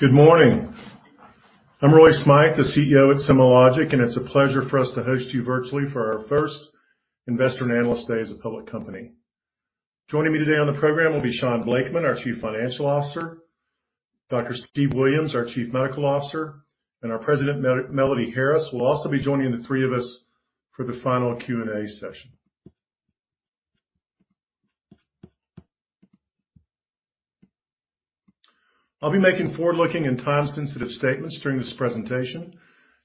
Good morning. I'm Roy Smythe, the CEO at SomaLogic, and it's a pleasure for us to host you virtually for our first Investor and Analyst Day as a public company. Joining me today on the program will be Shaun Blakeman, our Chief Financial Officer, Dr. Steve Williams, our Chief Medical Officer, and our President, Melody Harris, will also be joining the three of us for the final Q&A session. I'll be making forward-looking and time-sensitive statements during this presentation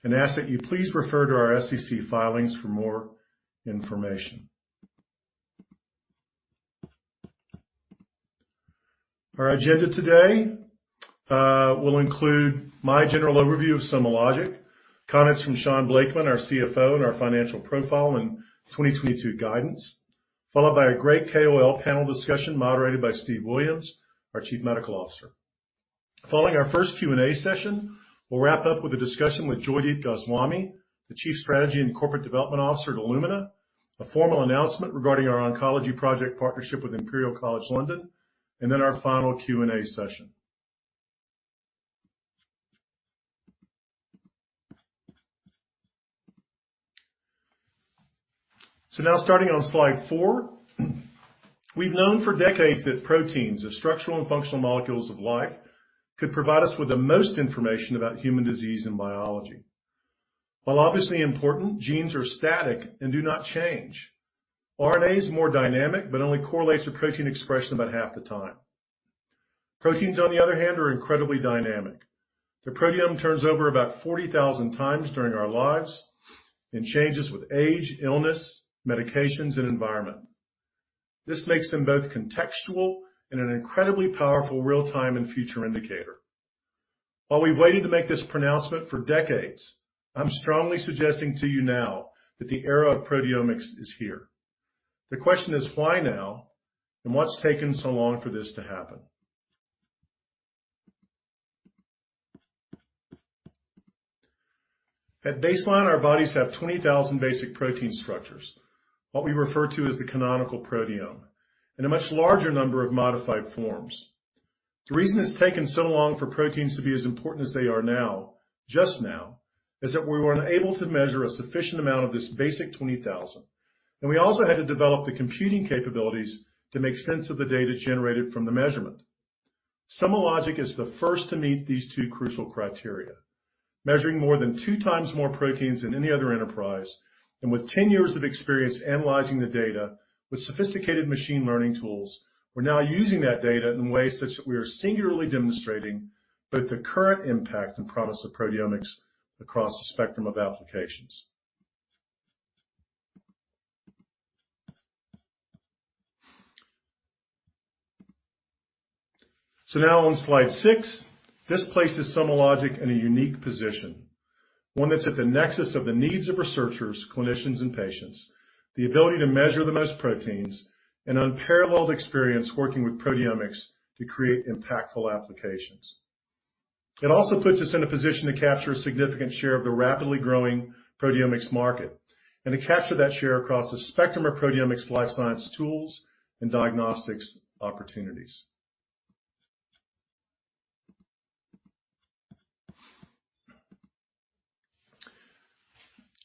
and ask that you please refer to our SEC filings for more information. Our agenda today will include my general overview of SomaLogic, comments from Shaun Blakeman, our CFO, and our financial profile in 2022 guidance, followed by a great KOL panel discussion moderated by Steve Williams, our Chief Medical Officer. Following our first Q&A session, we'll wrap up with a discussion with Joydeep Goswami, the Chief Strategy and Corporate Development Officer at Illumina, a formal announcement regarding our oncology project partnership with Imperial College London, and then our final Q&A session. Now starting on slide four. We've known for decades that proteins, the structural and functional molecules of life, could provide us with the most information about human disease and biology. While obviously important, genes are static and do not change. RNA is more dynamic, but only correlates with protein expression about half the time. Proteins, on the other hand, are incredibly dynamic. The proteome turns over about 40,000 times during our lives and changes with age, illness, medications, and environment. This makes them both contextual and an incredibly powerful real-time and future indicator. While we've waited to make this pronouncement for decades, I'm strongly suggesting to you now that the era of proteomics is here. The question is, why now, and what's taken so long for this to happen? At baseline, our bodies have 20,000 basic protein structures, what we refer to as the canonical proteome, and a much larger number of modified forms. The reason it's taken so long for proteins to be as important as they are now, just now, is that we were unable to measure a sufficient amount of this basic 20,000, and we also had to develop the computing capabilities to make sense of the data generated from the measurement. SomaLogic is the first to meet these two crucial criteria. Measuring more than 2x more proteins than any other enterprise, and with 10 years of experience analyzing the data with sophisticated machine learning tools, we're now using that data in ways such that we are singularly demonstrating both the current impact and promise of proteomics across the spectrum of applications. Now on slide six, this places SomaLogic in a unique position, one that's at the nexus of the needs of researchers, clinicians, and patients, the ability to measure the most proteins, and unparalleled experience working with proteomics to create impactful applications. It also puts us in a position to capture a significant share of the rapidly growing proteomics market and to capture that share across the spectrum of proteomics life science tools and diagnostics opportunities.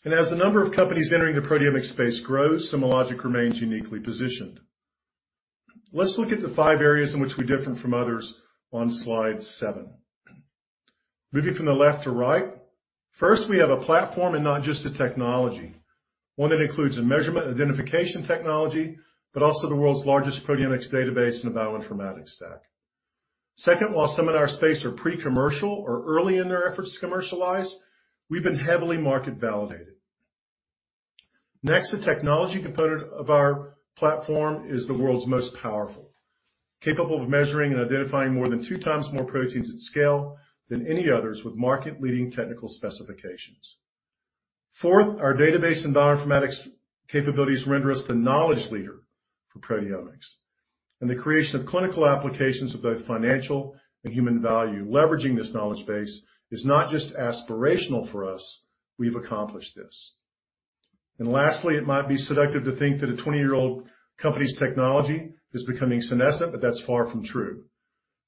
As the number of companies entering the proteomics space grows, SomaLogic remains uniquely positioned. Let's look at the five areas in which we're different from others on slide seven. Moving from the left to right, first, we have a platform and not just a technology, one that includes a measurement identification technology, but also the world's largest proteomics database and a bioinformatics stack. Second, while some in our space are pre-commercial or early in their efforts to commercialize, we've been heavily market-validated. Next, the technology component of our platform is the world's most powerful, capable of measuring and identifying more than 2x more proteins at scale than any others with market-leading technical specifications. Fourth, our database and bioinformatics capabilities render us the knowledge leader for proteomics and the creation of clinical applications with both financial and human value. Leveraging this knowledge base is not just aspirational for us, we've accomplished this. Lastly, it might be seductive to think that a 20-year-old company's technology is becoming senescent, but that's far from true.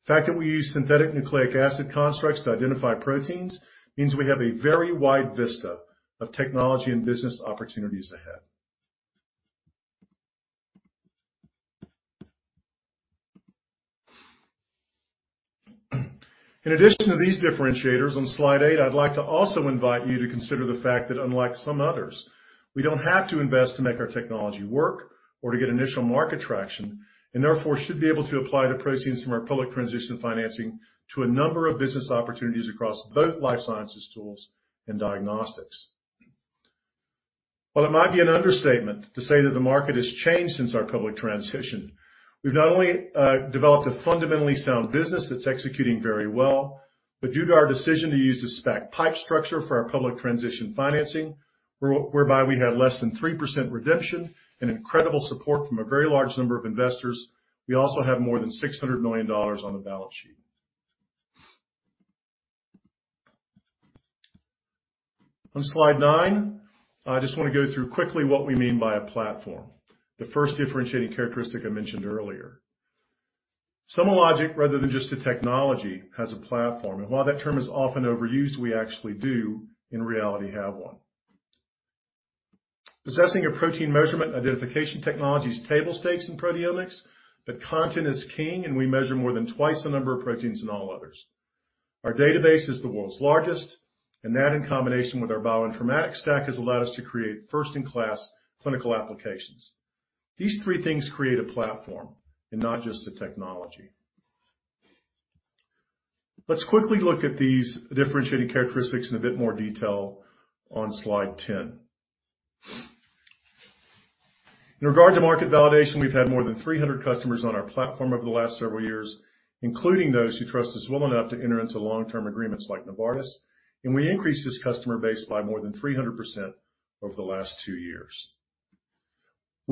The fact that we use synthetic nucleic acid constructs to identify proteins means we have a very wide vista of technology and business opportunities ahead. In addition to these differentiators on slide eight, I'd like to also invite you to consider the fact that unlike some others, we don't have to invest to make our technology work or to get initial market traction, and therefore, should be able to apply the proceeds from our public transition financing to a number of business opportunities across both life sciences tools and diagnostics. While it might be an understatement to say that the market has changed since our public transition, we've not only developed a fundamentally sound business that's executing very well, but due to our decision to use the SPAC pipe structure for our public transition financing, whereby we had less than 3% redemption and incredible support from a very large number of investors, we also have more than $600 million on the balance sheet. On slide nine, I just want to go through quickly what we mean by a platform, the first differentiating characteristic I mentioned earlier. SomaLogic, rather than just a technology, has a platform. While that term is often overused, we actually do, in reality, have one. Possessing a protein measurement identification technology is table stakes in proteomics, but content is king, and we measure more than twice the number of proteins than all others. Our database is the world's largest, and that in combination with our bioinformatics stack, has allowed us to create first-in-class clinical applications. These three things create a platform and not just a technology. Let's quickly look at these differentiating characteristics in a bit more detail on slide 10. In regard to market validation, we've had more than 300 customers on our platform over the last several years, including those who trust us well enough to enter into long-term agreements like Novartis, and we increased this customer base by more than 300% over the last two years.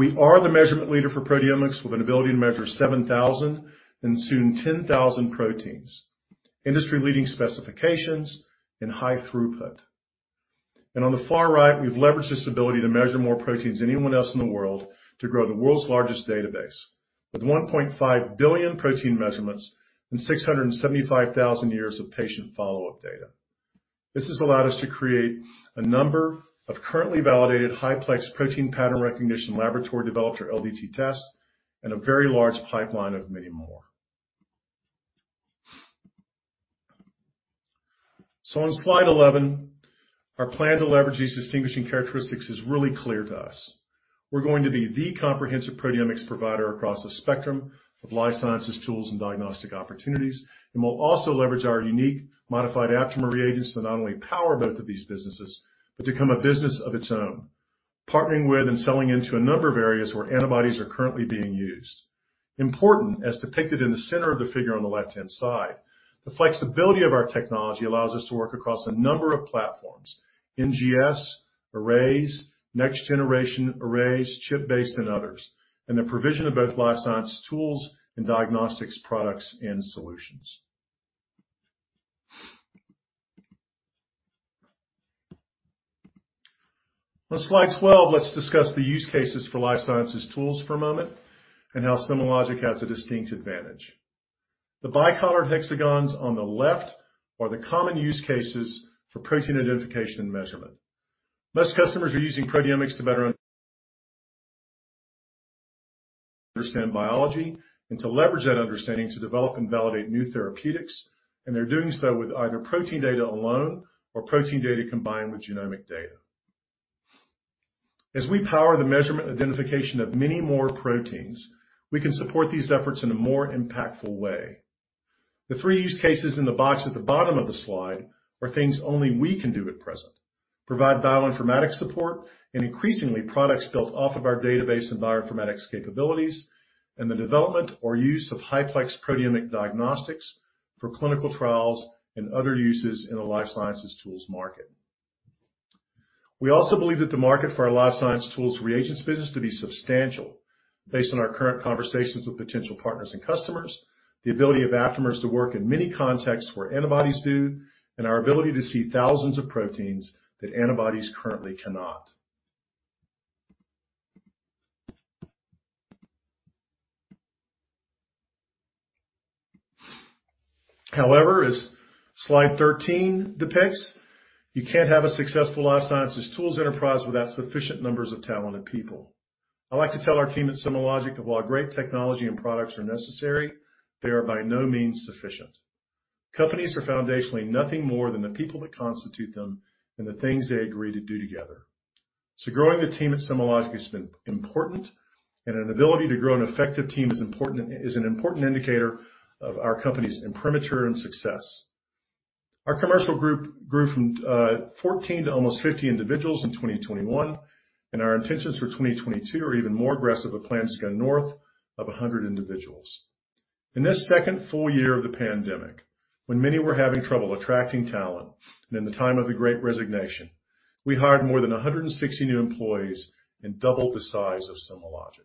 We are the measurement leader for proteomics with an ability to measure 7,000 and soon 10,000 proteins, industry-leading specifications and high throughput. On the far right, we've leveraged this ability to measure more proteins than anyone else in the world to grow the world's largest database with 1.5 billion protein measurements and 675,000 years of patient follow-up data. This has allowed us to create a number of currently validated high-plex protein pattern recognition laboratory developed tests or LDTs, and a very large pipeline of many more. On slide 11, our plan to leverage these distinguishing characteristics is really clear to us. We're going to be the comprehensive proteomics provider across the spectrum of life sciences tools and diagnostic opportunities, and we'll also leverage our unique modified aptamer reagents to not only power both of these businesses, but become a business of its own, partnering with and selling into a number of areas where antibodies are currently being used. Importantly, as depicted in the center of the figure on the left-hand side, the flexibility of our technology allows us to work across a number of platforms, NGS, arrays, next-generation arrays, chip-based and others, and the provision of both life science tools and diagnostics products and solutions. On slide twelve, let's discuss the use cases for life sciences tools for a moment and how SomaLogic has a distinct advantage. The bicolor hexagons on the left are the common use cases for protein identification and measurement. Most customers are using proteomics to better understand biology and to leverage that understanding to develop and validate new therapeutics, and they're doing so with either protein data alone or protein data combined with genomic data. As we power the measurement identification of many more proteins, we can support these efforts in a more impactful way. The three use cases in the box at the bottom of the slide are things only we can do at present, provide bioinformatics support and increasingly products built off of our database and bioinformatics capabilities, and the development or use of high-plex proteomic diagnostics for clinical trials and other uses in the life sciences tools market. We also believe that the market for our life sciences tools reagents business to be substantial based on our current conversations with potential partners and customers, the ability of aptamers to work in many contexts where antibodies do, and our ability to see thousands of proteins that antibodies currently cannot. However, as slide 13 depicts, you can't have a successful life sciences tools enterprise without sufficient numbers of talented people. I like to tell our team at SomaLogic that while great technology and products are necessary, they are by no means sufficient. Companies are foundationally nothing more than the people that constitute them and the things they agree to do together. Growing the team at SomaLogic has been important, and an ability to grow an effective team is an important indicator of our company's imprimatur and success. Our commercial group grew from 14 to almost 50 individuals in 2021, and our intentions for 2022 are even more aggressive, with plans to go north of 100 individuals. In this second full year of the pandemic, when many were having trouble attracting talent and in the time of the Great Resignation, we hired more than 160 new employees and doubled the size of SomaLogic.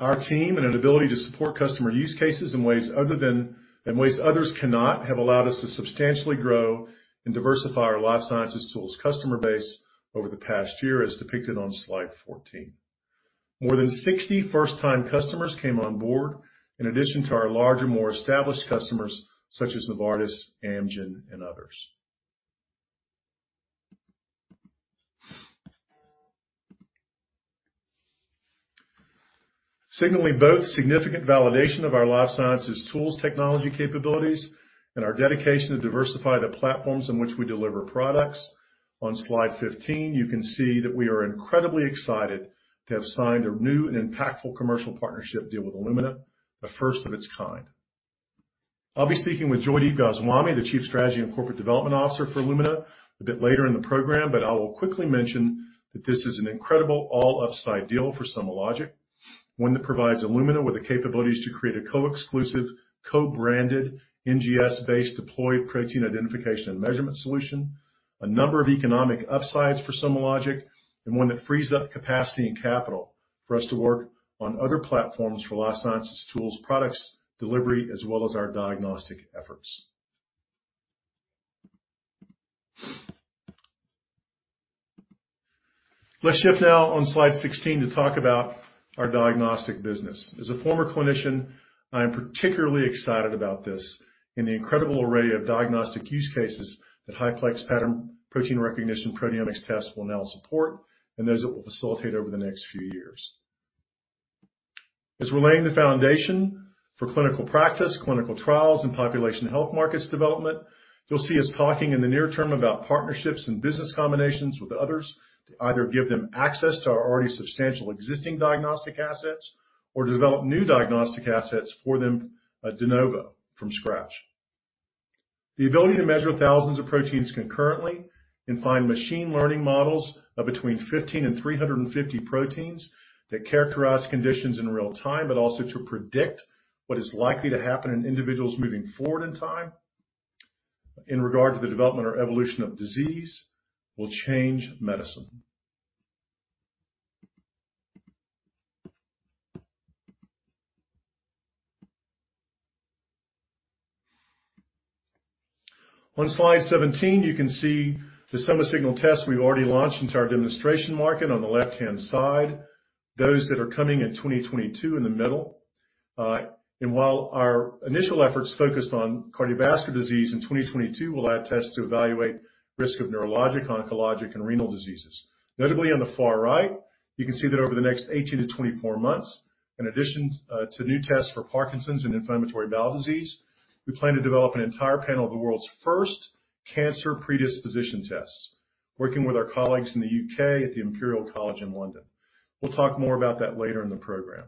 Our team and an ability to support customer use cases in ways others cannot have allowed us to substantially grow and diversify our life sciences tools customer base over the past year, as depicted on slide 14. More than 60 first-time customers came on board in addition to our larger, more established customers such as Novartis, Amgen, and others. Signaling both significant validation of our life sciences tools technology capabilities and our dedication to diversify the platforms in which we deliver products, on slide 15, you can see that we are incredibly excited to have signed a new and impactful commercial partnership deal with Illumina, the first of its kind. I'll be speaking with Joydeep Goswami, the Chief Strategy and Corporate Development Officer for Illumina, a bit later in the program, but I will quickly mention that this is an incredible all-upside deal for SomaLogic. One that provides Illumina with the capabilities to create a co-exclusive, co-branded, NGS-based deployed protein identification and measurement solution, a number of economic upsides for SomaLogic, and one that frees up capacity and capital for us to work on other platforms for life sciences tools, products, delivery, as well as our diagnostic efforts. Let's shift now on slide 16 to talk about our diagnostic business. As a former clinician, I am particularly excited about this in the incredible array of diagnostic use cases that high-plex pattern protein recognition proteomics tests will now support, and those that will facilitate over the next few years. As we're laying the foundation for clinical practice, clinical trials, and population health markets development, you'll see us talking in the near term about partnerships and business combinations with others to either give them access to our already substantial existing diagnostic assets or develop new diagnostic assets for them, de novo from scratch. The ability to measure thousands of proteins concurrently and find machine learning models of between 15 and 350 proteins that characterize conditions in real time, but also to predict what is likely to happen in individuals moving forward in time in regard to the development or evolution of disease will change medicine. On slide 17, you can see the SomaSignal tests we've already launched into our demonstration market on the left-hand side, those that are coming in 2022 in the middle. While our initial efforts focused on cardiovascular disease, in 2022 we'll add tests to evaluate risk of neurologic, oncologic, and renal diseases. Notably, on the far right, you can see that over the next 18-24 months, in addition, to new tests for Parkinson's and inflammatory bowel disease, we plan to develop an entire panel of the world's first cancer predisposition tests, working with our colleagues in the U.K. at the Imperial College London. We'll talk more about that later in the program.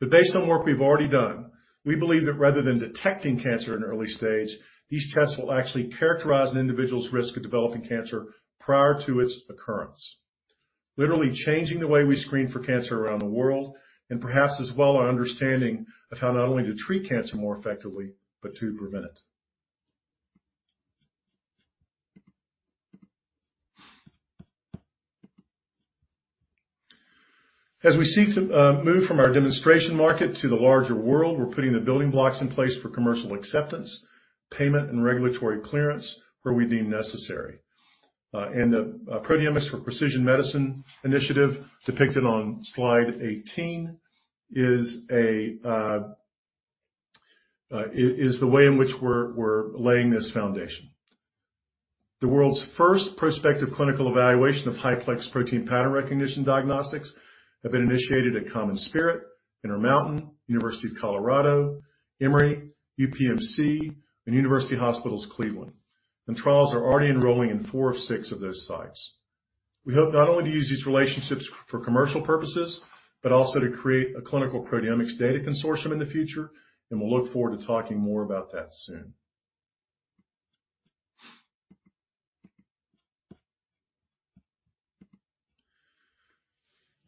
Based on work we've already done, we believe that rather than detecting cancer in early stage, these tests will actually characterize an individual's risk of developing cancer prior to its occurrence. Literally changing the way we screen for cancer around the world, and perhaps as well our understanding of how not only to treat cancer more effectively, but to prevent it. As we seek to move from our demonstration market to the larger world, we're putting the building blocks in place for commercial acceptance, payment, and regulatory clearance where we deem necessary. The Proteomics for Precision Medicine initiative depicted on slide 18 is the way in which we're laying this foundation. The world's first prospective clinical evaluation of high-plex protein pattern recognition diagnostics have been initiated at CommonSpirit, Intermountain, University of Colorado, Emory, UPMC, and University Hospitals Cleveland. Trials are already enrolling in four of six of those sites. We hope not only to use these relationships for commercial purposes, but also to create a clinical proteomics data consortium in the future, and we'll look forward to talking more about that soon.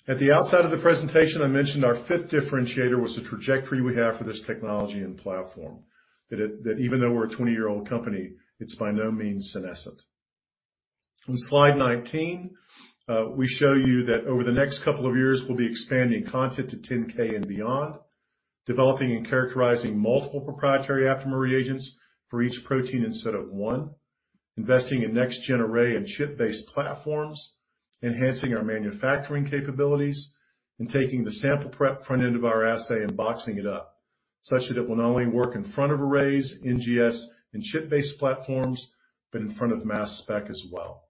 At the outset of the presentation, I mentioned our fifth differentiator was the trajectory we have for this technology and platform, even though we're a 20-year-old company, it's by no means senescent. On slide 19, we show you that over the next couple of years, we'll be expanding content to 10,000 and beyond, developing and characterizing multiple proprietary aptamer reagents for each protein instead of one, investing in next-gen array and chip-based platforms, enhancing our manufacturing capabilities, and taking the sample prep front end of our assay and boxing it up, such that it will not only work in front of arrays, NGS, and chip-based platforms, but in front of mass spec as well.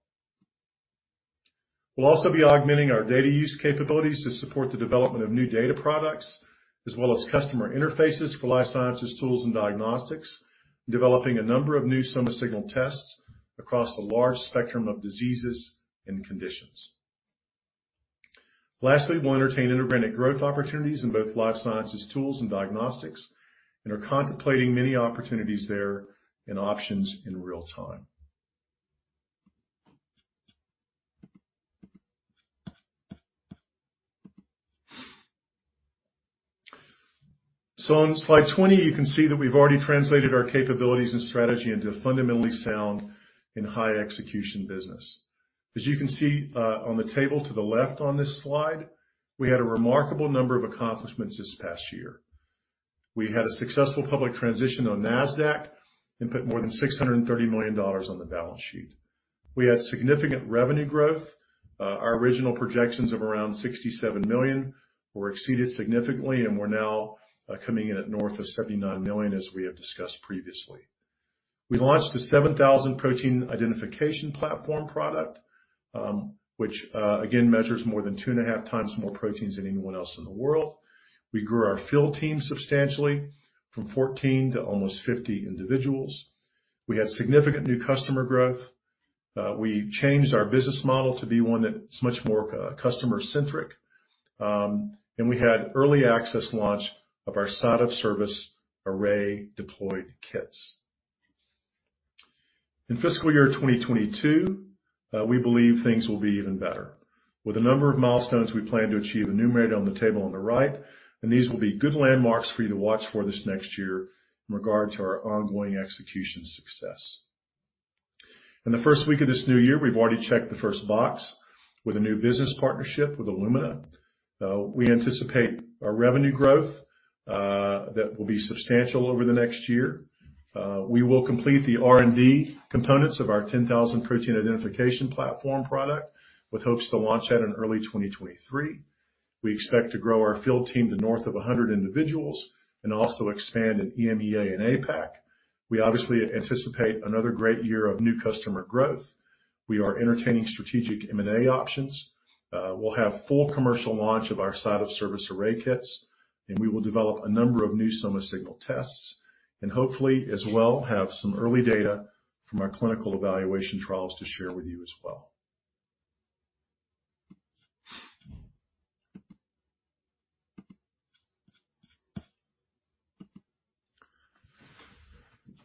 We'll also be augmenting our data use capabilities to support the development of new data products, as well as customer interfaces for life sciences tools and diagnostics, and developing a number of new SomaSignal tests across a large spectrum of diseases and conditions. Lastly, we'll entertain inorganic growth opportunities in both life sciences tools and diagnostics, and are contemplating many opportunities there and options in real time. On slide 20, you can see that we've already translated our capabilities and strategy into a fundamentally sound and high execution business. As you can see, on the table to the left on this slide, we had a remarkable number of accomplishments this past year. We had a successful public transition on Nasdaq and put more than $630 million on the balance sheet. We had significant revenue growth. Our original projections of around $67 million were exceeded significantly, and we're now coming in at north of $79 million, as we have discussed previously. We launched a 7,000-protein identification platform product, which, again, measures more than 2.5x more proteins than anyone else in the world. We grew our field team substantially from 14 to almost 50 individuals. We had significant new customer growth. We changed our business model to be one that is much more customer centric. We had early access launch of our site of service array deployed kits. In fiscal year 2022, we believe things will be even better. With a number of milestones, we plan to achieve a number of on the table on the right, and these will be good landmarks for you to watch for this next year in regard to our ongoing execution success. In the first week of this new year, we've already checked the first box. With a new business partnership with Illumina, we anticipate a revenue growth that will be substantial over the next year. We will complete the R&D components of our 10,000-protein identification platform product, with hopes to launch that in early 2023. We expect to grow our field team to north of 100 individuals and also expand in EMEA and APAC. We obviously anticipate another great year of new customer growth. We are entertaining strategic M&A options. We'll have full commercial launch of our suite of service array kits, and we will develop a number of new SomaSignal tests. Hopefully as well, have some early data from our clinical evaluation trials to share with you as well.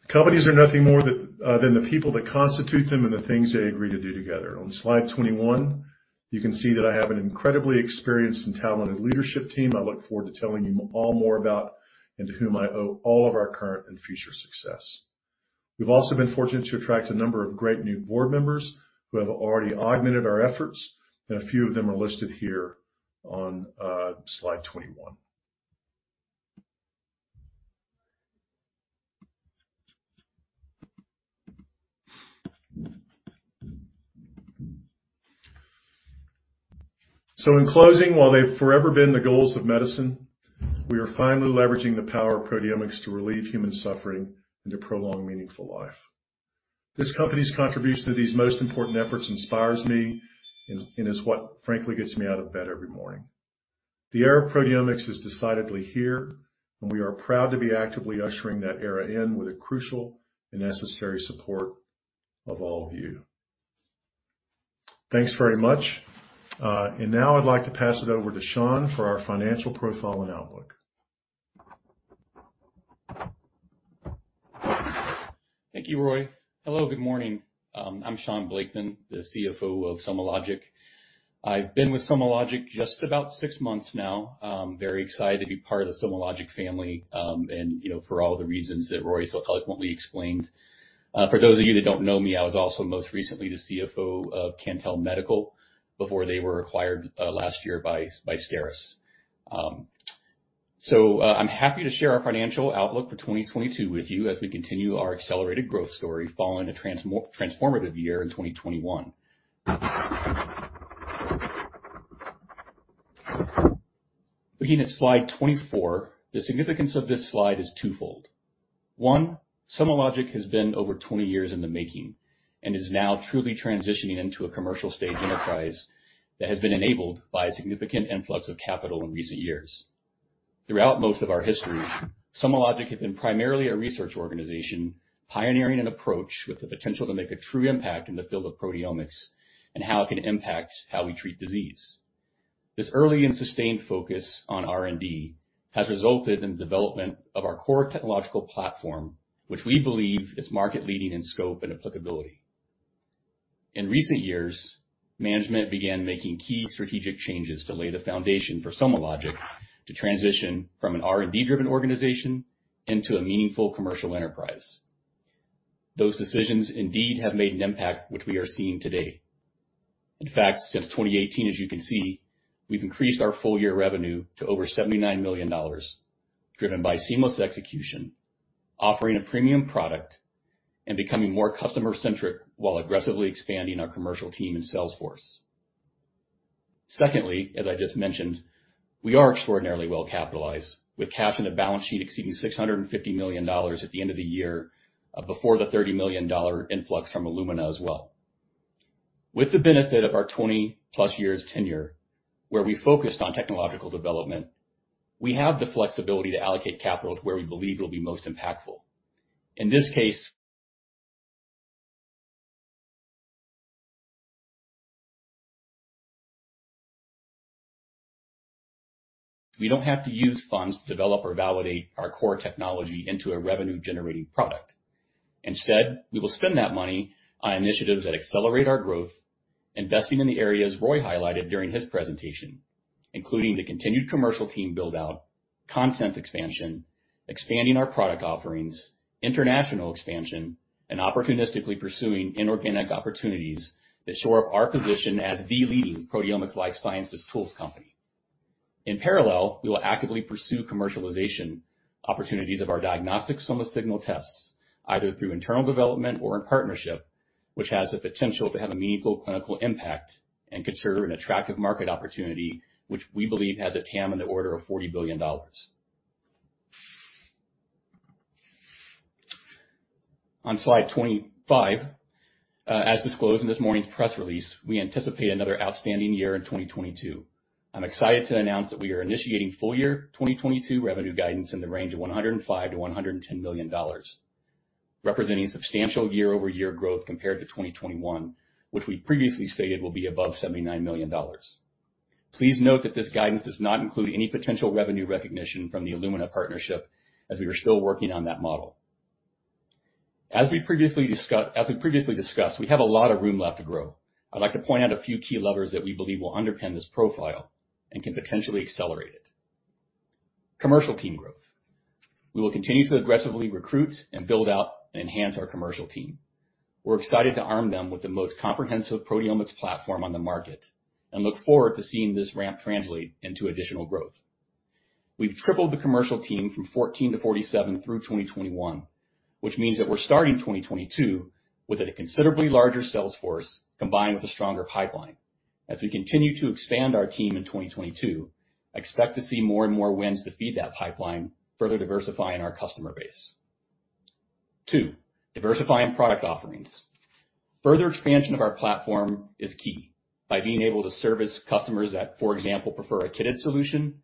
Companies are nothing more than the people that constitute them and the things they agree to do together. On slide 21, you can see that I have an incredibly experienced and talented leadership team I look forward to telling you all more about, and to whom I owe all of our current and future success. We've also been fortunate to attract a number of great new board members who have already augmented our efforts, and a few of them are listed here on slide 21. In closing, while they've forever been the goals of medicine, we are finally leveraging the power of proteomics to relieve human suffering and to prolong meaningful life. This company's contribution to these most important efforts inspires me and is what frankly gets me out of bed every morning. The era of proteomics is decidedly here, and we are proud to be actively ushering that era in with the crucial and necessary support of all of you. Thanks very much. Now I'd like to pass it over to Shaun for our financial profile and outlook. Thank you, Roy. Hello, good morning. I'm Shaun Blakeman, the CFO of SomaLogic. I've been with SomaLogic just about six months now. I'm very excited to be part of the SomaLogic family, and, you know, for all the reasons that Roy so eloquently explained. For those of you that don't know me, I was also most recently the CFO of Cantel Medical before they were acquired last year by STERIS. I'm happy to share our financial outlook for 2022 with you as we continue our accelerated growth story following a transformative year in 2021. Looking at slide 24, the significance of this slide is twofold. One, SomaLogic has been over 20 years in the making, and is now truly transitioning into a commercial stage enterprise that has been enabled by a significant influx of capital in recent years. Throughout most of our history, SomaLogic has been primarily a research organization, pioneering an approach with the potential to make a true impact in the field of proteomics and how it can impact how we treat disease. This early and sustained focus on R&D has resulted in the development of our core technological platform, which we believe is market leading in scope and applicability. In recent years, management began making key strategic changes to lay the foundation for SomaLogic to transition from an R&D driven organization into a meaningful commercial enterprise. Those decisions indeed have made an impact which we are seeing today. In fact, since 2018, as you can see, we've increased our full-year revenue to over $79 million, driven by seamless execution, offering a premium product and becoming more customer centric while aggressively expanding our commercial team and sales force. Secondly, as I just mentioned, we are extraordinarily well capitalized with cash on the balance sheet exceeding $650 million at the end of the year, before the $30 million influx from Illumina as well. With the benefit of our 20+ years tenure, where we focused on technological development, we have the flexibility to allocate capital to where we believe it'll be most impactful. In this case, we don't have to use funds to develop or validate our core technology into a revenue generating product. Instead, we will spend that money on initiatives that accelerate our growth, investing in the areas Roy highlighted during his presentation, including the continued commercial team build-out, content expansion, expanding our product offerings, international expansion, and opportunistically pursuing inorganic opportunities that shore up our position as the leading proteomics life sciences tools company. In parallel, we will actively pursue commercialization opportunities of our diagnostic SomaSignal tests, either through internal development or in partnership, which has the potential to have a meaningful clinical impact and consider an attractive market opportunity which we believe has a TAM in the order of $40 billion. On slide 25, as disclosed in this morning's press release, we anticipate another outstanding year in 2022. I'm excited to announce that we are initiating full year 2022 revenue guidance in the range of $105 million-$110 million, representing substantial year-over-year growth compared to 2021, which we previously stated will be above $79 million. Please note that this guidance does not include any potential revenue recognition from the Illumina partnership as we are still working on that model. As we previously discussed, we have a lot of room left to grow. I'd like to point out a few key levers that we believe will underpin this profile and can potentially accelerate it. Commercial team growth. We will continue to aggressively recruit and build out and enhance our commercial team. We're excited to arm them with the most comprehensive proteomics platform on the market, and look forward to seeing this ramp translate into additional growth. We've tripled the commercial team from 14 to 47 through 2021, which means that we're starting 2022 with a considerably larger sales force combined with a stronger pipeline. As we continue to expand our team in 2022, expect to see more and more wins to feed that pipeline, further diversifying our customer base. Two, diversifying product offerings. Further expansion of our platform is key by being able to service customers that, for example, prefer a kitted solution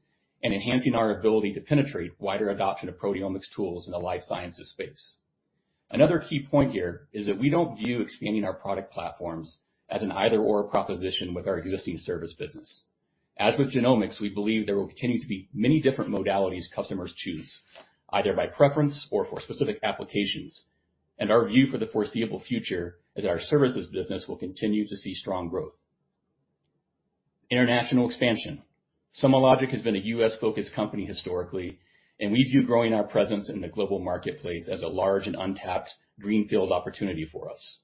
and enhancing our ability to penetrate wider adoption of proteomics tools in the life sciences space. Another key point here is that we don't view expanding our product platforms as an either/or proposition with our existing service business. As with genomics, we believe there will continue to be many different modalities customers choose, either by preference or for specific applications. Our view for the foreseeable future is our services business will continue to see strong growth. International expansion. SomaLogic has been a U.S.-focused company historically, and we view growing our presence in the global marketplace as a large and untapped greenfield opportunity for us.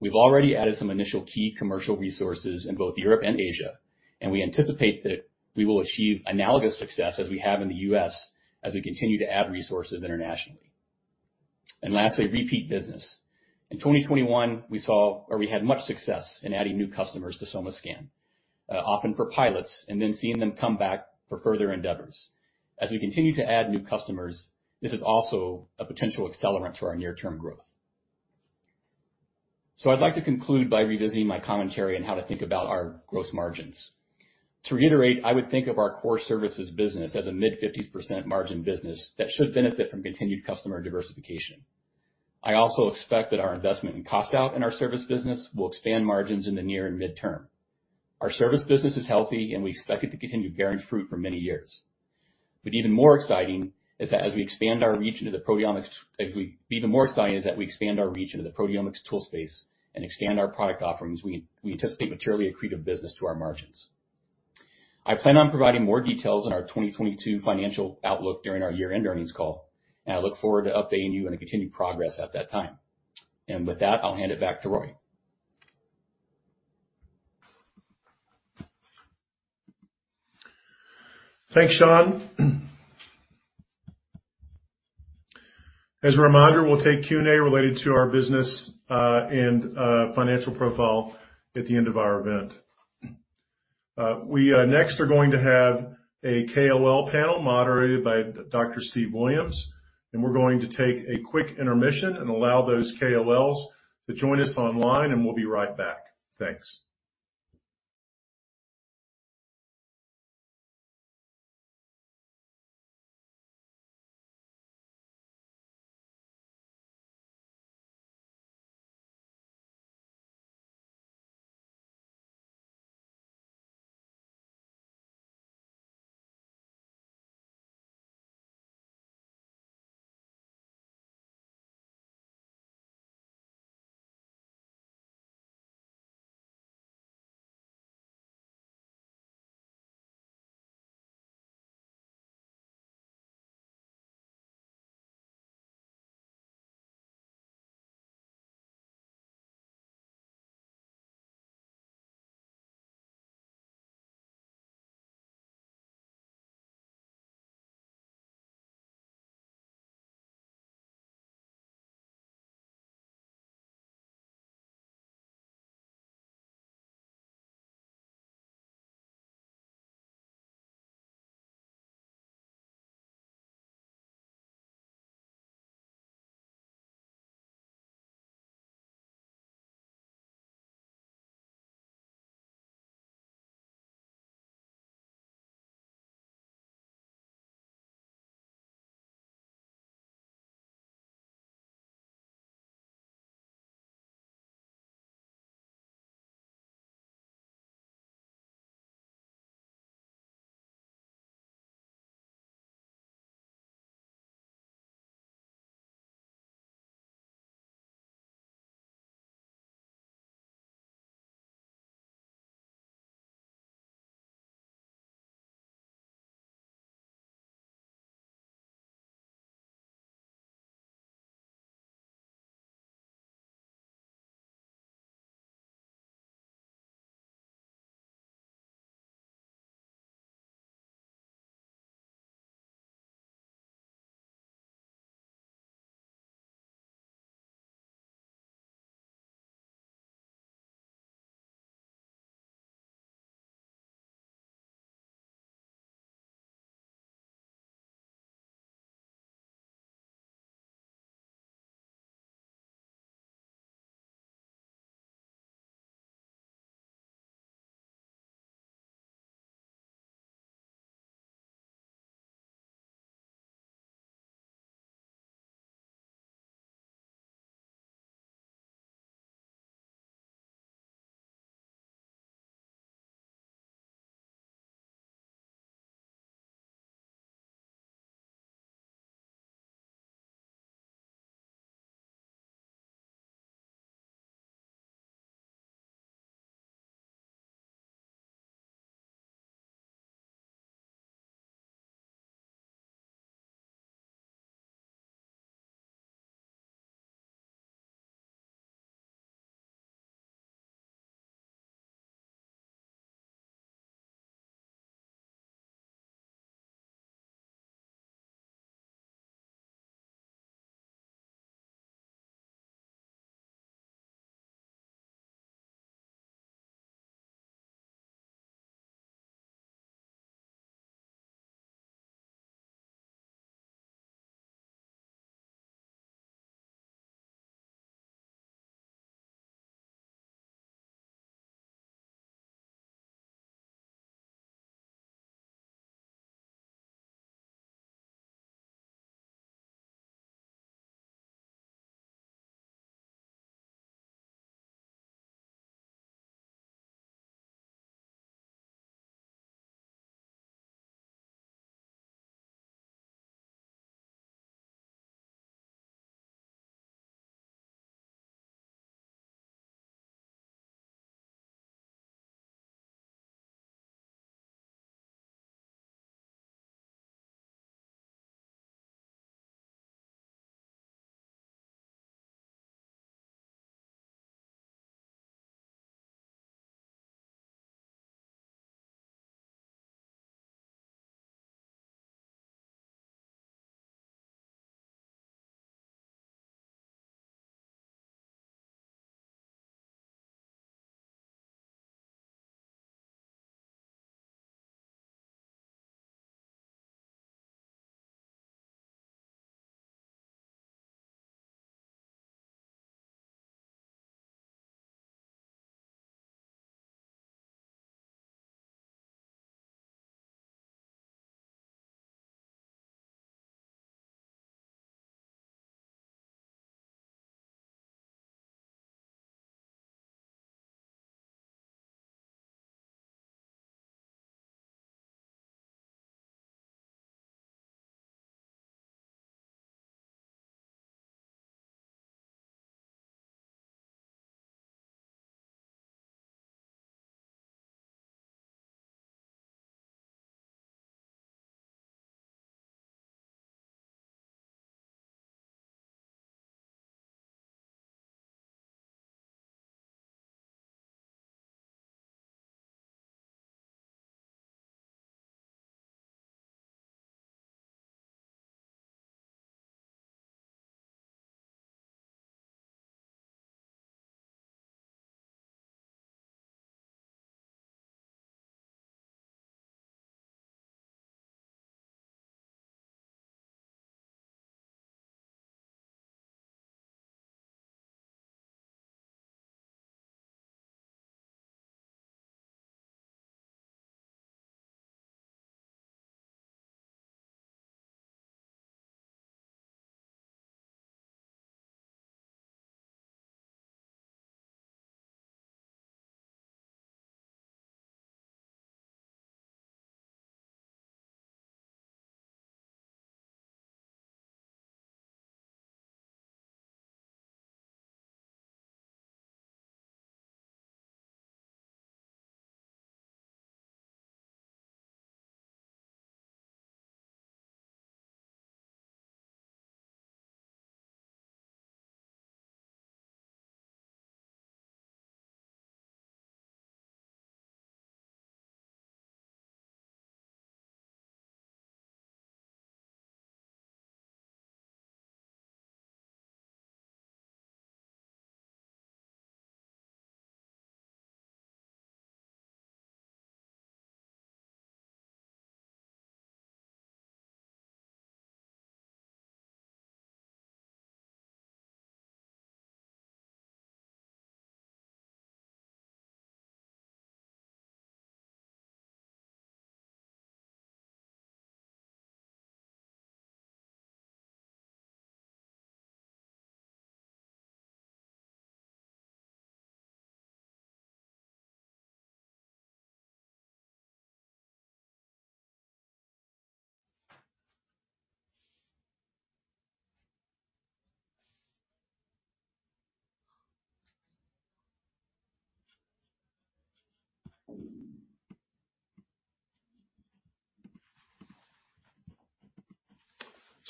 We've already added some initial key commercial resources in both Europe and Asia, and we anticipate that we will achieve analogous success as we have in the U.S. as we continue to add resources internationally. Lastly, repeat business. In 2021, we saw or we had much success in adding new customers to SomaScan, often for pilots and then seeing them come back for further endeavors. As we continue to add new customers, this is also a potential accelerant to our near-term growth. I'd like to conclude by revisiting my commentary on how to think about our gross margins. To reiterate, I would think of our core services business as a mid-50% margin business that should benefit from continued customer diversification. I also expect that our investment in cost out in our service business will expand margins in the near and mid-term. Our service business is healthy, and we expect it to continue bearing fruit for many years. But even more exciting is that as we expand our reach into the proteomics tool space and expand our product offerings, we anticipate materially accretive business to our margins. I plan on providing more details on our 2022 financial outlook during our year-end earnings call, and I look forward to updating you on the continued progress at that time. With that, I'll hand it back to Roy. Thanks, Shaun. As a reminder, we'll take Q&A related to our business and financial profile at the end of our event. We next are going to have a KOL panel moderated by Dr. Steve Williams, and we're going to take a quick intermission and allow those KOLs to join us online, and we'll be right back. Thanks.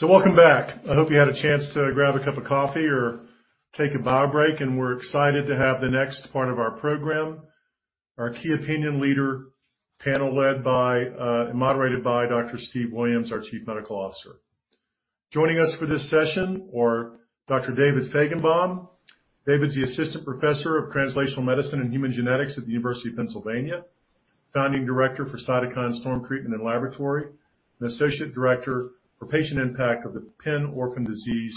Welcome back. I hope you had a chance to grab a cup of coffee or take a bio break, and we're excited to have the next part of our program, our key opinion leader panel, moderated by Dr. Steve Williams, our Chief Medical Officer. Joining us for this session are Dr. David Fajgenbaum. David Fajgenbaum is the Assistant Professor of Translational Medicine and Human Genetics at the University of Pennsylvania, Founding Director of the Center for Cytokine Storm Treatment & Laboratory, and Associate Director for Patient Impact of the Penn Orphan Disease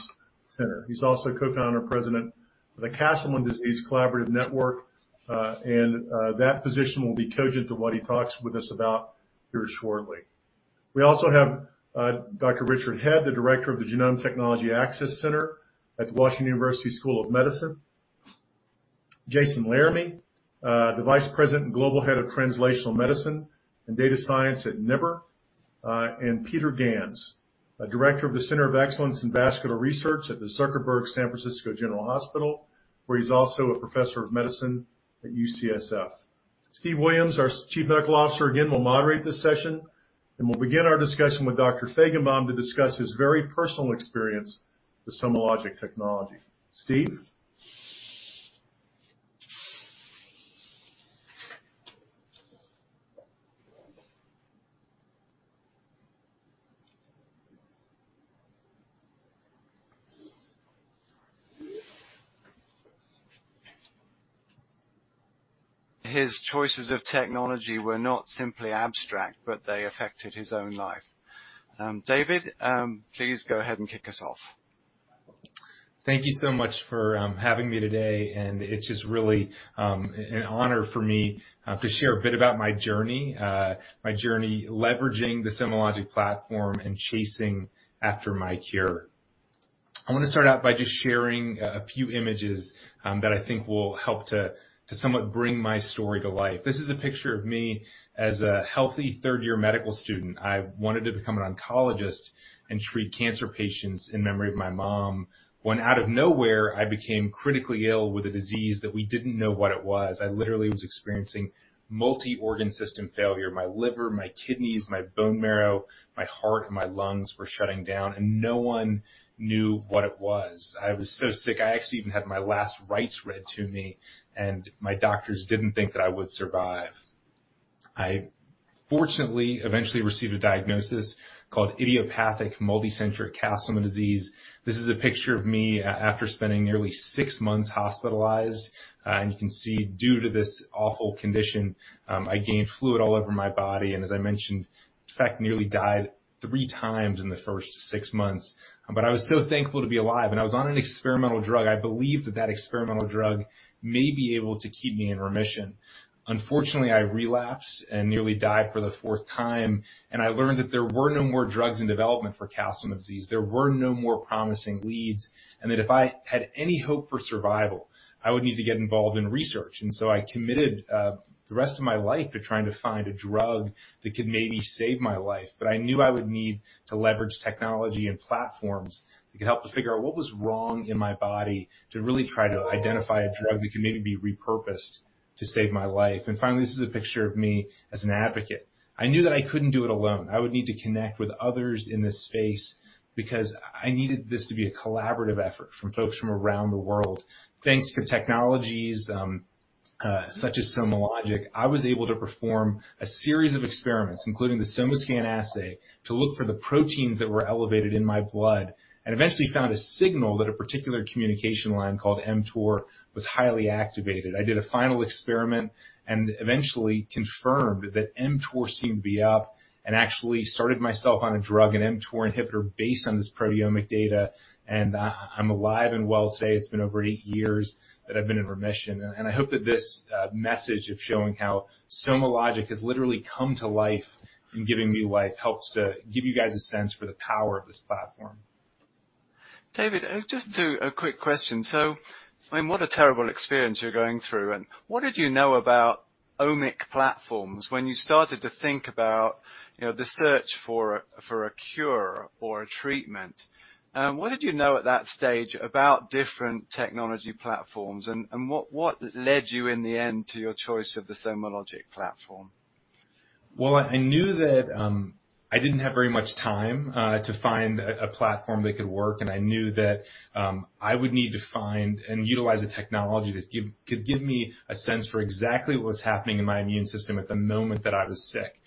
Center. He's also Co-founder, President of the Castleman Disease Collaborative Network, that position will be cogent to what he talks with us about here shortly. We also have Dr. Richard Head, the Director of the Genome Technology Access Center at Washington University School of Medicine. Jason Laramie, the Vice President and Global Head of Translational Medicine and Data Science at NIBR. Peter Ganz, a Director of the Center of Excellence in Vascular Research at the Zuckerberg San Francisco General Hospital, where he's also a Professor of Medicine at UCSF. Steve Williams, our Chief Medical Officer, again, will moderate this session, and we'll begin our discussion with Dr. Fajgenbaum to discuss his very personal experience with SomaLogic technology. Steve? [inaudible] his choices of technology were not simply abstract, but they affected his own life. David, please go ahead and kick us off. Thank you so much for having me today, and it's just really an honor for me to share a bit about my journey leveraging the SomaLogic platform and chasing after my cure. I wanna start out by just sharing a few images that I think will help to somewhat bring my story to life. This is a picture of me as a healthy third-year medical student. I wanted to become an oncologist and treat cancer patients in memory of my mom, when out of nowhere, I became critically ill with a disease that we didn't know what it was. I literally was experiencing multi-organ system failure. My liver, my kidneys, my bone marrow, my heart, and my lungs were shutting down and no one knew what it was. I was so sick, I actually even had my last rites read to me, and my doctors didn't think that I would survive. I fortunately eventually received a diagnosis called idiopathic multicentric Castleman disease. This is a picture of me after spending nearly six months hospitalized. You can see due to this awful condition, I gained fluid all over my body, and as I mentioned, in fact, nearly died three times in the first six months. I was so thankful to be alive, and I was on an experimental drug. I believed that that experimental drug may be able to keep me in remission. Unfortunately, I relapsed and nearly died for the fourth time, and I learned that there were no more drugs in development for Castleman disease. There were no more promising leads, and that if I had any hope for survival, I would need to get involved in research. I committed the rest of my life to trying to find a drug that could maybe save my life. I knew I would need to leverage technology and platforms that could help to figure out what was wrong in my body, to really try to identify a drug that could maybe be repurposed to save my life. Finally, this is a picture of me as an advocate. I knew that I couldn't do it alone. I would need to connect with others in this space because I needed this to be a collaborative effort from folks from around the world. Thanks to technologies such as SomaLogic, I was able to perform a series of experiments, including the SomaScan assay, to look for the proteins that were elevated in my blood, and eventually found a signal that a particular communication line called mTOR was highly activated. I did a final experiment and eventually confirmed that mTOR seemed to be up, and actually started myself on a drug, an mTOR inhibitor, based on this proteomic data, and I'm alive and well today. It's been over eight years that I've been in remission. I hope that this message of showing how SomaLogic has literally come to life in giving me life helps to give you guys a sense for the power of this platform. David, a quick question. I mean, what a terrible experience you're going through. What did you know about omics platforms when you started to think about, you know, the search for a cure or a treatment? What did you know at that stage about different technology platforms and what led you in the end to your choice of the SomaLogic platform? Well, I knew that I didn't have very much time to find a platform that could work, and I knew that I would need to find and utilize a technology that could give me a sense for exactly what was happening in my immune system at the moment that I was sick.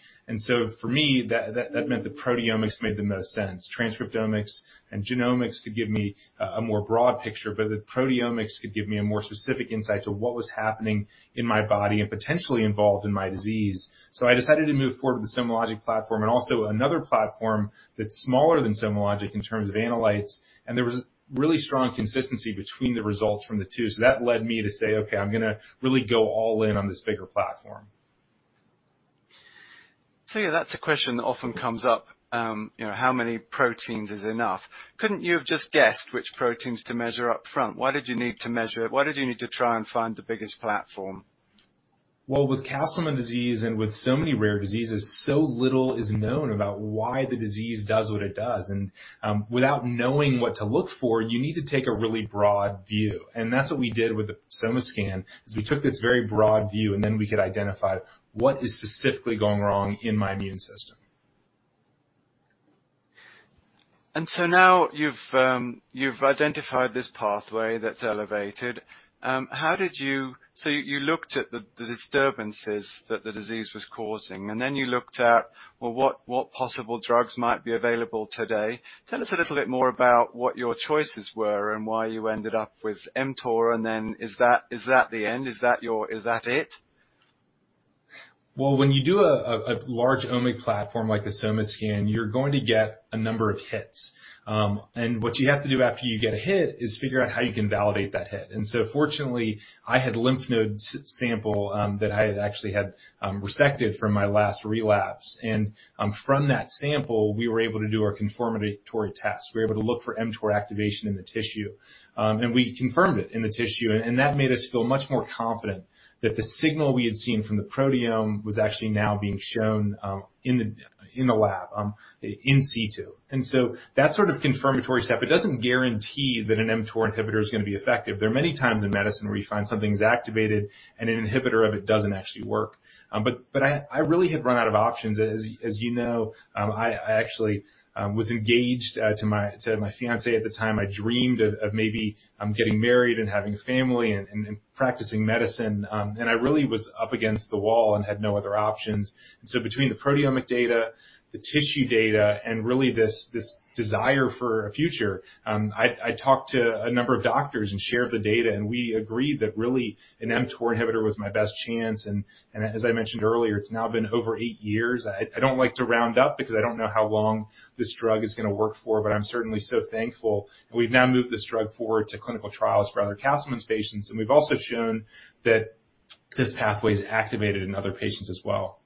For me, that meant that proteomics made the most sense. Transcriptomics and genomics could give me a more broad picture, but proteomics could give me a more specific insight to what was happening in my body and potentially involved in my disease. I decided to move forward with the SomaLogic platform and also another platform that's smaller than SomaLogic in terms of analytes, and there was really strong consistency between the results from the two. That led me to say, "Okay, I'm gonna really go all in on this bigger platform." Yeah, that's a question that often comes up. You know, how many proteins is enough? Couldn't you have just guessed which proteins to measure up front? Why did you need to measure it? Why did you need to try and find the biggest platform? Well, with Castleman disease and with so many rare diseases, so little is known about why the disease does what it does. Without knowing what to look for, you need to take a really broad view. That's what we did with the SomaScan, is we took this very broad view, and then we could identify what is specifically going wrong in my immune system. Now you've identified this pathway that's elevated. You looked at the disturbances that the disease was causing, and then you looked at well, what possible drugs might be available today. Tell us a little bit more about what your choices were and why you ended up with mTOR, and then is that the end? Is that your—is that it? Well, when you do a large omics platform like the SomaScan, you're going to get a number of hits. What you have to do after you get a hit is figure out how you can validate that hit. Fortunately, I had a lymph node sample that I had actually had resected from my last relapse. From that sample, we were able to do our confirmatory test. We were able to look for mTOR activation in the tissue, and we confirmed it in the tissue, and that made us feel much more confident that the signal we had seen from the proteome was actually now being shown in the tissue in situ. That sort of confirmatory step doesn't guarantee that an mTOR inhibitor is gonna be effective. There are many times in medicine where you find something's activated and an inhibitor of it doesn't actually work. I really had run out of options. As you know, I actually was engaged to my fiancée at the time. I dreamed of maybe getting married and having a family and practicing medicine. I really was up against the wall and had no other options. Between the proteomic data, the tissue data, and really this desire for a future, I talked to a number of doctors and shared the data, and we agreed that really an mTOR inhibitor was my best chance. As I mentioned earlier, it's now been over eight years. I don't like to round up because I don't know how long this drug is gonna work for, but I'm certainly so thankful. We've now moved this drug forward to clinical trials for other Castleman’s patients, and we've also shown that this pathway is activated in other patients as well.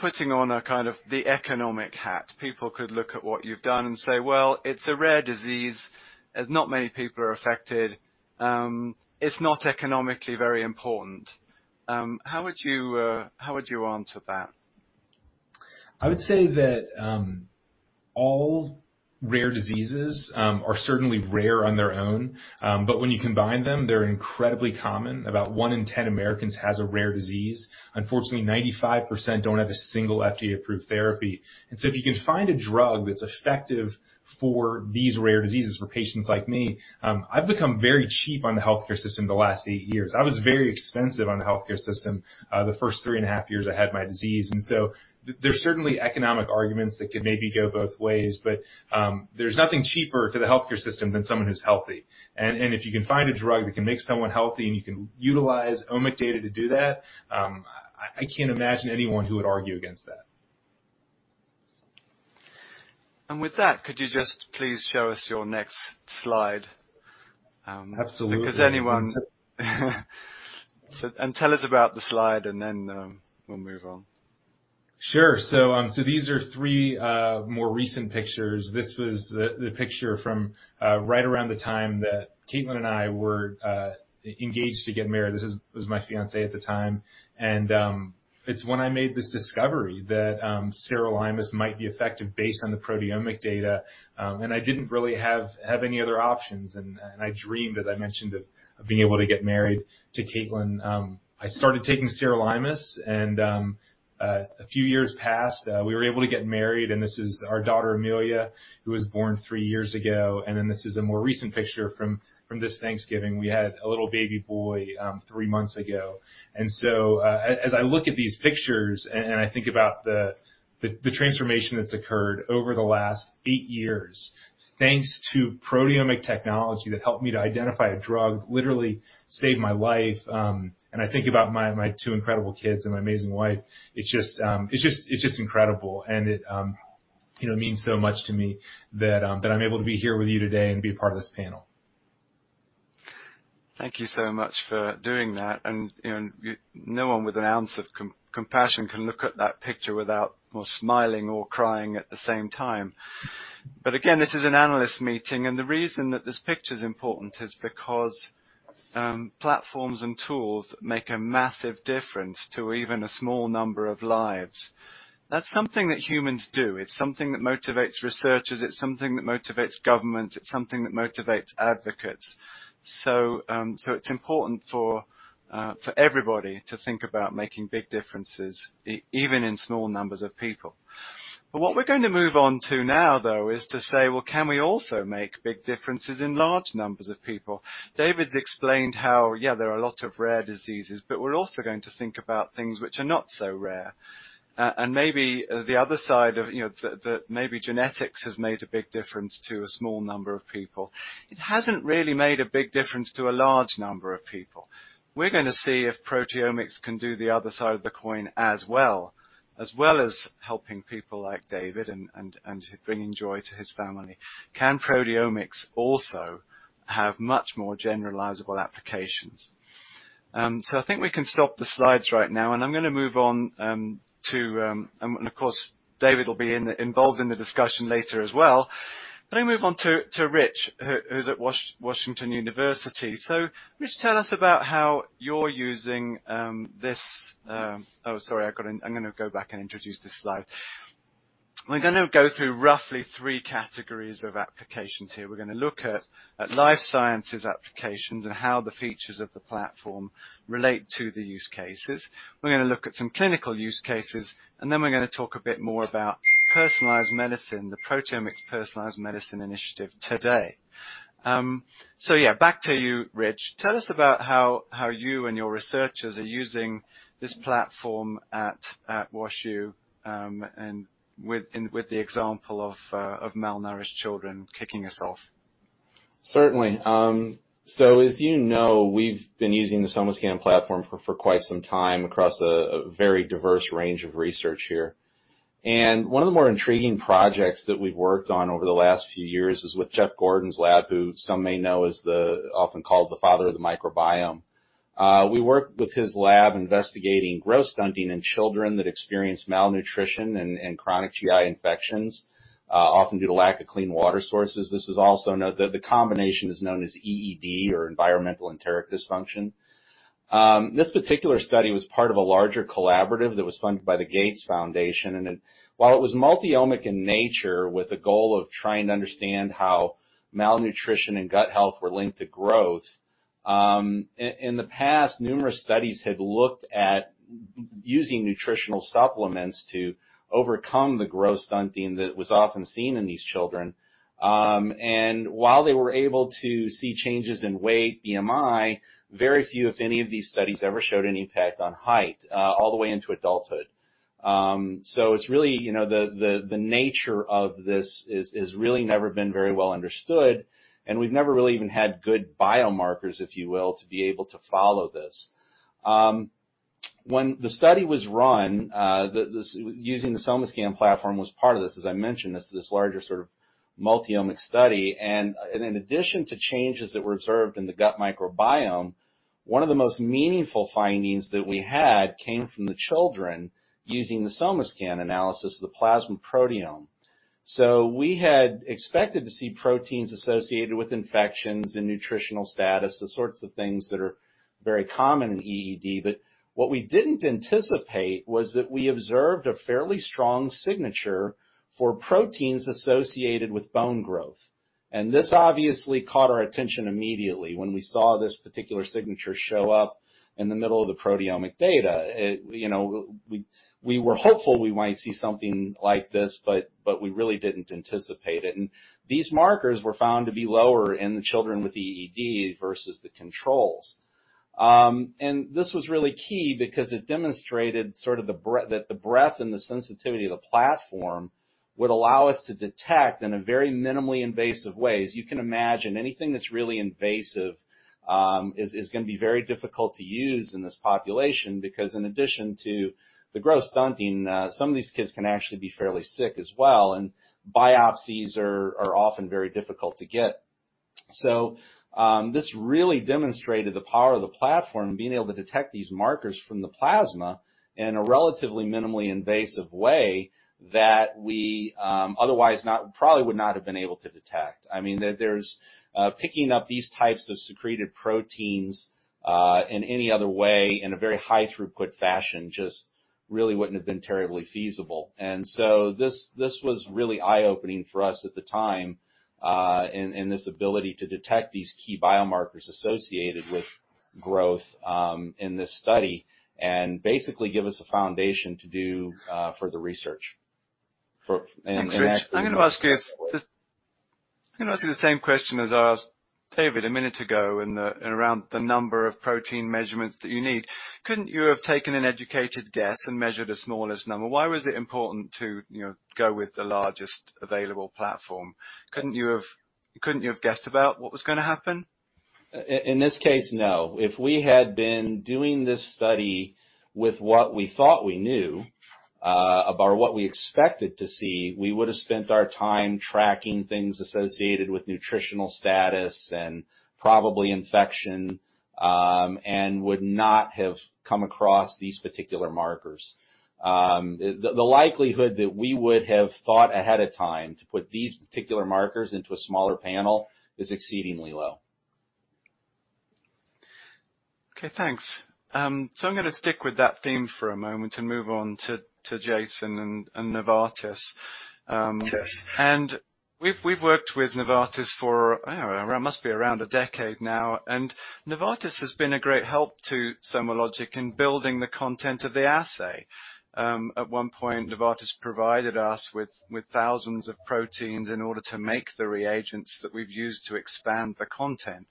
Putting on a kind of the economic hat, people could look at what you've done and say, "Well, it's a rare disease, as not many people are affected, it's not economically very important." How would you answer that? I would say that, all rare diseases, are certainly rare on their own. When you combine them, they're incredibly common. About 1 in 10 Americans has a rare disease. Unfortunately, 95% don't have a single FDA-approved therapy. If you can find a drug that's effective for these rare diseases for patients like me, I've become very cheap on the healthcare system the last 8 years. I was very expensive on the healthcare system, the first 3.5 years I had my disease. There's certainly economic arguments that could maybe go both ways, but, there's nothing cheaper to the healthcare system than someone who's healthy. If you can find a drug that can make someone healthy and you can utilize omic data to do that, I can't imagine anyone who would argue against that. With that, could you just please show us your next slide? Absolutely. Tell us about the slide, and then we'll move on. These are three more recent pictures. This was the picture from right around the time that Caitlin and I were engaged to get married. This was my fiancée at the time. It's when I made this discovery that sirolimus might be effective based on the proteomic data. I didn't really have any other options. I dreamed, as I mentioned, of being able to get married to Caitlin. I started taking sirolimus, and a few years passed. We were able to get married, and this is our daughter, Amelia, who was born three years ago. This is a more recent picture from this Thanksgiving. We had a little baby boy three months ago. I look at these pictures and I think about the transformation that's occurred over the last eight years, thanks to proteomic technology that helped me to identify a drug, literally saved my life, and I think about my two incredible kids and my amazing wife, it's just incredible. You know, it means so much to me that I'm able to be here with you today and be a part of this panel. Thank you so much for doing that. You know, no one with an ounce of compassion can look at that picture without, well, smiling or crying at the same time. Again, this is an analyst meeting, and the reason that this picture's important is because platforms and tools make a massive difference to even a small number of lives. That's something that humans do. It's something that motivates researchers. It's something that motivates government. It's something that motivates advocates. So it's important for everybody to think about making big differences even in small numbers of people. What we're gonna move on to now, though, is to say, well, can we also make big differences in large numbers of people? David's explained how, yeah, there are a lot of rare diseases, but we're also going to think about things which are not so rare. And maybe the other side of, you know, maybe genetics has made a big difference to a small number of people. It hasn't really made a big difference to a large number of people. We're gonna see if proteomics can do the other side of the coin as well as helping people like David and bringing joy to his family. Can proteomics also have much more generalizable applications? I think we can stop the slides right now, and I'm gonna move on to—of course, David will be involved in the discussion later as well. Let me move on to Rich, who's at Washington University. Rich, tell us about how you're using this—oh, sorry, I'm gonna go back and introduce this slide. We're gonna go through roughly three categories of applications here. We're gonna look at life sciences applications and how the features of the platform relate to the use cases. We're gonna look at some clinical use cases, and then we're gonna talk a bit more about personalized medicine, the Proteomics Personalized Medicine Initiative today. Yeah, back to you, Rich. Tell us about how you and your researchers are using this platform at WashU, and with the example of malnourished children kicking us off. Certainly. So as you know, we've been using the SomaScan platform for quite some time across a very diverse range of research here. One of the more intriguing projects that we've worked on over the last few years is with Jeff Gordon's lab, who some may know as often called the father of the microbiome. We worked with his lab investigating growth stunting in children that experience malnutrition and chronic GI infections, often due to lack of clean water sources. This is also known as EED or Environmental Enteric Dysfunction. The combination is known as EED or Environmental Enteric Dysfunction. This particular study was part of a larger collaborative that was funded by the Gates Foundation, and then while it was multi-omic in nature, with the goal of trying to understand how malnutrition and gut health were linked to growth, in the past, numerous studies had looked at using nutritional supplements to overcome the growth stunting that was often seen in these children. While they were able to see changes in weight, BMI, very few, if any of these studies, ever showed any impact on height, all the way into adulthood. It's really, you know, the nature of this is really never been very well understood, and we've never really even had good biomarkers, if you will, to be able to follow this. When the study was run, Using the SomaScan platform was part of this, as I mentioned. This is this larger sort of multi-omic study. In addition to changes that were observed in the gut microbiome, one of the most meaningful findings that we had came from the children using the SomaScan analysis of the plasma proteome. We had expected to see proteins associated with infections and nutritional status, the sorts of things that are very common in EED. What we didn't anticipate was that we observed a fairly strong signature for proteins associated with bone growth. This obviously caught our attention immediately when we saw this particular signature show up in the middle of the proteomic data. You know, we were hopeful we might see something like this, but we really didn't anticipate it. These markers were found to be lower in the children with EED versus the controls. This was really key because it demonstrated that the breadth and the sensitivity of the platform would allow us to detect in a very minimally invasive way. As you can imagine, anything that's really invasive is gonna be very difficult to use in this population because in addition to the growth stunting, some of these kids can actually be fairly sick as well, and biopsies are often very difficult to get. This really demonstrated the power of the platform being able to detect these markers from the plasma in a relatively minimally invasive way that we otherwise probably would not have been able to detect. I mean, there's picking up these types of secreted proteins in any other way, in a very high-throughput fashion, just really wouldn't have been terribly feasible. This was really eye-opening for us at the time in this ability to detect these key biomarkers associated with growth in this study, and basically give us a foundation to do further research. Thanks, Rich. I'm gonna ask you the same question as I asked David a minute ago in around the number of protein measurements that you need. Couldn't you have taken an educated guess and measured the smallest number? Why was it important to, you know, go with the largest available platform? Couldn't you have guessed about what was gonna happen? In this case, no. If we had been doing this study with what we thought we knew about what we expected to see, we would've spent our time tracking things associated with nutritional status and probably infection, and would not have come across these particular markers. The likelihood that we would have thought ahead of time to put these particular markers into a smaller panel is exceedingly low. Okay, thanks. I'm gonna stick with that theme for a moment and move on to Jason and Novartis. Yes. We've worked with Novartis for, I don't know, around a decade now, and Novartis has been a great help to SomaLogic in building the content of the assay. At one point, Novartis provided us with thousands of proteins in order to make the reagents that we've used to expand the content.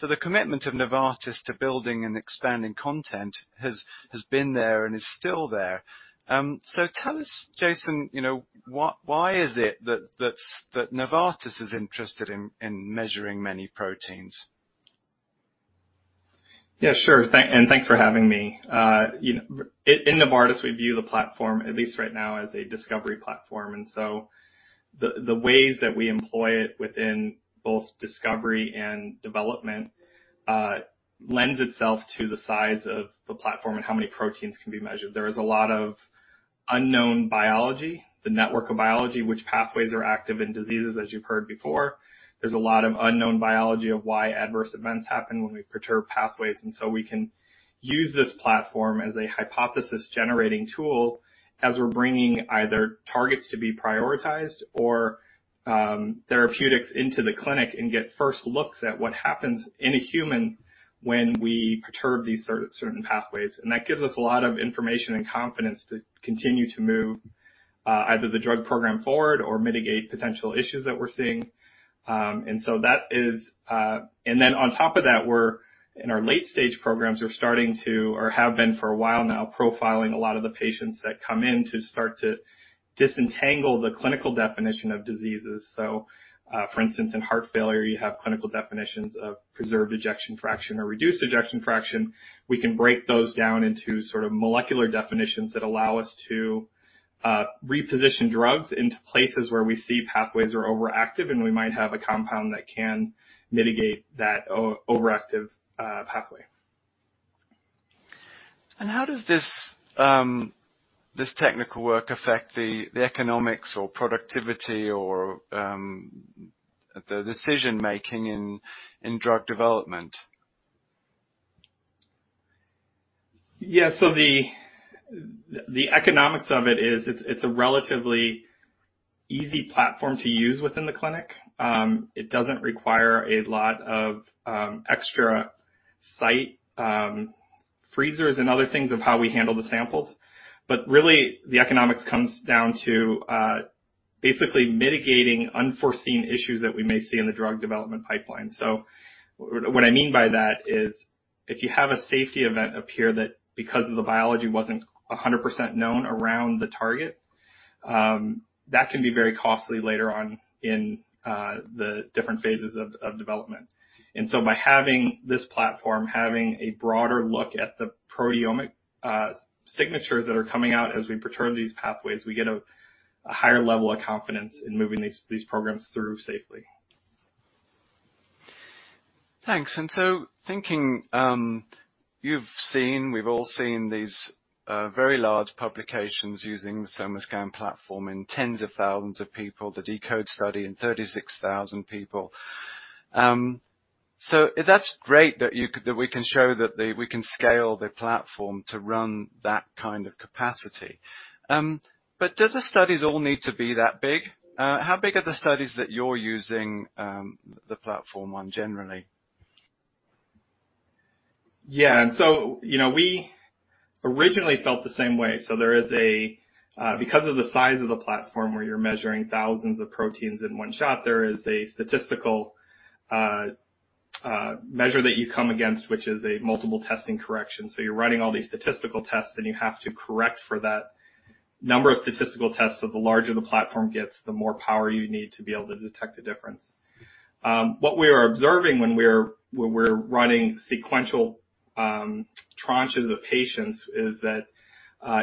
The commitment of Novartis to building and expanding content has been there and is still there. Tell us, Jason, you know, why is it that Novartis is interested in measuring many proteins? Yeah, sure. Thanks for having me. You know, in Novartis, we view the platform, at least right now, as a discovery platform. The ways that we employ it within both discovery and development lends itself to the size of the platform and how many proteins can be measured. There is a lot of unknown biology, the network of biology, which pathways are active in diseases, as you've heard before. There's a lot of unknown biology of why adverse events happen when we perturb pathways, so we can use this platform as a hypothesis-generating tool as we're bringing either targets to be prioritized or therapeutics into the clinic and get first looks at what happens in a human when we perturb these certain pathways. That gives us a lot of information and confidence to continue to move either the drug program forward or mitigate potential issues that we're seeing. Then on top of that, we're in our late-stage programs, we're starting to or have been for a while now, profiling a lot of the patients that come in to start to disentangle the clinical definition of diseases. For instance, in heart failure, you have clinical definitions of preserved ejection fraction or reduced ejection fraction. We can break those down into sort of molecular definitions that allow us to reposition drugs into places where we see pathways are overactive, and we might have a compound that can mitigate that overactive pathway. How does this technical work affect the economics or productivity or the decision-making in drug development? The economics of it is it's a relatively easy platform to use within the clinic. It doesn't require a lot of extra site freezers and other things of how we handle the samples. Really, the economics comes down to basically mitigating unforeseen issues that we may see in the drug development pipeline. What I mean by that is, if you have a safety event appear that because of the biology wasn't 100% known around the target, that can be very costly later on in the different phases of development. By having this platform, having a broader look at the proteomic signatures that are coming out as we perturb these pathways, we get a higher level of confidence in moving these programs through safely. Thanks. Thinking, you've seen, we've all seen these very large publications using the SomaScan platform in tens of thousands of people, the deCODE study in 36,000 people. That's great that we can show that we can scale the platform to run that kind of capacity. Do the studies all need to be that big? How big are the studies that you're using the platform on generally? Yeah, you know, we originally felt the same way. Because of the size of the platform where you're measuring thousands of proteins in one shot, there is a statistical measure that you come against, which is a multiple testing correction. You're running all these statistical tests, and you have to correct for that number of statistical tests that the larger the platform gets, the more power you need to be able to detect the difference. What we are observing when we're running sequential tranches of patients is that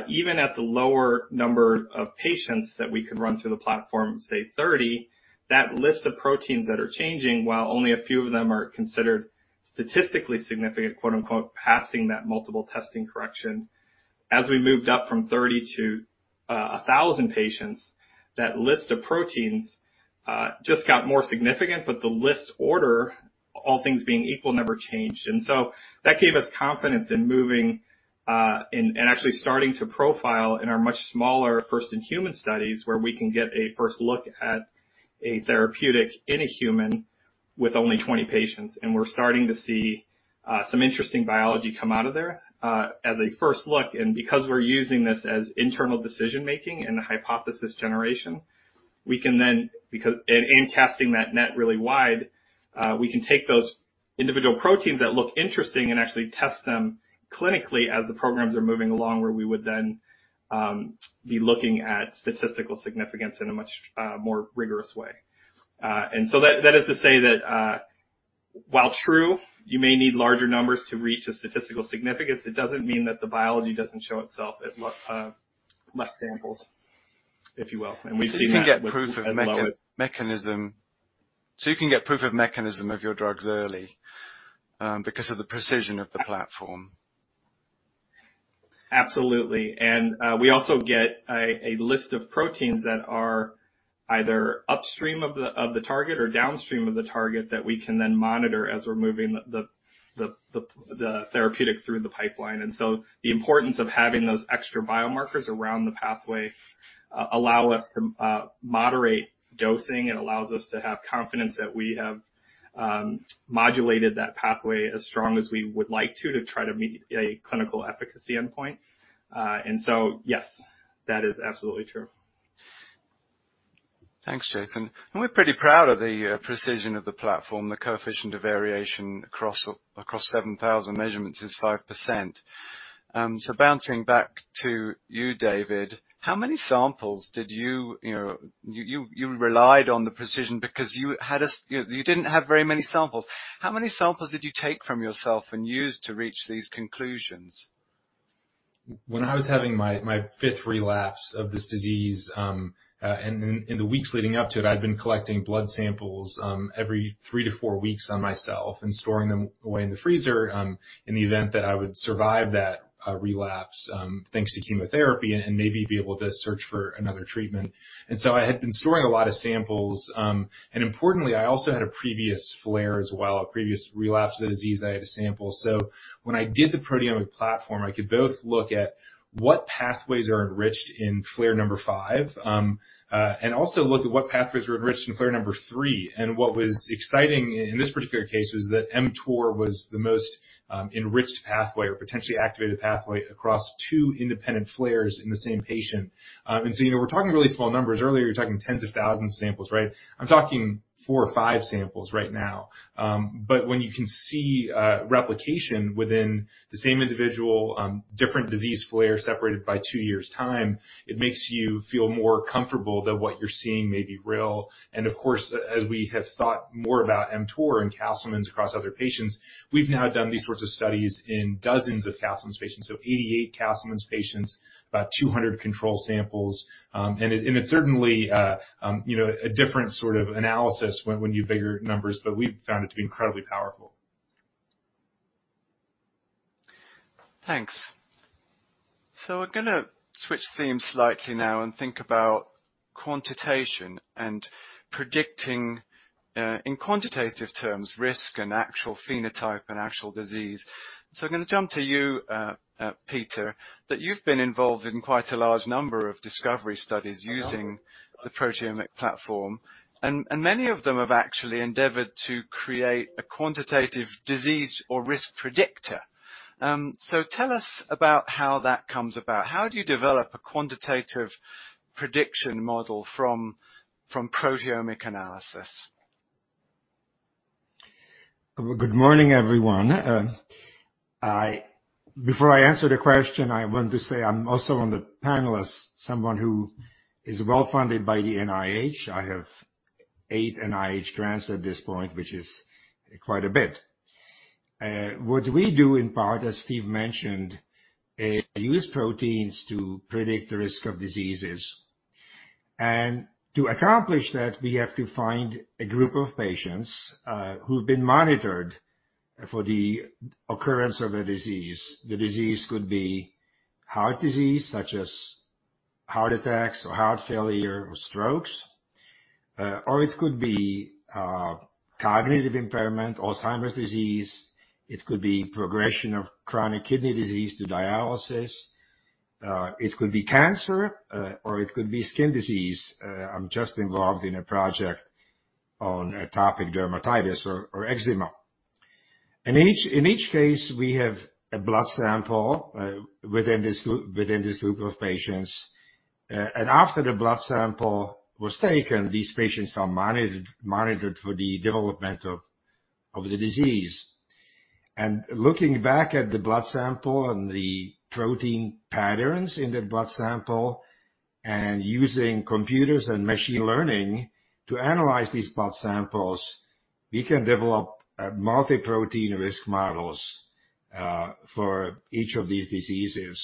even at the lower number of patients that we could run through the platform, say 30, that list of proteins that are changing while only a few of them are considered statistically significant, quote-unquote, "passing that multiple testing correction." As we moved up from 30 to 1,000 patients, that list of proteins just got more significant, but the list order, all things being equal, never changed. That gave us confidence in moving and actually starting to profile in our much smaller first-in-human studies, where we can get a first look at a therapeutic in a human with only 20 patients. We're starting to see some interesting biology come out of there as a first look. Because we're using this as internal decision-making and a hypothesis generation, we can then, and casting that net really wide, we can take those individual proteins that look interesting and actually test them clinically as the programs are moving along, where we would then be looking at statistical significance in a much more rigorous way. That is to say that, while true, you may need larger numbers to reach a statistical significance. It doesn't mean that the biology doesn't show itself at less samples, if you will. We've seen that. You can get proof of mechanism of your drugs early, because of the precision of the platform. Absolutely. We also get a list of proteins that are either upstream of the target or downstream of the target that we can then monitor as we're moving the therapeutic through the pipeline. The importance of having those extra biomarkers around the pathway allow us to moderate dosing. It allows us to have confidence that we have modulated that pathway as strong as we would like to try to meet a clinical efficacy endpoint. Yes, that is absolutely true. Thanks, Jason. We're pretty proud of the precision of the platform. The coefficient of variation across 7,000 measurements is 5%. Bouncing back to you, David, how many samples did you use? You relied on the precision because you didn't have very many samples. How many samples did you take from yourself and use to reach these conclusions? When I was having my fifth relapse of this disease, and in the weeks leading up to it, I'd been collecting blood samples, every three to four weeks on myself and storing them away in the freezer, in the event that I would survive that relapse, thanks to chemotherapy and maybe be able to search for another treatment. I had been storing a lot of samples. Importantly, I also had a previous flare as well, a previous relapse of the disease I had to sample. When I did the proteomic platform, I could both look at what pathways are enriched in flare number five, and also look at what pathways were enriched in flare number three. What was exciting in this particular case was that mTOR was the most enriched pathway or potentially activated pathway across two independent flares in the same patient. You know, we're talking really small numbers. Earlier, we were talking tens of thousands of samples, right? I'm talking four or five samples right now. But when you can see replication within the same individual, different disease flare separated by two years' time, it makes you feel more comfortable that what you're seeing may be real. Of course, as we have thought more about mTOR and Castleman’s across other patients, we've now done these sorts of studies in dozens of Castleman’s patients: 88 Castleman’s patients, about 200 control samples. It's certainly, you know, a different sort of analysis when you have bigger numbers, but we've found it to be incredibly powerful. Thanks. We're gonna switch themes slightly now and think about quantitation and predicting, in quantitative terms, risk and actual phenotype and actual disease. I'm gonna jump to you, Peter, that you've been involved in quite a large number of discovery studies using the proteomic platform. Many of them have actually endeavored to create a quantitative disease or risk predictor. Tell us about how that comes about. How do you develop a quantitative prediction model from proteomic analysis? Good morning, everyone. Before I answer the question, I want to say I'm also one of the panelists, someone who is well-funded by the NIH. I have eight NIH grants at this point, which is quite a bit. What we do in part, as Steve mentioned, use proteins to predict the risk of diseases. To accomplish that, we have to find a group of patients who've been monitored for the occurrence of a disease. The disease could be heart disease, such as heart attacks or heart failure or strokes, or it could be cognitive impairment, Alzheimer's disease. It could be progression of chronic kidney disease to dialysis. It could be cancer, or it could be skin disease. I'm just involved in a project on atopic dermatitis or eczema. In each case, we have a blood sample within this group of patients. After the blood sample was taken, these patients are monitored for the development of the disease. Looking back at the blood sample and the protein patterns in the blood sample, and using computers and machine learning to analyze these blood samples, we can develop multi-protein risk models for each of these diseases.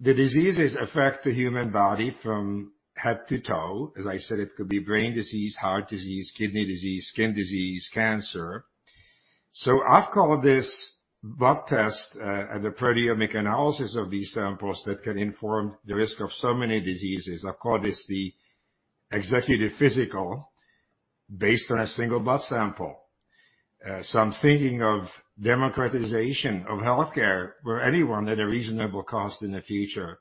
The diseases affect the human body from head to toe. As I said, it could be brain disease, heart disease, kidney disease, skin disease, cancer. I've called this blood test and the proteomic analysis of these samples that can inform the risk of so many diseases the executive physical based on a single blood sample. I'm thinking of democratization of healthcare, where anyone at a reasonable cost in the future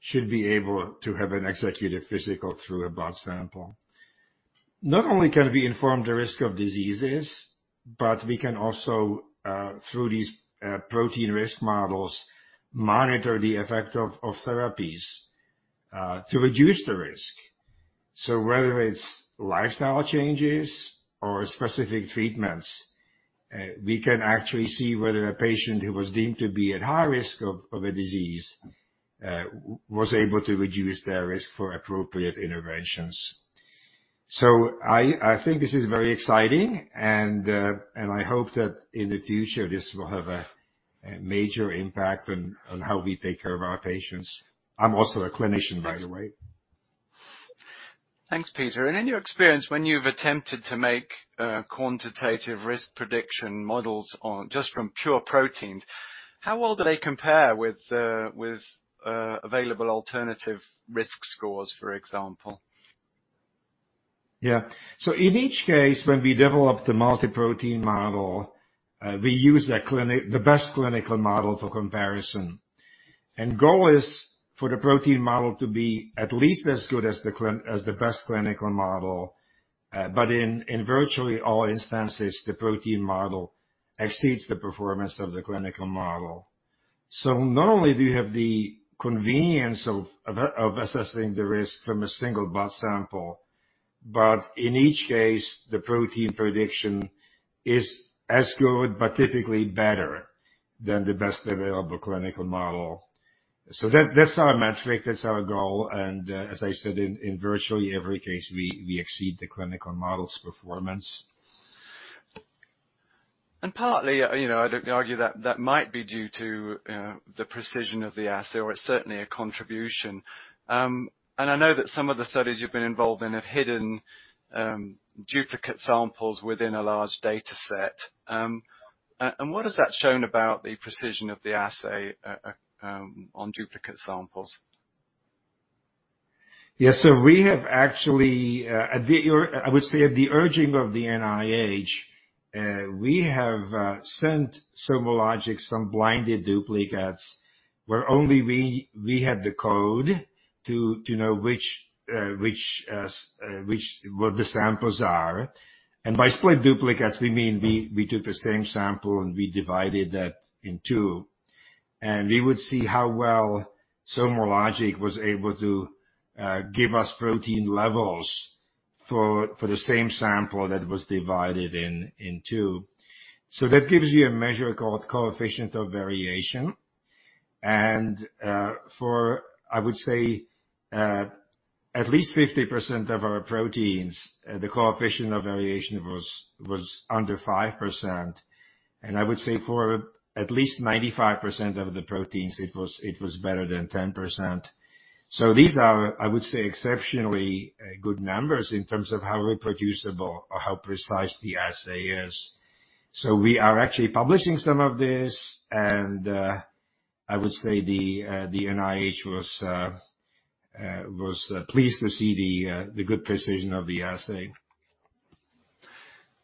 should be able to have an executive physical through a blood sample. Not only can we inform the risk of diseases, but we can also through these protein risk models, monitor the effect of therapies to reduce the risk. Whether it's lifestyle changes or specific treatments, we can actually see whether a patient who was deemed to be at high risk of a disease was able to reduce their risk for appropriate interventions. I think this is very exciting, and I hope that in the future, this will have a major impact on how we take care of our patients. I'm also a clinician, by the way. Thanks, Peter. In your experience, when you've attempted to make quantitative risk prediction models on just from pure proteins, how well do they compare with available alternative risk scores, for example? Yeah. In each case, when we develop the multi-protein model, we use the best clinical model for comparison. Goal is for the protein model to be at least as good as the best clinical model. In virtually all instances, the protein model exceeds the performance of the clinical model. Not only do you have the convenience of assessing the risk from a single blood sample, but in each case, the protein prediction is as good, but typically better than the best available clinical model. That's our metric, that's our goal, and as I said, in virtually every case, we exceeded the clinical model's performance. Partly, you know, I'd argue that that might be due to the precision of the assay, or it's certainly a contribution. I know that some of the studies you've been involved in have hidden duplicate samples within a large dataset. What has that shown about the precision of the assay on duplicate samples? Yeah. We have actually, I would say at the urging of the NIH, we have sent SomaLogic some blinded duplicates where only we had the code to know what the samples are. By split duplicates, we mean we took the same sample, and we divided that in two. We would see how well SomaLogic was able to give us protein levels for the same sample that was divided in two. That gives you a measure called coefficient of variation. I would say for at least 50% of our proteins, the coefficient of variation was under 5%, and I would say for at least 95% of the proteins, it was better than 10%. These are, I would say, exceptionally good numbers in terms of how reproducible or how precise the assay is. We are actually publishing some of this, and I would say the NIH was pleased to see the good precision of the assay.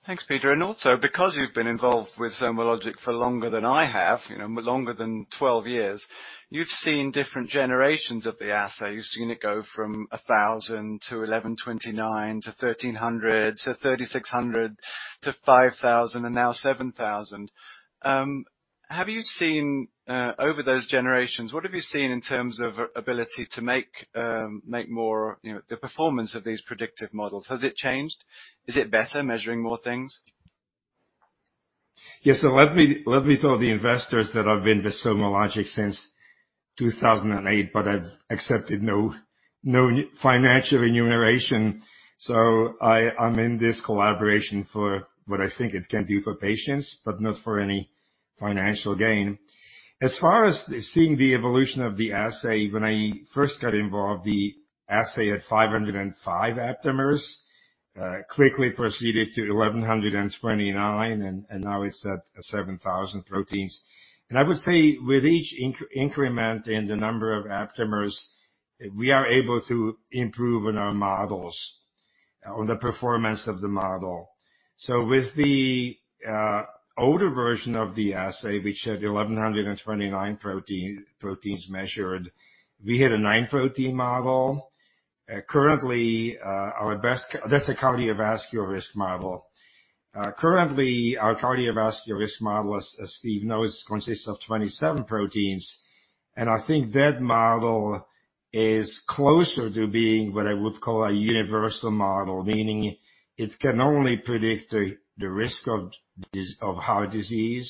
Thanks, Peter. Also because you've been involved with SomaLogic for longer than I have, you know, longer than 12 years, you've seen different generations of the assay. You've seen it go from 1,000 to 1,129 to 1,300 to 3,600 to 5,000, and now 7,000. Have you seen over those generations what have you seen in terms of ability to make more, you know, the performance of these predictive models, has it changed? Is it better measuring more things? Yes. Let me tell the investors that I've been with SomaLogic since 2008, but I've accepted no financial remuneration. I'm in this collaboration for what I think it can do for patients, but not for any financial gain. As far as seeing the evolution of the assay, when I first got involved, the assay had 505 aptamers, quickly proceeded to 1,129, and now it's at 7,000 proteins. I would say with each increment in the number of aptamers, we are able to improve on our models, on the performance of the model. With the older version of the assay, which had 1,129 proteins measured, we had a nine-protein model. Currently, our best model—that's a cardiovascular risk model. Currently, our cardiovascular risk model, as Steve knows, consists of 27-proteins. I think that model is closer to being what I would call a universal model, meaning it can only predict the risk of heart disease,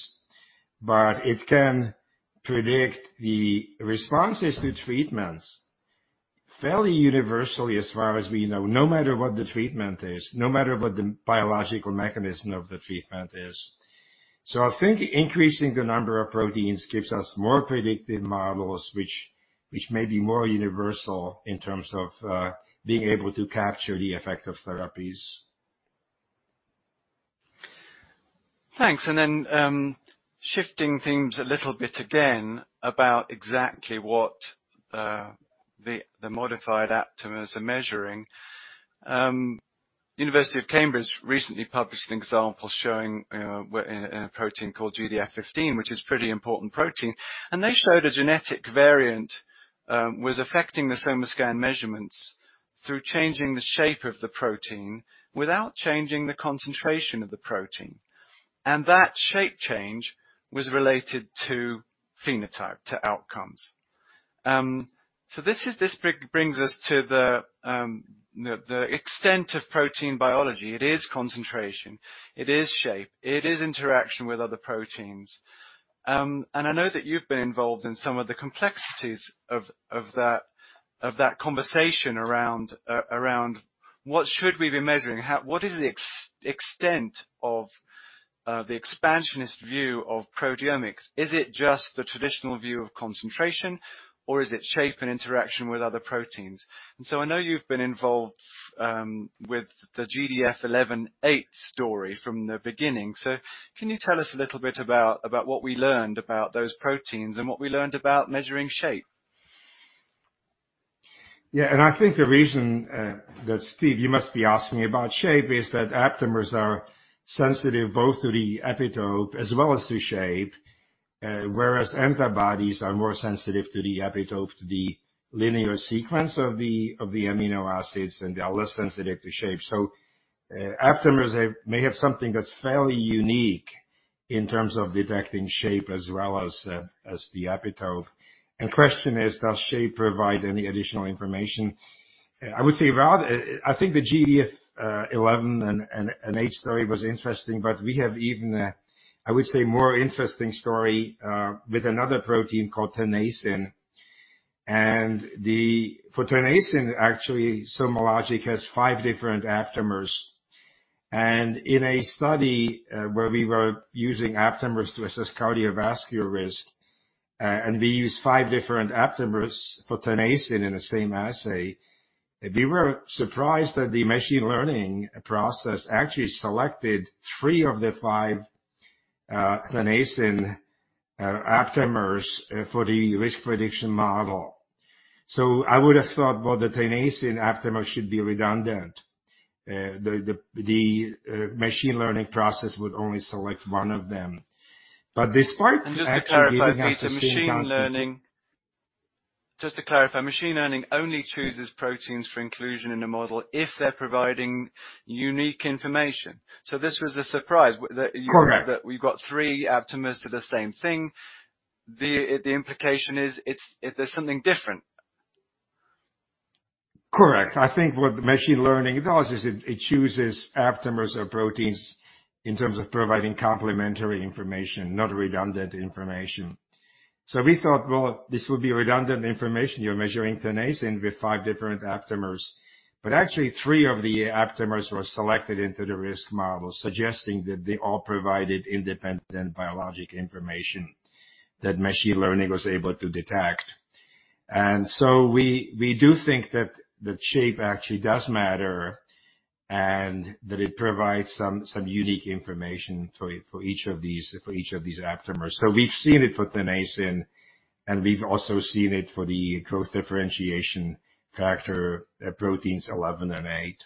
but it can predict the responses to treatments fairly universally, as far as we know, no matter what the treatment is, no matter what the biological mechanism of the treatment is. I think increasing the number of proteins gives us more predictive models, which may be more universal in terms of being able to capture the effect of therapies. Thanks. Then, shifting themes a little bit again about exactly what the modified aptamers are measuring. University of Cambridge recently published an example showing a protein called GDF15, which is pretty important protein. They showed a genetic variant was affecting the SomaScan measurements through changing the shape of the protein without changing the concentration of the protein. That shape change was related to phenotype, to outcomes. This brings us to the extent of protein biology. It is concentration, it is shape, it is interaction with other proteins. I know that you've been involved in some of the complexities of that conversation around what should we be measuring. What is the extent of the expansionist view of proteomics? Is it just the traditional view of concentration, or is it shape and interaction with other proteins? I know you've been involved with the GDF11/8 story from the beginning. Can you tell us a little bit about what we learned about those proteins and what we learned about measuring shape? Yeah. I think the reason that Steve you must be asking about shape is that aptamers are sensitive both to the epitope as well as to shape, whereas antibodies are more sensitive to the epitope, to the linear sequence of the amino acids, and they are less sensitive to shape. Aptamers they may have something that's fairly unique in terms of detecting shape as well as the epitope. Question is, does shape provide any additional information? I would say rather, I think the GDF-11 and GDF-8 story was interesting, but we have even I would say more interesting story with another protein called tenascin. For tenascin, actually, SomaLogic has five different aptamers. In a study where we were using aptamers to assess cardiovascular risk, and we used five different aptamers for tenascin in the same assay, we were surprised that the machine learning process actually selected three of the five tenascin aptamers for the risk prediction model. I would have thought, well, the tenascin aptamers should be redundant, the machine learning process would only select one of them. This part actually gave us the same— Just to clarify, Peter, machine learning only chooses proteins for inclusion in a model if they're providing unique information. This was a surprise— Correct. That we've got three aptamers to the same thing. The implication is it's something different. Correct. I think what the machine learning does is it chooses aptamers or proteins in terms of providing complementary information, not redundant information. We thought, "Well, this will be redundant information. You're measuring tenascin with five different aptamers." Actually, three of the aptamers were selected into the risk model, suggesting that they all provided independent biologic information that machine learning was able to detect. We do think that the shape actually does matter and that it provides some unique information for each of these aptamers. We've seen it for tenascin, and we've also seen it for the growth differentiation factor proteins 11 and 8.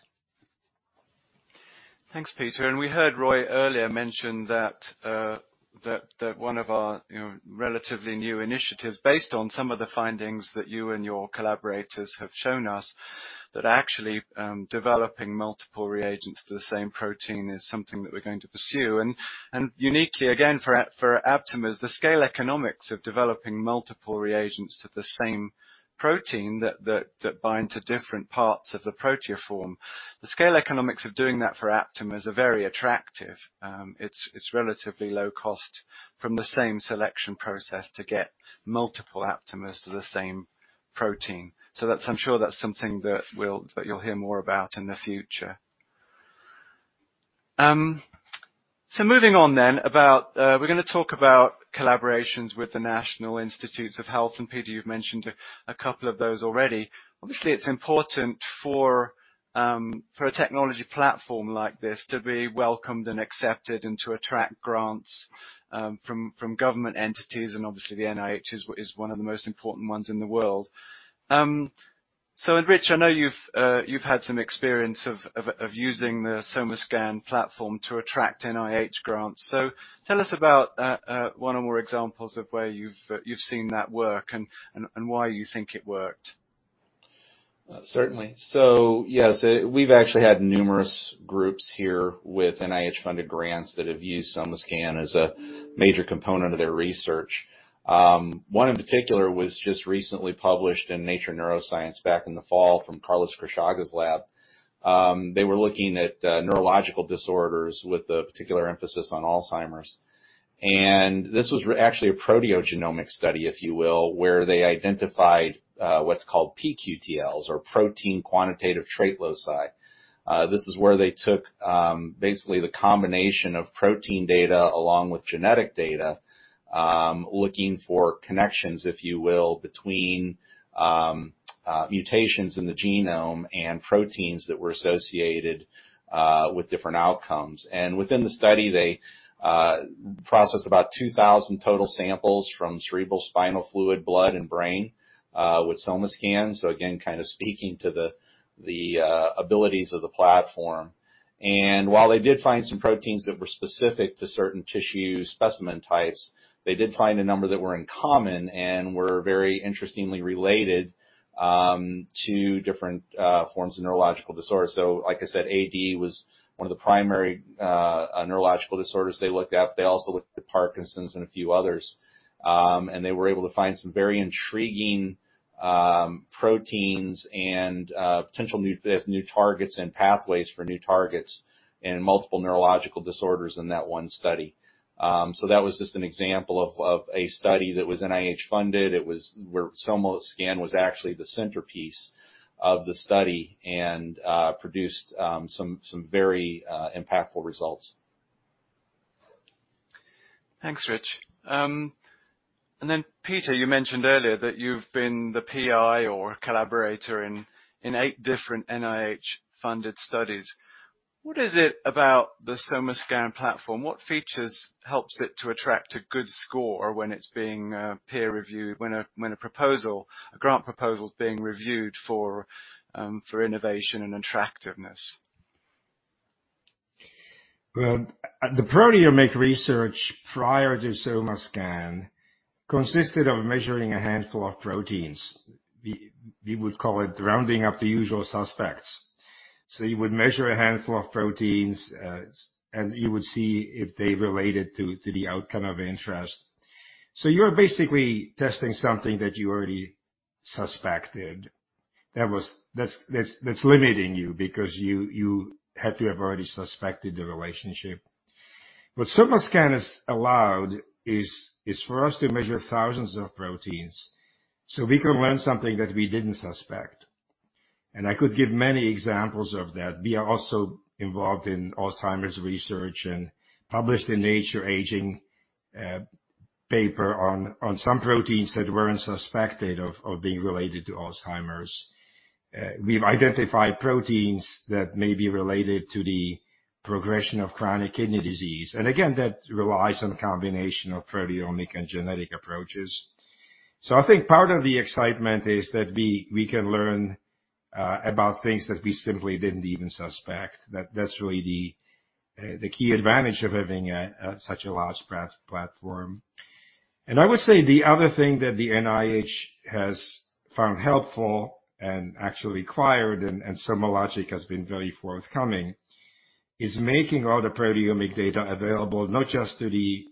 Thanks, Peter. We heard Roy earlier mention that one of our, you know, relatively new initiatives, based on some of the findings that you and your collaborators have shown us, that actually developing multiple reagents to the same protein is something that we're going to pursue. Uniquely, again, for aptamers, the scale economics of developing multiple reagents to the same protein that bind to different parts of the proteoform. The scale economics of doing that for aptamers are very attractive. It's relatively low cost from the same selection process to get multiple aptamers to the same protein. I'm sure that's something that you'll hear more about in the future. Moving on, we're gonna talk about collaborations with the National Institutes of Health, and Peter, you've mentioned a couple of those already. Obviously, it's important for a technology platform like this to be welcomed and accepted and to attract grants from government entities, and obviously the NIH is one of the most important ones in the world. Rich, I know you've had some experience of using the SomaScan platform to attract NIH grants. Tell us about one or more examples of where you've seen that work and why you think it worked. Certainly. Yes, we've actually had numerous groups here with NIH-funded grants that have used SomaScan as a major component of their research. One in particular was just recently published in Nature Neuroscience back in the fall from Carlos Cruchaga's lab. They were looking at neurological disorders with a particular emphasis on Alzheimer's. This was actually a proteogenomic study, if you will, where they identified what's called pQTLs or protein quantitative trait loci. This is where they took basically the combination of protein data along with genetic data looking for connections, if you will, between mutations in the genome and proteins that were associated with different outcomes. Within the study, they processed about 2,000 total samples from cerebrospinal fluid, blood, and brain with SomaScan. Again, kind of speaking to the abilities of the platform. While they did find some proteins that were specific to certain tissue specimen types, they did find a number that were in common and were very interestingly related to different forms of neurological disorders. Like I said, AD was one of the primary neurological disorders they looked at. They also looked at Parkinson's and a few others. They were able to find some very intriguing proteins and potential new targets and pathways for new targets in multiple neurological disorders in that one study. That was just an example of a study that was NIH funded. It was where SomaScan was actually the centerpiece of the study and produced some very impactful results. Thanks, Rich. Peter, you mentioned earlier that you've been the PI or collaborator in eight different NIH-funded studies. What is it about the SomaScan platform? What features helps it to attract a good score when it's being peer-reviewed, when a proposal, a grant proposal is being reviewed for innovation and attractiveness? Well, the proteomic research prior to SomaScan consisted of measuring a handful of proteins. We would call it rounding up the usual suspects. You would measure a handful of proteins, and you would see if they related to the outcome of interest. You're basically testing something that you already suspected. That's limiting you because you had to have already suspected the relationship. What SomaScan has allowed is for us to measure thousands of proteins, so we can learn something that we didn't suspect. I could give many examples of that. We are also involved in Alzheimer's research and published in Nature Aging paper on some proteins that weren't suspected of being related to Alzheimer's. We've identified proteins that may be related to the progression of chronic kidney disease. Again, that relies on a combination of proteomic and genetic approaches. I think part of the excitement is that we can learn about things that we simply didn't even suspect. That's really the key advantage of having such a large platform. I would say the other thing that the NIH has found helpful and actually required, and SomaLogic has been very forthcoming, is making all the proteomic data available, not just to the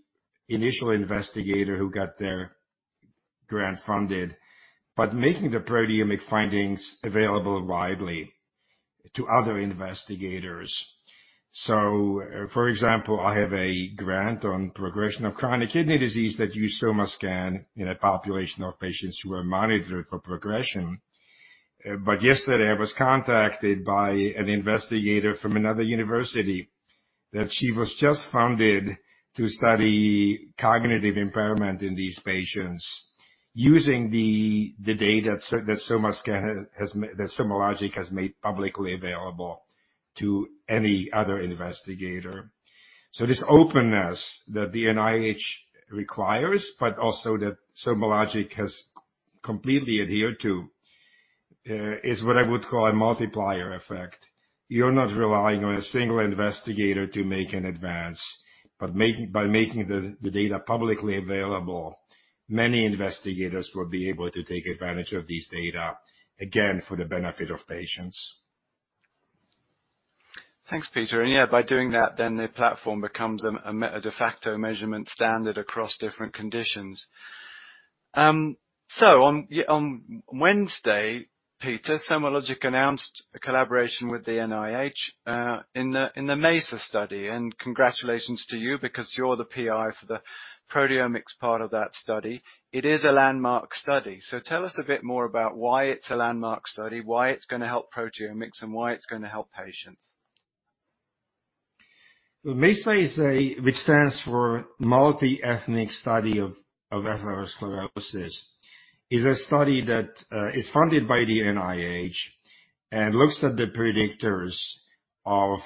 initial investigator who got their grant funded, but making the proteomic findings available widely to other investigators. For example, I have a grant on progression of chronic kidney disease that use SomaScan in a population of patients who are monitored for progression. Yesterday, I was contacted by an investigator from another university. That she was just funded to study cognitive impairment in these patients using the data that SomaLogic has made publicly available to any other investigator. This openness that the NIH requires, but also that SomaLogic has completely adhered to, is what I would call a multiplier effect. You're not relying on a single investigator to make an advance, but making the data publicly available, many investigators will be able to take advantage of this data, again, for the benefit of patients. Thanks, Peter. Yeah, by doing that, then their platform becomes a de facto measurement standard across different conditions. On Wednesday, Peter, SomaLogic announced a collaboration with the NIH in the MESA study. Congratulations to you because you're the PI for the proteomics part of that study. It is a landmark study. Tell us a bit more about why it's a landmark study, why it's gonna help proteomics, and why it's gonna help patients. MESA, which stands for Multi-Ethnic Study of Atherosclerosis, is a study that is funded by the NIH and looks at the predictors of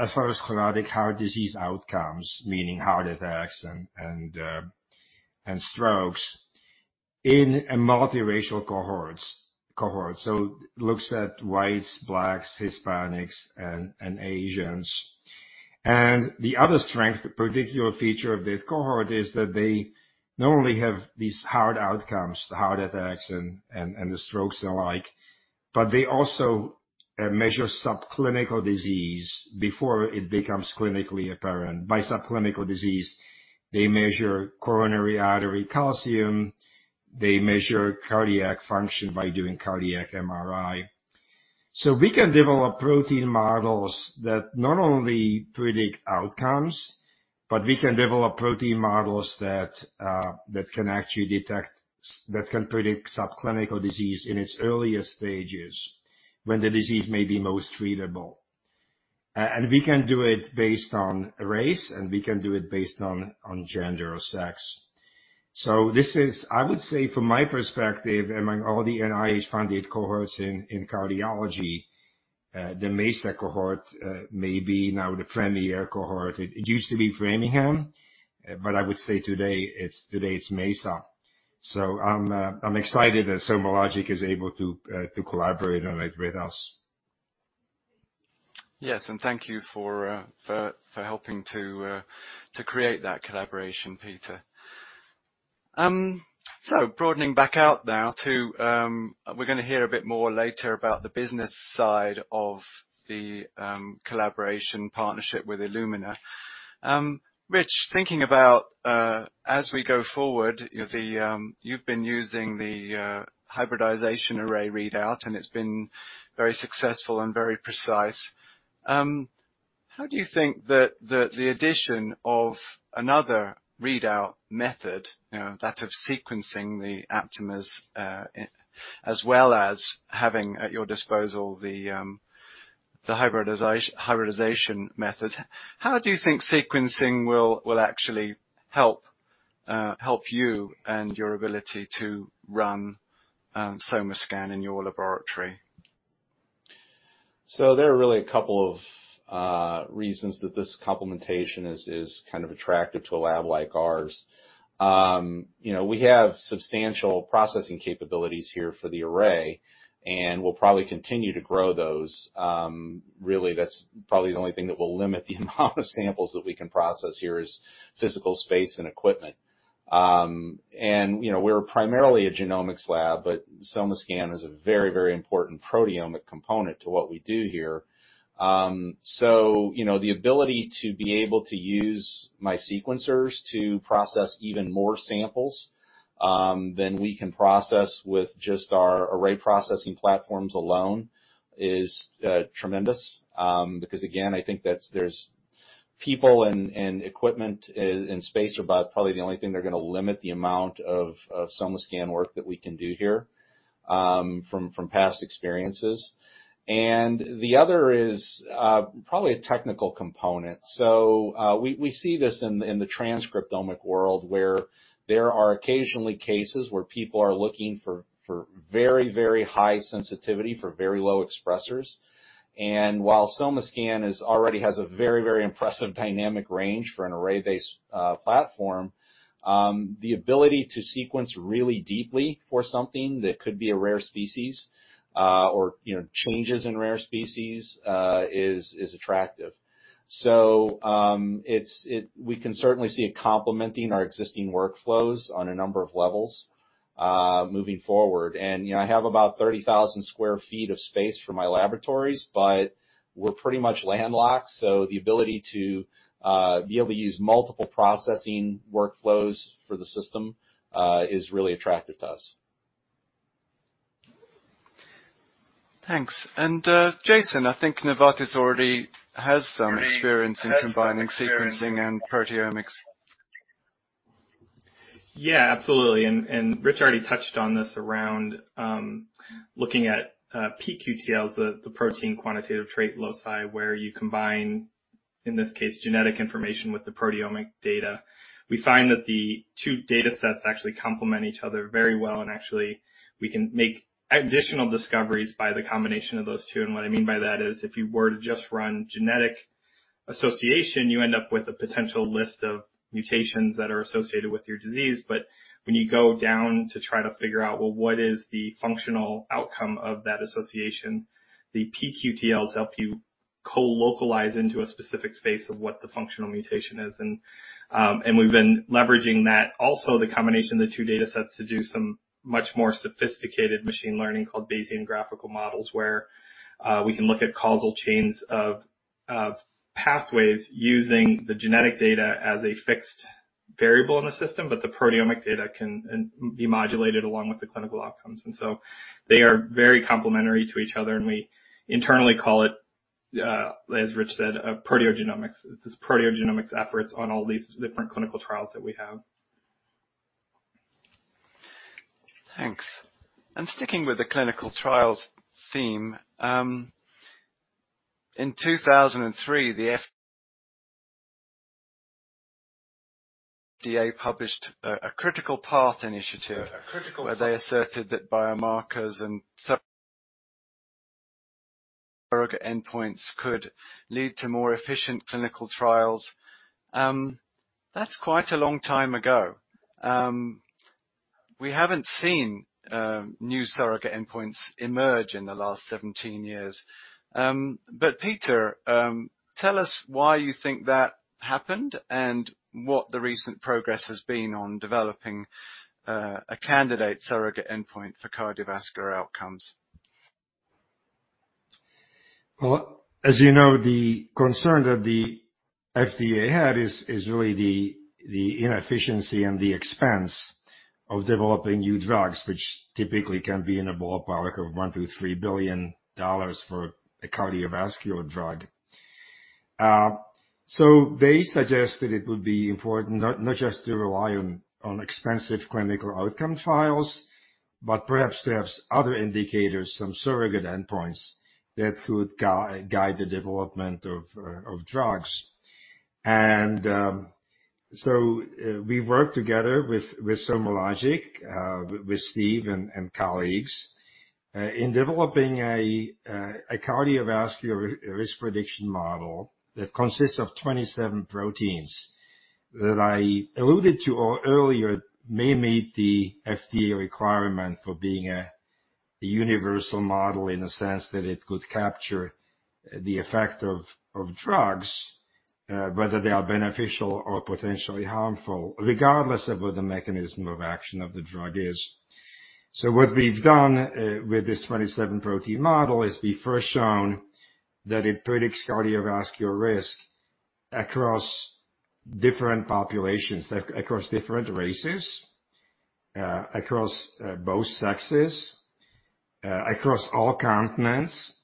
atherosclerotic heart disease outcomes, meaning heart attacks and strokes in a multiracial cohort. It looks at Whites, Blacks, Hispanics, and Asians. The other strength, particular feature of this cohort is that they not only have these heart outcomes, the heart attacks and the strokes and the like, but they also measure subclinical disease before it becomes clinically apparent. By subclinical disease, they measure coronary artery calcium. They measure cardiac function by doing cardiac MRI. We can develop protein models that not only predict outcomes, but we can develop protein models that can actually predict subclinical disease in its earliest stages when the disease may be most treatable. We can do it based on race, and we can do it based on gender or sex. This is, I would say from my perspective, among all the NIH-funded cohorts in cardiology, the MESA cohort may be now the premier cohort. It used to be Framingham, but I would say today it's MESA. I'm excited that SomaLogic is able to collaborate on it with us. Yes, thank you for helping to create that collaboration, Peter. Broadening back out now to, we're gonna hear a bit more later about the business side of the collaboration partnership with Illumina. Rich, thinking about as we go forward, you've been using the hybridization array readout, and it's been very successful and very precise. How do you think the addition of another readout method, you know, that of sequencing the Aptamers, as well as having at your disposal the hybridization method, how do you think sequencing will actually help you and your ability to run SomaScan in your laboratory? There are really a couple of reasons that this complementation is kind of attractive to a lab like ours. You know, we have substantial processing capabilities here for the array, and we'll probably continue to grow those. Really that's probably the only thing that will limit the amount of samples that we can process here is physical space and equipment. You know, we're primarily a genomics lab, but SomaScan is a very, very important proteomic component to what we do here. You know, the ability to be able to use my sequencers to process even more samples than we can process with just our array processing platforms alone is tremendous. Because again, I think that's—there are people and equipment and space that are probably the only things that are going to limit the amount of SomaScan work that we can do here, from past experiences. The other is probably a technical component. We see this in the transcriptomic world, where there are occasionally cases where people are looking for very high sensitivity for very low expressers. While SomaScan already has a very impressive dynamic range for an array-based platform, the ability to sequence really deeply for something that could be a rare species, or you know, changes in rare species, is attractive. We can certainly see it complementing our existing workflows on a number of levels, moving forward. You know, I have about 30,000 sq ft of space for my laboratories, but we're pretty much landlocked, so the ability to be able to use multiple processing workflows for the system is really attractive to us. Thanks. Jason, I think Novartis already has some experience in combining sequencing and proteomics. Yeah, absolutely. Rich already touched on this around looking at pQTLs, the protein quantitative trait loci, where you combine, in this case, genetic information with the proteomic data. We find that the two datasets actually complement each other very well, and actually, we can make additional discoveries by the combination of those two. What I mean by that is, if you were to just run genetic association, you end up with a potential list of mutations that are associated with your disease. When you go down to try to figure out, well, what is the functional outcome of that association, the pQTLs help you co-localize into a specific space of what the functional mutation is. We've been leveraging that. Also, the combination of the two datasets to do some much more sophisticated machine learning called Bayesian graphical models, where we can look at causal chains of pathways using the genetic data as a fixed variable in the system, but the proteomic data can be modulated along with the clinical outcomes. They are very complementary to each other, and we internally call it, as Rich, said, proteogenomics. It's this proteogenomics efforts on all these different clinical trials that we have. Thanks. Sticking with the clinical trials theme, in 2003, the FDA published a Critical Path Initiative where they asserted that biomarkers and surrogate endpoints could lead to more efficient clinical trials. That's quite a long time ago. We haven't seen new surrogate endpoints emerge in the last 17 years. Peter, tell us why you think that happened and what the recent progress has been on developing a candidate surrogate endpoint for cardiovascular outcomes. Well, as you know, the concern that the FDA had is really the inefficiency and the expense of developing new drugs, which typically can be in the ballpark of $1 billion-$3 billion for a cardiovascular drug. They suggested it would be important not just to rely on expensive clinical outcome trials, but perhaps there's other indicators, some surrogate endpoints that could guide the development of drugs. We worked together with SomaLogic, with Steve and colleagues, in developing a cardiovascular risk prediction model that consists of 27-proteins that I alluded to earlier may meet the FDA requirement for being a universal model in the sense that it could capture the effect of drugs, whether they are beneficial or potentially harmful, regardless of what the mechanism of action of the drug is. What we've done with this 27-protein model is we've first shown that it predicts cardiovascular risk across different populations, across different races, across both sexes, across all continents.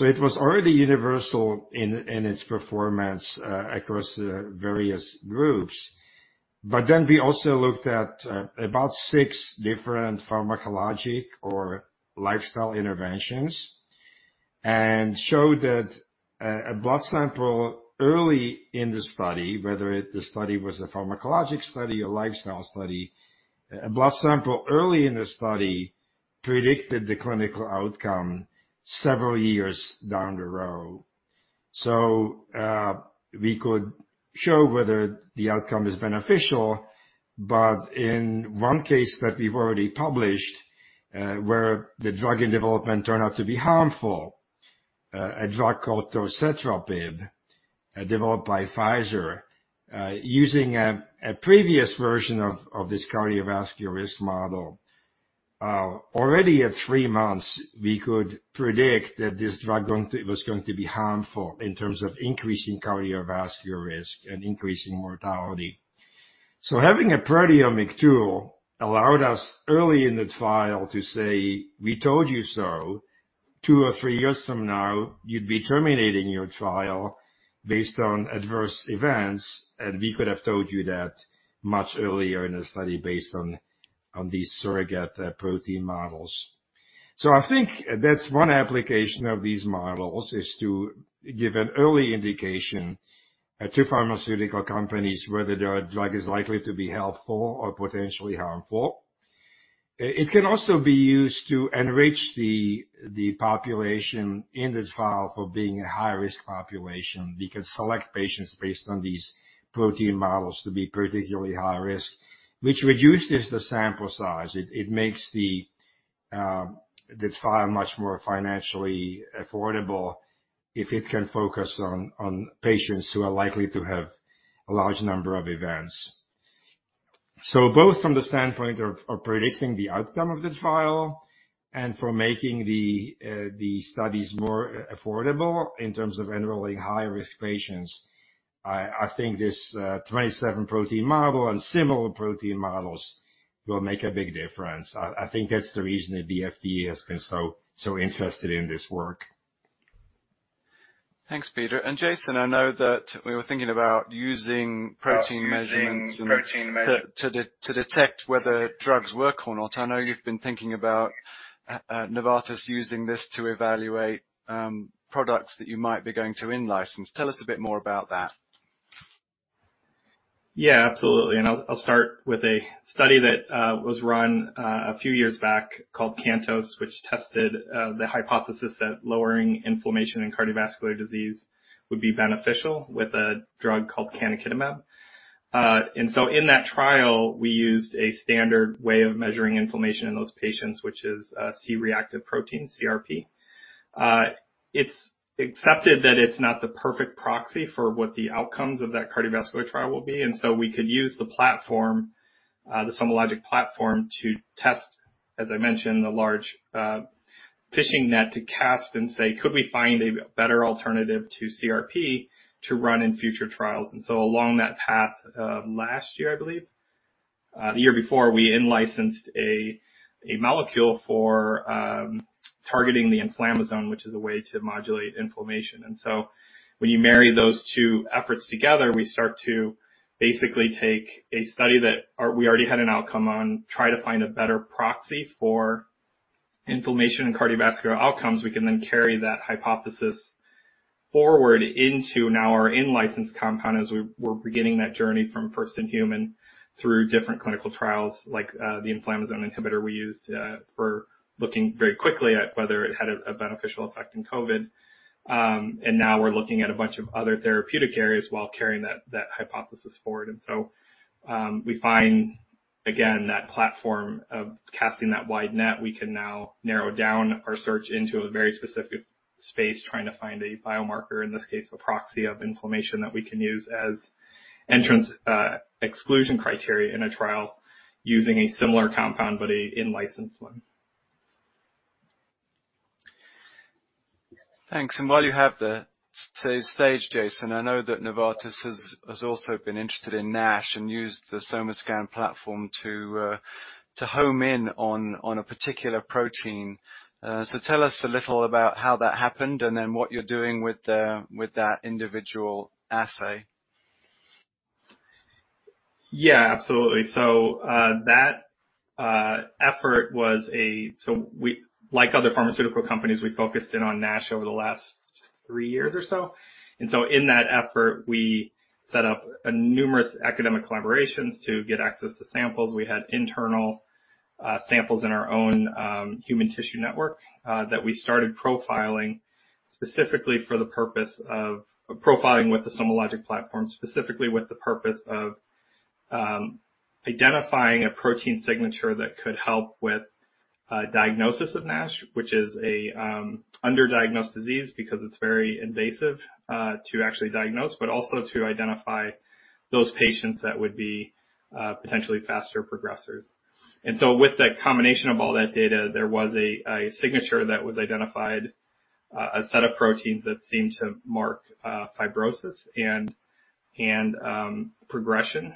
It was already universal in its performance across various groups. We also looked at about six different pharmacologic or lifestyle interventions and showed that a blood sample early in the study, the study was a pharmacologic study, a lifestyle study, a blood sample early in the study predicted the clinical outcome several years down the road. We could show whether the outcome is beneficial, but in one case that we've already published, where the drug in development turned out to be harmful, a drug called torcetrapib, developed by Pfizer, using a previous version of this cardiovascular risk model. Already at three months, we could predict that this drug was going to be harmful in terms of increasing cardiovascular risk and increasing mortality. Having a proteomic tool allowed us early in the trial to say, "We told you so. Two or three years from now, you'd be terminating your trial based on adverse events, and we could have told you that much earlier in the study based on these surrogate protein models." I think that's one application of these models, is to give an early indication to pharmaceutical companies whether their drug is likely to be helpful or potentially harmful. It can also be used to enrich the population in the trial for being a high-risk population. We can select patients based on these protein models to be particularly high risk, which reduces the sample size. It makes the trial much more financially affordable if it can focus on patients who are likely to have a large number of events. Both from the standpoint of predicting the outcome of the trial and for making the studies more affordable in terms of enrolling high-risk patients, I think this 27-protein model and similar protein models will make a big difference. I think that's the reason that the FDA has been so interested in this work. Thanks, Peter. Jason, I know that we were thinking about using protein measurements to detect whether drugs work or not. I know you've been thinking about Novartis using this to evaluate products that you might be going to in-license. Tell us a bit more about that. Yeah, absolutely. I'll start with a study that was run a few years back called CANTOS, which tested the hypothesis that lowering inflammation in cardiovascular disease would be beneficial with a drug called canakinumab. In that trial, we used a standard way of measuring inflammation in those patients, which is C-reactive protein, CRP. It's accepted that it's not the perfect proxy for what the outcomes of that cardiovascular trial will be, and so we could use the platform, the SomaLogic platform to test, as I mentioned, the large fishing net to cast and say, "Could we find a better alternative to CRP to run in future trials?" Along that path, last year, I believe, the year before, we in-licensed a molecule for targeting the inflammasome, which is a way to modulate inflammation. When you marry those two efforts together, we start to basically take a study that we already had an outcome on to try to find a better proxy for inflammation in cardiovascular outcomes. We can then carry that hypothesis forward into now our in-licensed compound as we're beginning that journey from first-in-human through different clinical trials, like the inflammasome inhibitor we used for looking very quickly at whether it had a beneficial effect in COVID. Now we're looking at a bunch of other therapeutic areas while carrying that hypothesis forward. We find, again, that platform of casting that wide net. We can now narrow down our search into a very specific space, trying to find a biomarker, in this case, a proxy of inflammation that we can use as inclusion, exclusion criteria in a trial using a similar compound but a in-licensed one. Thanks. While you have the stage, Jason, I know that Novartis has also been interested in NASH and used the SomaScan platform to home in on a particular protein. Tell us a little about how that happened and then what you're doing with that individual assay. Yeah, absolutely. We, like other pharmaceutical companies, focused in on NASH over the last three years or so. In that effort, we set up numerous academic collaborations to get access to samples. We had internal samples in our own human tissue network that we started profiling specifically for the purpose of profiling with the SomaLogic platform, specifically with the purpose of identifying a protein signature that could help with diagnosis of NASH, which is an under-diagnosed disease because it's very invasive to actually diagnose, but also to identify those patients that would be potentially faster progressors. With the combination of all that data, there was a signature that was identified, a set of proteins that seemed to mark fibrosis and progression.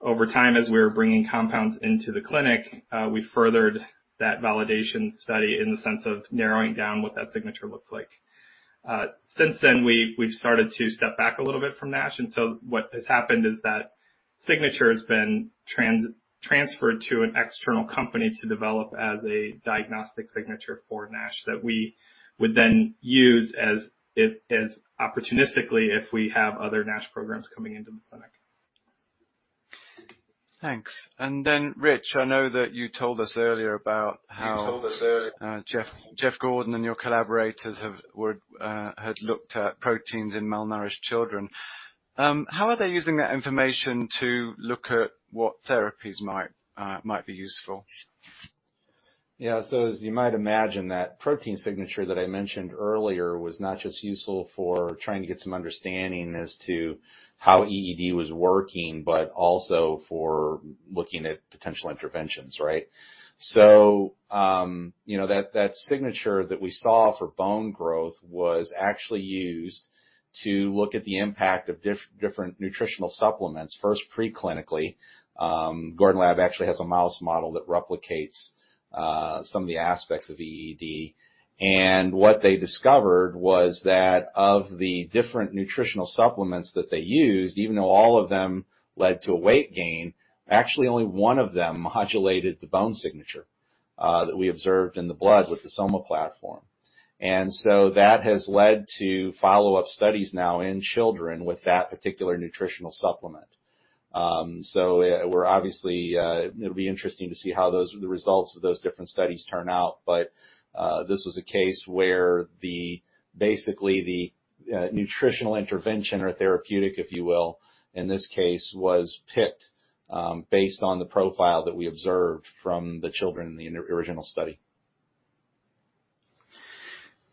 Over time, as we were bringing compounds into the clinic, we furthered that validation study in the sense of narrowing down what that signature looks like. Since then, we've started to step back a little bit from NASH, what has happened is that signature has been transferred to an external company to develop as a diagnostic signature for NASH that we would then use opportunistically if we have other NASH programs coming into the clinic. Thanks. Rich, I know that you told us earlier about how Jeff Gordon and your collaborators had looked at proteins in malnourished children. How are they using that information to look at what therapies might be useful? Yeah. As you might imagine, that protein signature that I mentioned earlier was not just useful for trying to get some understanding as to how EED was working, but also for looking at potential interventions, right? That signature that we saw for bone growth was actually used to look at the impact of different nutritional supplements, first pre-clinically. Gordon Lab actually has a mouse model that replicates some of the aspects of EED. What they discovered was that of the different nutritional supplements that they used, even though all of them led to a weight gain, actually only one of them modulated the bone signature that we observed in the blood with the Soma platform. That has led to follow-up studies now in children with that particular nutritional supplement. We're obviously—it'll be interesting to see how the results of those different studies turn out. This was a case where basically the nutritional intervention or therapeutic, if you will, in this case was picked based on the profile that we observed from the children in the original study.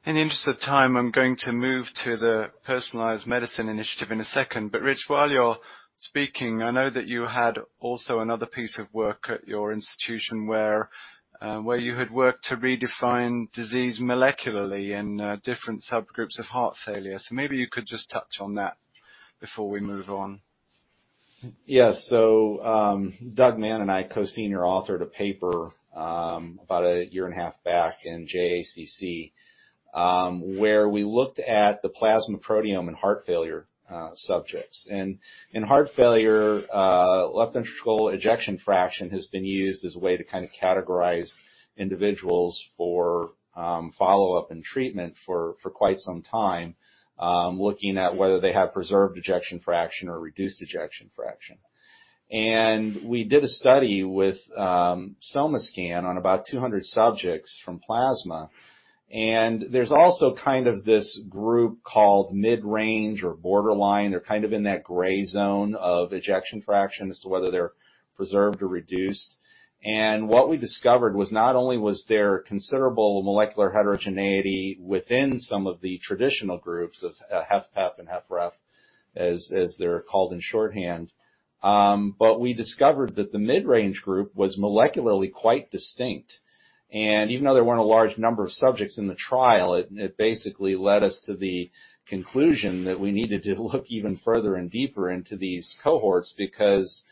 In the interest of time, I'm going to move to the personalized medicine initiative in a second. Rich, while you're speaking, I know that you had also another piece of work at your institution where you had worked to redefine disease molecularly in different subgroups of heart failure. Maybe you could just touch on that before we move on. Yes. Doug Mann and I co-senior authored a paper about a year and a half back in JACC, where we looked at the plasma proteome in heart failure subjects. In heart failure, left ventricle ejection fraction has been used as a way to kinda categorize individuals for follow-up and treatment for quite some time, looking at whether they have preserved ejection fraction or reduced ejection fraction. We did a study with SomaScan on about 200 subjects from plasma. There's also kind of this group called mid-range or borderline. They're kind of in that gray zone of ejection fraction as to whether they're preserved or reduced. What we discovered was not only was there considerable molecular heterogeneity within some of the traditional groups of HFpEF and HFrEF, as they're called in shorthand. We discovered that the mid-range group was molecularly quite distinct. Even though there weren't a large number of subjects in the trial, it basically led us to the conclusion that we needed to look even further and deeper into these cohorts because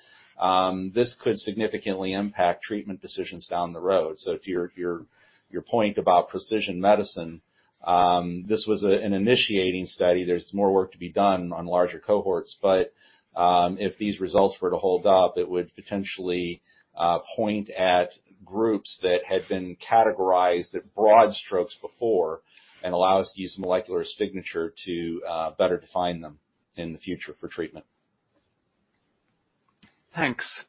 this could significantly impact treatment decisions down the road. To your point about precision medicine, this was an initiating study. There's more work to be done on larger cohorts. If these results were to hold up, it would potentially point at groups that had been categorized at broad strokes before and allow us to use molecular signature to better define them in the future for treatment. Thanks.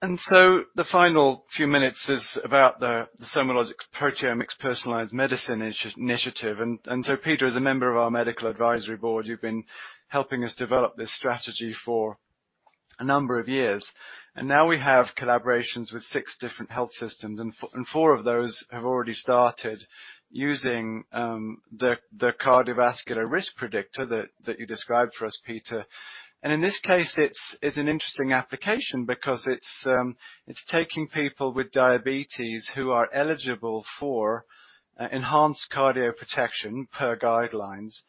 The final few minutes is about SomaLogic's proteomics personalized medicine initiative. Peter, as a member of our medical advisory board, you've been helping us develop this strategy for a number of years. Now we have collaborations with six different health systems, and four of those have already started using the cardiovascular risk predictor that you described for us, Peter. In this case, it's an interesting application because it's taking people with diabetes who are eligible for enhanced cardioprotection per guidelines,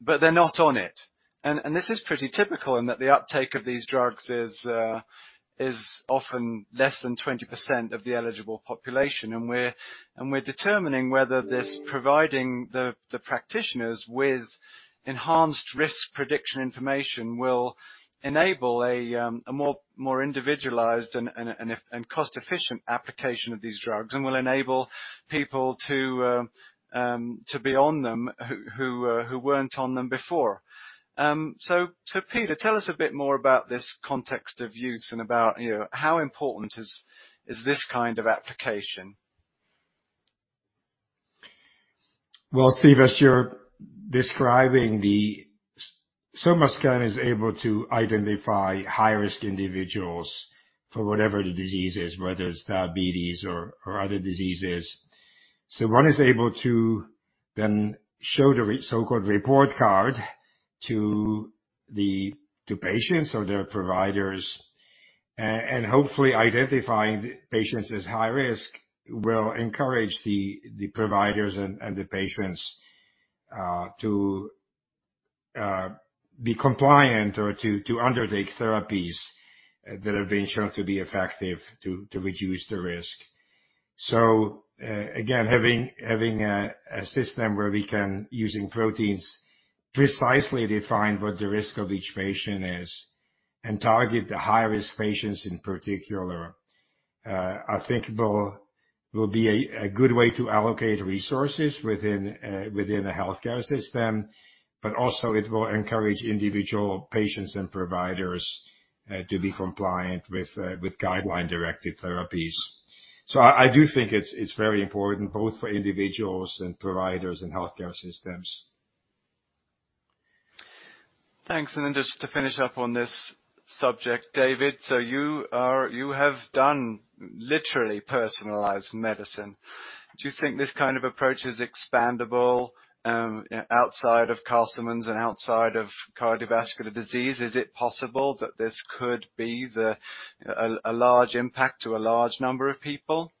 but they're not on it. This is pretty typical in that the uptake of these drugs is often less than 20% of the eligible population. We're determining whether this providing the practitioners with enhanced risk prediction information will enable a more individualized and cost-efficient application of these drugs and will enable people to be on them who weren't on them before. Peter, tell us a bit more about this context of use and about, you know, how important is this kind of application? Well, Steve, as you're describing, the SomaScan is able to identify high-risk individuals for whatever the disease is, whether it's diabetes or other diseases. One is able to then show the so-called report card to the patients or their providers. Hopefully identifying patients as high risk will encourage the providers and the patients to be compliant or to undertake therapies that have been shown to be effective to reduce the risk. Again, having a system where we can, using proteins, precisely define what the risk of each patient is and target the high-risk patients in particular, I think will be a good way to allocate resources within the healthcare system, but also it will encourage individual patients and providers to be compliant with guideline-directed therapies. I do think it's very important both for individuals and providers and healthcare systems. Thanks. Just to finish up on this subject. David, so you have done literally personalized medicine. Do you think this kind of approach is expandable outside of Castleman's and outside of cardiovascular disease? Is it possible that this could be a large impact to a large number of people?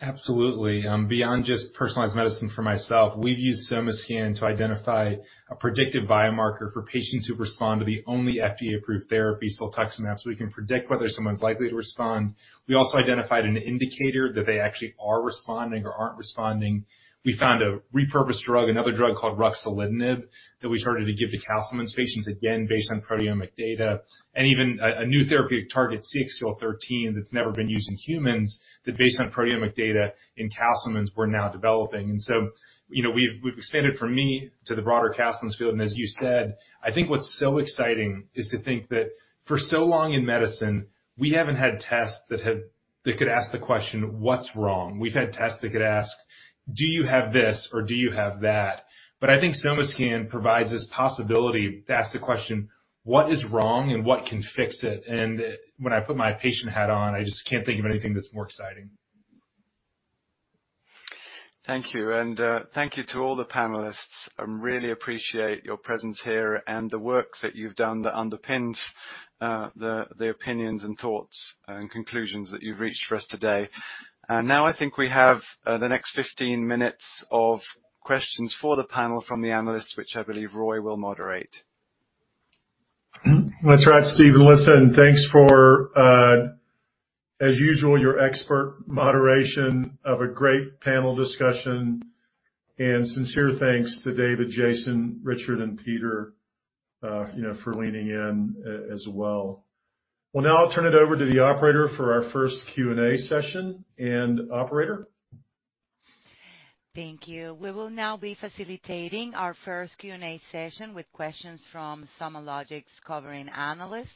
Absolutely. Beyond just personalized medicine for myself, we've used SomaScan to identify a predictive biomarker for patients who respond to the only FDA-approved therapy, siltuximab, so we can predict whether someone's likely to respond. We also identified an indicator that they actually are responding or aren't responding. We found a repurposed drug, another drug called ruxolitinib, that we started to give to Castleman's patients, again, based on proteomic data. Even a new therapy that targets CXCL13 that's never been used in humans that based on proteomic data in Castleman's, we're now developing. You know, we've expanded from me to the broader Castleman's field. As you said, I think what's so exciting is to think that for so long in medicine, we haven't had tests that could ask the question, "What's wrong?" We've had tests that could ask, "Do you have this or do you have that?" I think SomaScan provides this possibility to ask the question, "What is wrong and what can fix it?" When I put my patient hat on, I just can't think of anything that's more exciting. Thank you. Thank you to all the panelists. I really appreciate your presence here and the work that you've done that underpins the opinions and thoughts and conclusions that you've reached for us today. Now I think we have the next 15 minutes of questions for the panel from the analysts, which I believe Roy will moderate. That's right, Steve and listen, and thanks for, as usual, your expert moderation of a great panel discussion and sincere thanks to David, Jason, Richard, and Peter, you know, for leaning in as well. Well, now I'll turn it over to the operator for our first Q&A session. Operator. Thank you. We will now be facilitating our first Q&A session with questions from SomaLogic's covering analysts.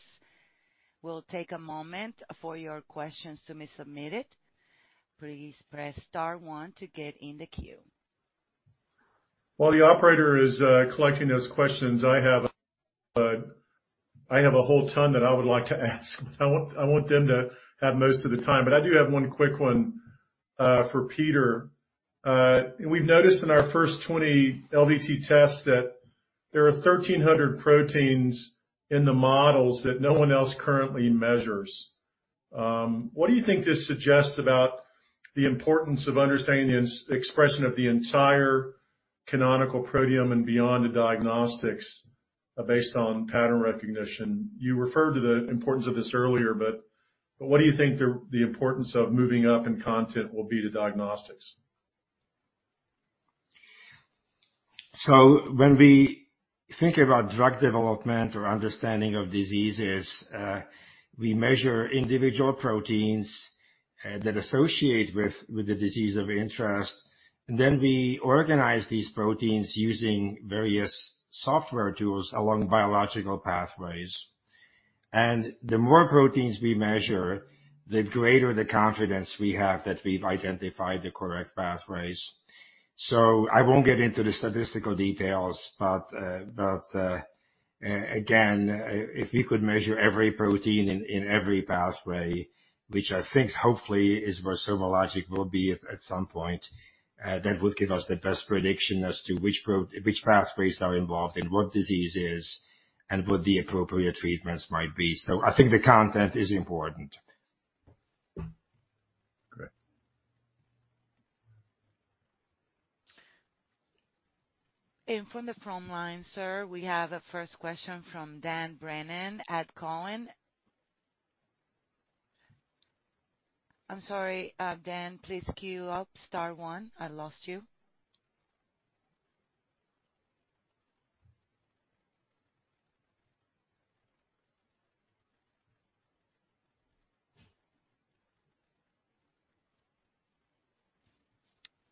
We'll take a moment for your questions to be submitted. Please press star one to get in the queue. While the operator is collecting those questions, I have a whole ton that I would like to ask. I want them to have most of the time, but I do have one quick one for Peter. We've noticed in our first 20 LDT tests that there are 1300 proteins in the models that no one else currently measures. What do you think this suggests about the importance of understanding the expression of the entire canonical proteome and beyond the diagnostics based on pattern recognition? You referred to the importance of this earlier, but what do you think the importance of moving up in content will be to diagnostics? When we think about drug development or understanding of diseases, we measure individual proteins that associate with the disease of interest, and then we organize these proteins using various software tools along biological pathways. The more proteins we measure, the greater the confidence we have that we've identified the correct pathways. I won't get into the statistical details, but again, if we could measure every protein in every pathway, which I think hopefully is where SomaLogic will be at some point, that would give us the best prediction as to which pathways are involved and what diseases and what the appropriate treatments might be. I think the content is important. Great. From the phone line, sir, we have a first question from Dan Brennan at Cowen. I'm sorry, Dan, please queue up star one. I lost you.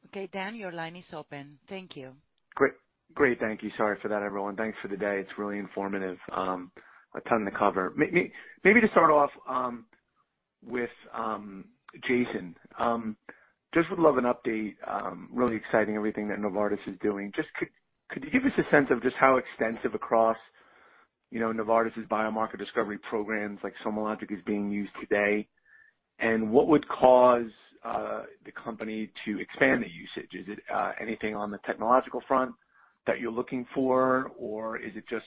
Okay, Dan, your line is open. Thank you. Great, thank you. Sorry for that, everyone. Thanks for the day. It's really informative. A ton to cover. Maybe to start off with Jason. Just would love an update, really exciting everything that Novartis is doing. Just could you give us a sense of just how extensive across, you know, Novartis' biomarker discovery programs like SomaLogic is being used today? And what would cause the company to expand the usage? Is it anything on the technological front that you're looking for? Or is it just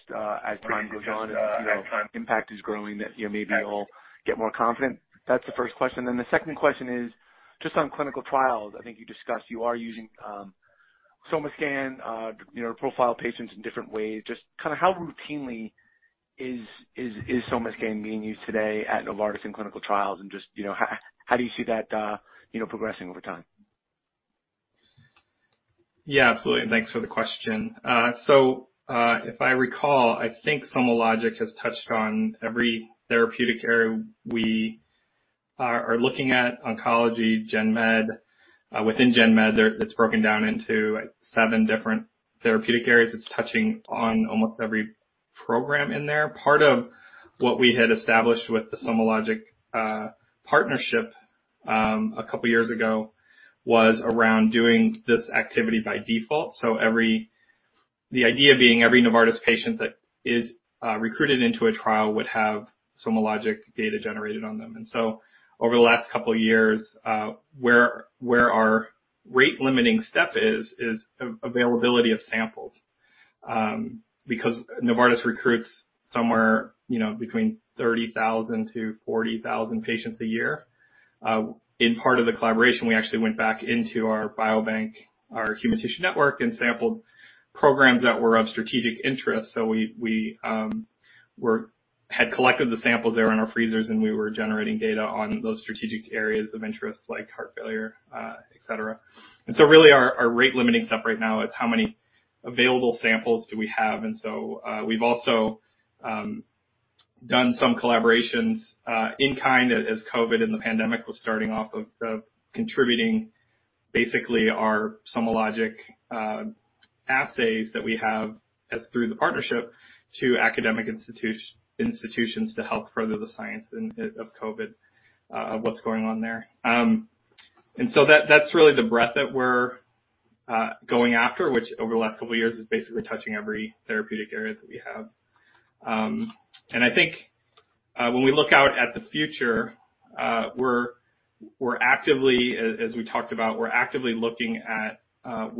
as time goes on, you know, impact is growing that, you know, maybe you'll get more confident? That's the first question. Then the second question is just on clinical trials. I think you discussed you are using SomaScan, you know, profile patients in different ways. Just kinda how routinely is SomaScan being used today at Novartis in clinical trials? Just, you know, how do you see that, you know, progressing over time? Yeah, absolutely. Thanks for the question. If I recall, I think SomaLogic has touched on every therapeutic area we are looking at oncology, gen med. Within gen med, it's broken down into seven different therapeutic areas. It's touching on almost every program in there. Part of what we had established with the SomaLogic partnership a couple years ago was around doing this activity by default. The idea being every Novartis patient that is recruited into a trial would have SomaLogic data generated on them. Over the last couple years, where our rate limiting step is availability of samples. Because Novartis recruits somewhere, you know, between 30,000-40,000 patients a year. In part of the collaboration, we actually went back into our biobank, our human tissue network, and sampled programs that were of strategic interest. We had collected the samples that are in our freezers, and we were generating data on those strategic areas of interest like heart failure, et cetera. We've also done some collaborations in kind as COVID and the pandemic was starting by contributing basically our SomaLogic assays that we have through the partnership to academic institutions to help further the science of COVID and what's going on there. That’s really the breadth that we’re going after, which over the last couple of years is basically touching every therapeutic area that we have. I think when we look out at the future, we’re actively, as we talked about, actively looking at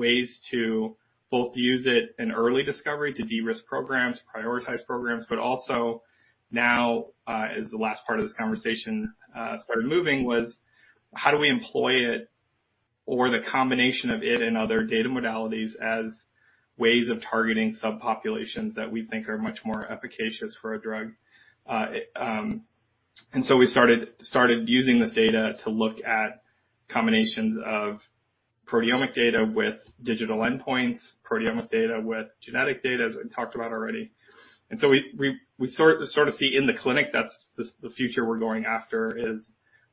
ways to both use it in early discovery to de-risk programs, prioritize programs, but also now, as the last part of this conversation started moving, was how do we employ it or the combination of it and other data modalities as ways of targeting subpopulations that we think are much more efficacious for a drug. We started using this data to look at combinations of proteomic data with digital endpoints, proteomic data with genetic data, as I talked about already. We sort of see in the clinic. That's the future we're going after is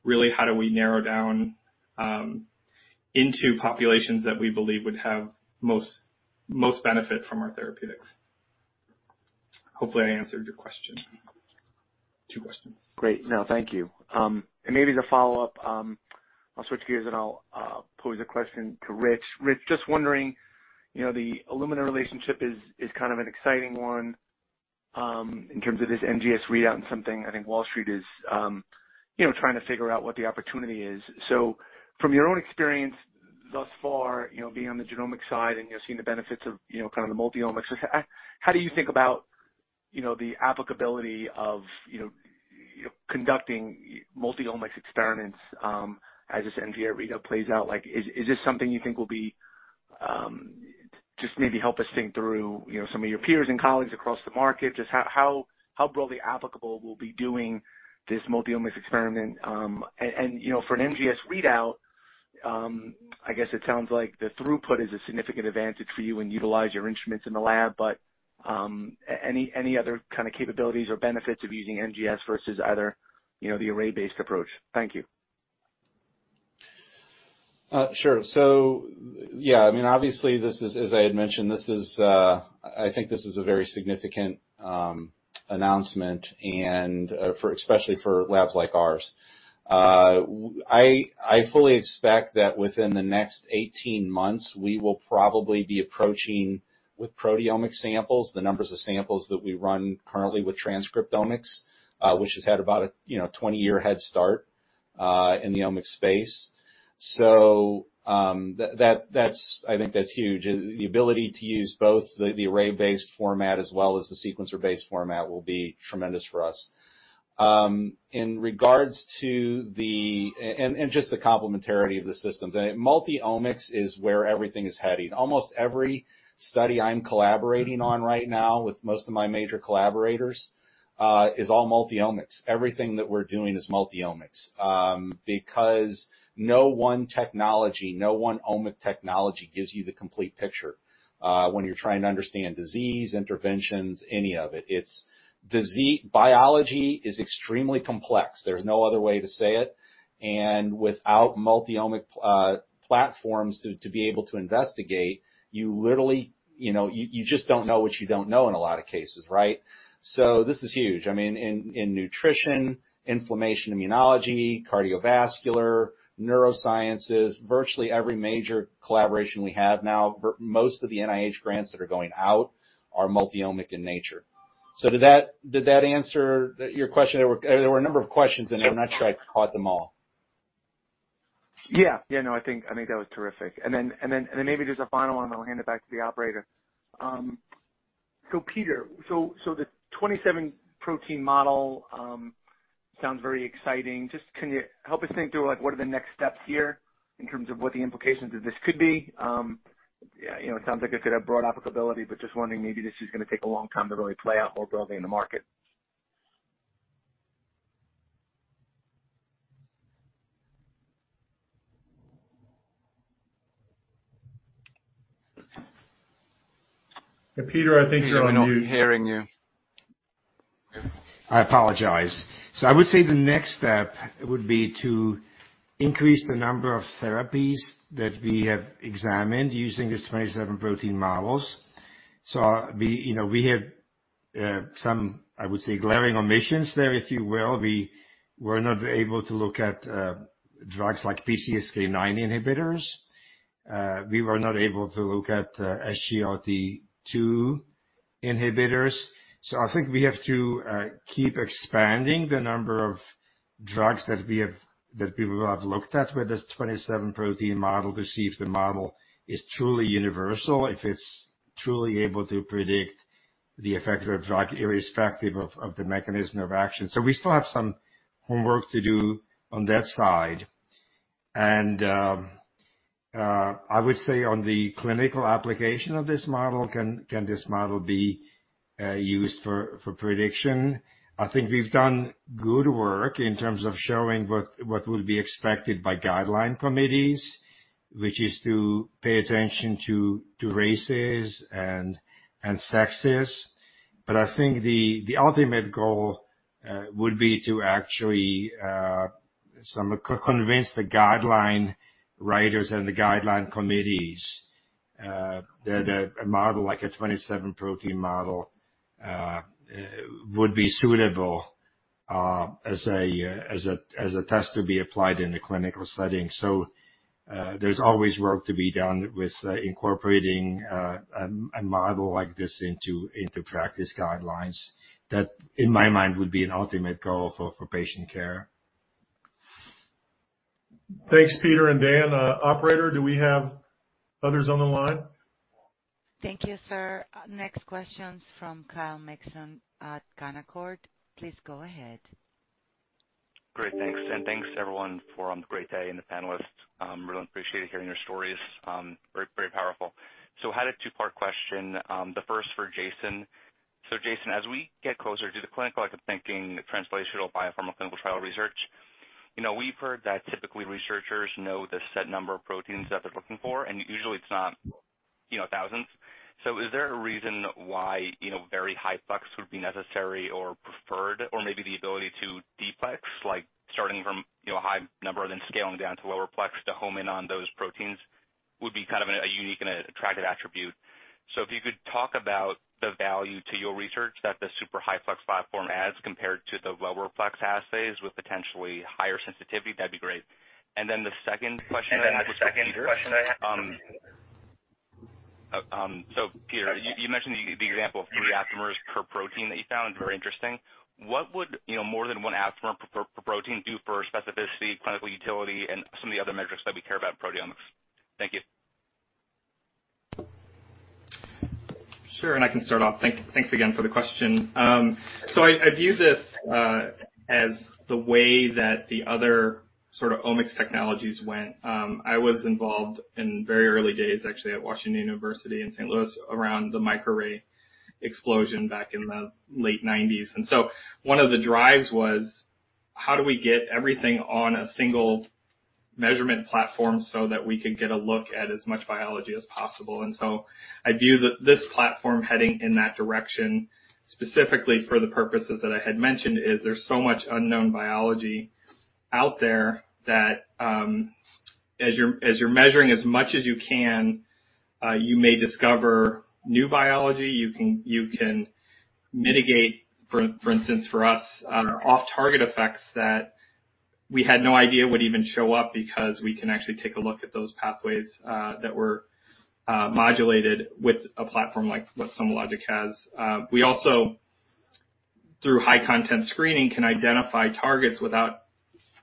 really how do we narrow down into populations that we believe would have most benefit from our therapeutics. Hopefully, I answered your question, two questions. Great. No, thank you. Maybe to follow up, I'll switch gears and pose a question to Rich. Rich, just wondering, you know, the Illumina relationship is kind of an exciting one in terms of this NGS readout and something I think Wall Street is, you know, trying to figure out what the opportunity is. From your own experience thus far, you know, being on the genomic side and, you know, seeing the benefits of, you know, kind of the multi-omics, how do you think about, you know, the applicability of, you know, conducting multi-omics experiments as this NGS readout plays out? Like, is this something you think will be just maybe help us think through, you know, some of your peers and colleagues across the market. Just how broadly applicable we'll be doing this multi-omics experiment. You know, for an NGS readout, I guess it sounds like the throughput is a significant advantage for you and utilize your instruments in the lab. Any other kind of capabilities or benefits of using NGS versus other, you know, the array-based approach? Thank you. Sure. Yeah, I mean, obviously this is, as I had mentioned, a very significant announcement, especially for labs like ours. I fully expect that within the next 18 months, we will probably be approaching with proteomic samples the numbers of samples that we run currently with transcriptomics, which has had about a you know 20-year head start in the omics space. I think that's huge. The ability to use both the array-based format as well as the sequencer-based format will be tremendous for us. In regards to the complementarity of the systems, multi-omics is where everything is heading. Almost every study I'm collaborating on right now with most of my major collaborators is all multi-omics. Everything that we're doing is multi-omics, because no one technology, no one omic technology gives you the complete picture, when you're trying to understand disease, interventions, any of it. Biology is extremely complex. There's no other way to say it. Without multi-omic platforms to be able to investigate, you literally, you know, you just don't know what you don't know in a lot of cases, right? This is huge. I mean, in nutrition, inflammation, immunology, cardiovascular, neurosciences, virtually every major collaboration we have now, most of the NIH grants that are going out are multi-omic in nature. Did that answer your question? There were a number of questions in there. I'm not sure I caught them all. Yeah, no, I think that was terrific. Maybe just a final one, then we'll hand it back to the operator. Peter, the 27-protein model sounds very exciting. Just, can you help us think through, like, what are the next steps here in terms of what the implications of this could be? You know, it sounds like this could have broad applicability, but just wondering, maybe this is gonna take a long time to really play out more broadly in the market. Peter, I think you're on mute. We're not hearing you. I apologize. I would say the next step would be to increase the number of therapies that we have examined using these 27-protein models. We, you know, we have some, I would say, glaring omissions there, if you will. We were not able to look at drugs like PCSK9 inhibitors. We were not able to look at SGLT2 inhibitors. I think we have to keep expanding the number of drugs that we have, that we will have looked at with this 27-protein model to see if the model is truly universal, if it's truly able to predict the effect of a drug irrespective of the mechanism of action. We still have some homework to do on that side. I would say on the clinical application of this model, can this model be used for prediction? I think we've done good work in terms of showing what will be expected by guideline committees, which is to pay attention to races and sexes. I think the ultimate goal would be to actually convince the guideline writers and the guideline committees that a model like a 27-protein model would be suitable as a test to be applied in a clinical setting. There's always work to be done with incorporating a model like this into practice guidelines. That, in my mind, would be an ultimate goal for patient care. Thanks, Peter and Dan. Operator, do we have others on the line? Thank you, sir. Next question's from Kyle Mikson at Canaccord Genuity. Please go ahead. Great. Thanks. Thanks everyone for the great day, and the panelists, really appreciated hearing your stories. Very, very powerful. I had a two-part question. The first for Jason. Jason, as we get closer to the clinical, like I'm thinking translational bio from a clinical trial research, you know, we've heard that typically researchers know the set number of proteins that they're looking for, and usually it's not, you know, thousands. Is there a reason why, you know, very high plex would be necessary or preferred, or maybe the ability to de-plex, like starting from, you know, a high number and then scaling down to lower plex to home in on those proteins would be kind of a unique and attractive attribute. If you could talk about the value to your research that the super high-plex platform adds compared to the lower-plex assays with potentially higher sensitivity, that'd be great. Then the second question I have is for Peter. Peter, you mentioned the example of three aptamers per protein that you found. Very interesting. What would, you know, more than one aptamer per protein do for specificity, clinical utility, and some of the other metrics that we care about in proteomics? Thank you. Sure, I can start off. Thanks again for the question. I view this as the way that the other sort of omics technologies went. I was involved in very early days, actually at Washington University in St. Louis, around the microarray explosion back in the late 1990s. One of the drives was how do we get everything on a single measurement platform so that we could get a look at as much biology as possible. I view this platform heading in that direction specifically for the purposes that I had mentioned. There's so much unknown biology out there that as you're measuring as much as you can, you may discover new biology. You can mitigate, for instance, for us, off-target effects that we had no idea would even show up because we can actually take a look at those pathways that were modulated with a platform like what SomaLogic has. We also through high-content screening can identify targets without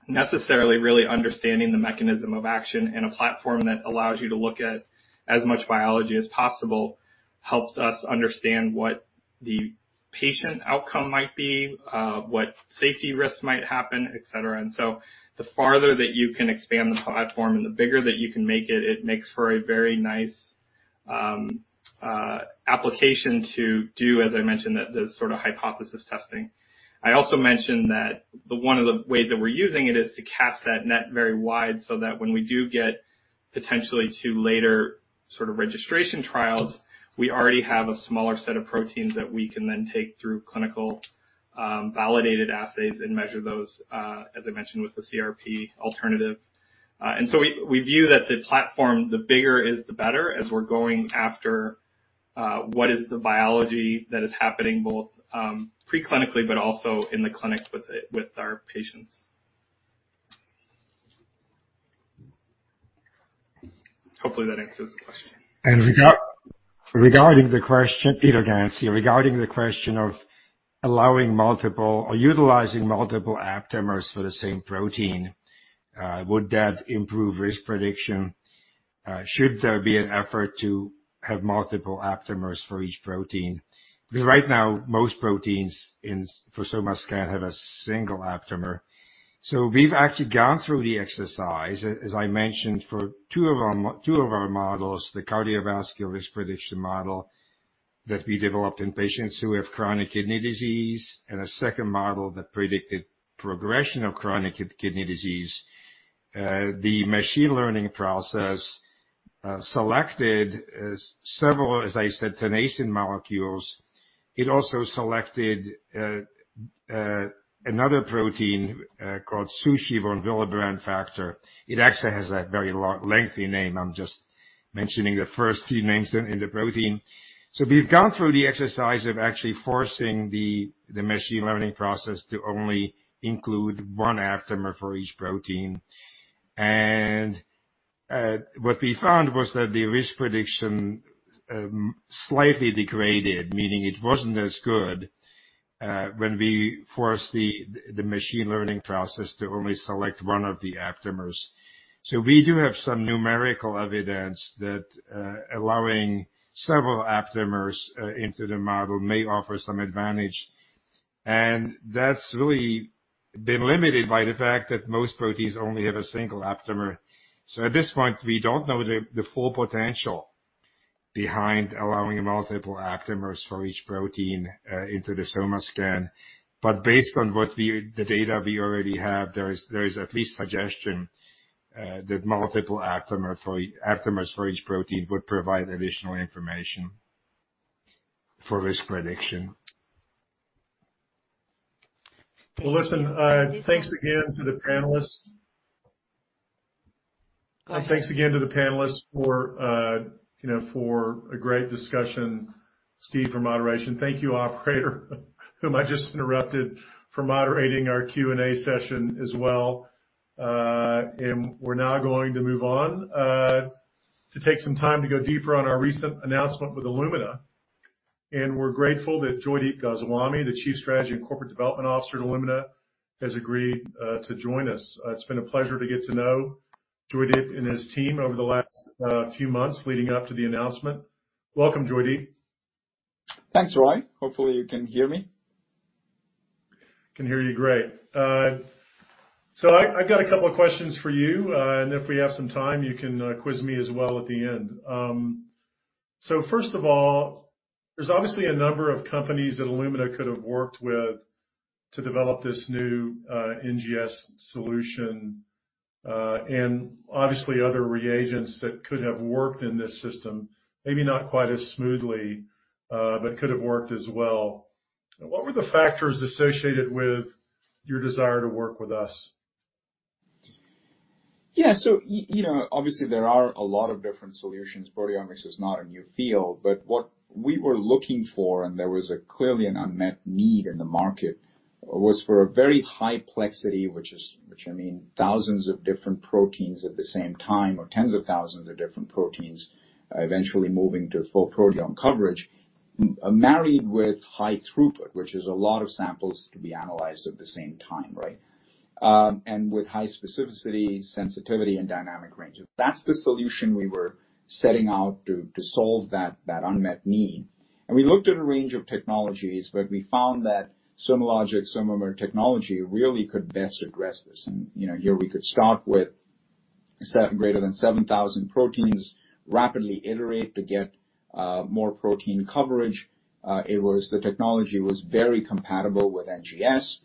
necessarily really understanding the mechanism of action in a platform that allows you to look at as much biology as possible, helps us understand what the patient outcome might be, what safety risks might happen, etc. The farther that you can expand the platform and the bigger that you can make it makes for a very nice application to do, as I mentioned, the sort of hypothesis testing. I also mentioned that one of the ways that we're using it is to cast that net very wide so that when we do get potentially to later sort of registration trials, we already have a smaller set of proteins that we can then take through clinical validated assays and measure those, as I mentioned with the CRP alternative. We view that the platform, the bigger is the better as we're going after what is the biology that is happening both pre-clinically but also in the clinic with it, with our patients. Hopefully that answers the question. Regarding the question, Peter Ganz here. Regarding the question of allowing multiple or utilizing multiple aptamers for the same protein, would that improve risk prediction? Should there be an effort to have multiple aptamers for each protein? Because right now most proteins for SomaScan have a single aptamer. We've actually gone through the exercise, as I mentioned, for two of our models, the cardiovascular risk prediction model that we developed in patients who have chronic kidney disease, and a second model that predicted progression of chronic kidney disease. The machine learning process selected several, as I said, tenascin molecules. It also selected another protein called Sushi, von Willebrand factor. It actually has a very long, lengthy name, I'm just mentioning the first few names in the protein. We've gone through the exercise of actually forcing the machine learning process to only include one aptamer for each protein. What we found was that the risk prediction slightly degraded, meaning it wasn't as good when we forced the machine learning process to only select one of the aptamers. We do have some numerical evidence that allowing several aptamers into the model may offer some advantage, and that's really been limited by the fact that most proteins only have a single aptamer. At this point, we don't know the full potential behind allowing multiple aptamers for each protein into the SomaScan. Based on the data we already have, there is at least suggestion that multiple aptamers for each protein would provide additional information for risk prediction. Well, listen, thanks again to the panelists. Thanks again to the panelists for, you know, for a great discussion. Thanks to Steve for moderation. Thank you, operator, whom I just interrupted for moderating our Q&A session as well. We're now going to move on to take some time to go deeper on our recent announcement with Illumina. We're grateful that Joydeep Goswami, the Chief Strategy and Corporate Development Officer at Illumina, has agreed to join us. It's been a pleasure to get to know Joydeep and his team over the last few months leading up to the announcement. Welcome, Joydeep. Thanks, Roy. Hopefully, you can hear me. I can hear you great. I've got a couple of questions for you, and if we have some time, you can quiz me as well at the end. First of all, there's obviously a number of companies that Illumina could have worked with to develop this new NGS solution, and obviously other reagents that could have worked in this system, maybe not quite as smoothly, but could have worked as well. What were the factors associated with your desire to work with us? You know, obviously there are a lot of different solutions. Proteomics is not a new field, but what we were looking for, and there was clearly an unmet need in the market, was for a very high plexity, which I mean thousands of different proteins at the same time or tens of thousands of different proteins, eventually moving to full proteome coverage, married with high throughput, which is a lot of samples to be analyzed at the same time, right? And with high specificity, sensitivity, and dynamic range. That's the solution we were setting out to solve that unmet need. We looked at a range of technologies, but we found that SomaLogic's SOMAmer technology really could best address this. You know, here we could start with greater than 7,000 proteins, rapidly iterate to get more protein coverage. The technology was very compatible with NGS.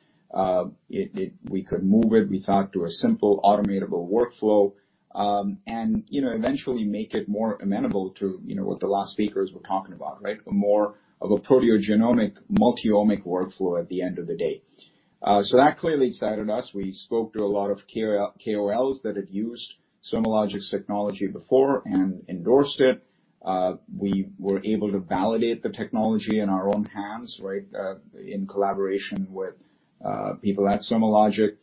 We could move it, we thought, to a simple automatable workflow, and, you know, eventually make it more amenable to, you know, what the last speakers were talking about, right, a more of a proteogenomics multi-omic workflow at the end of the day. That clearly excited us. We spoke to a lot of KOLs that have used SomaLogic's technology before and endorsed it. We were able to validate the technology in our own hands, right, in collaboration with people at SomaLogic.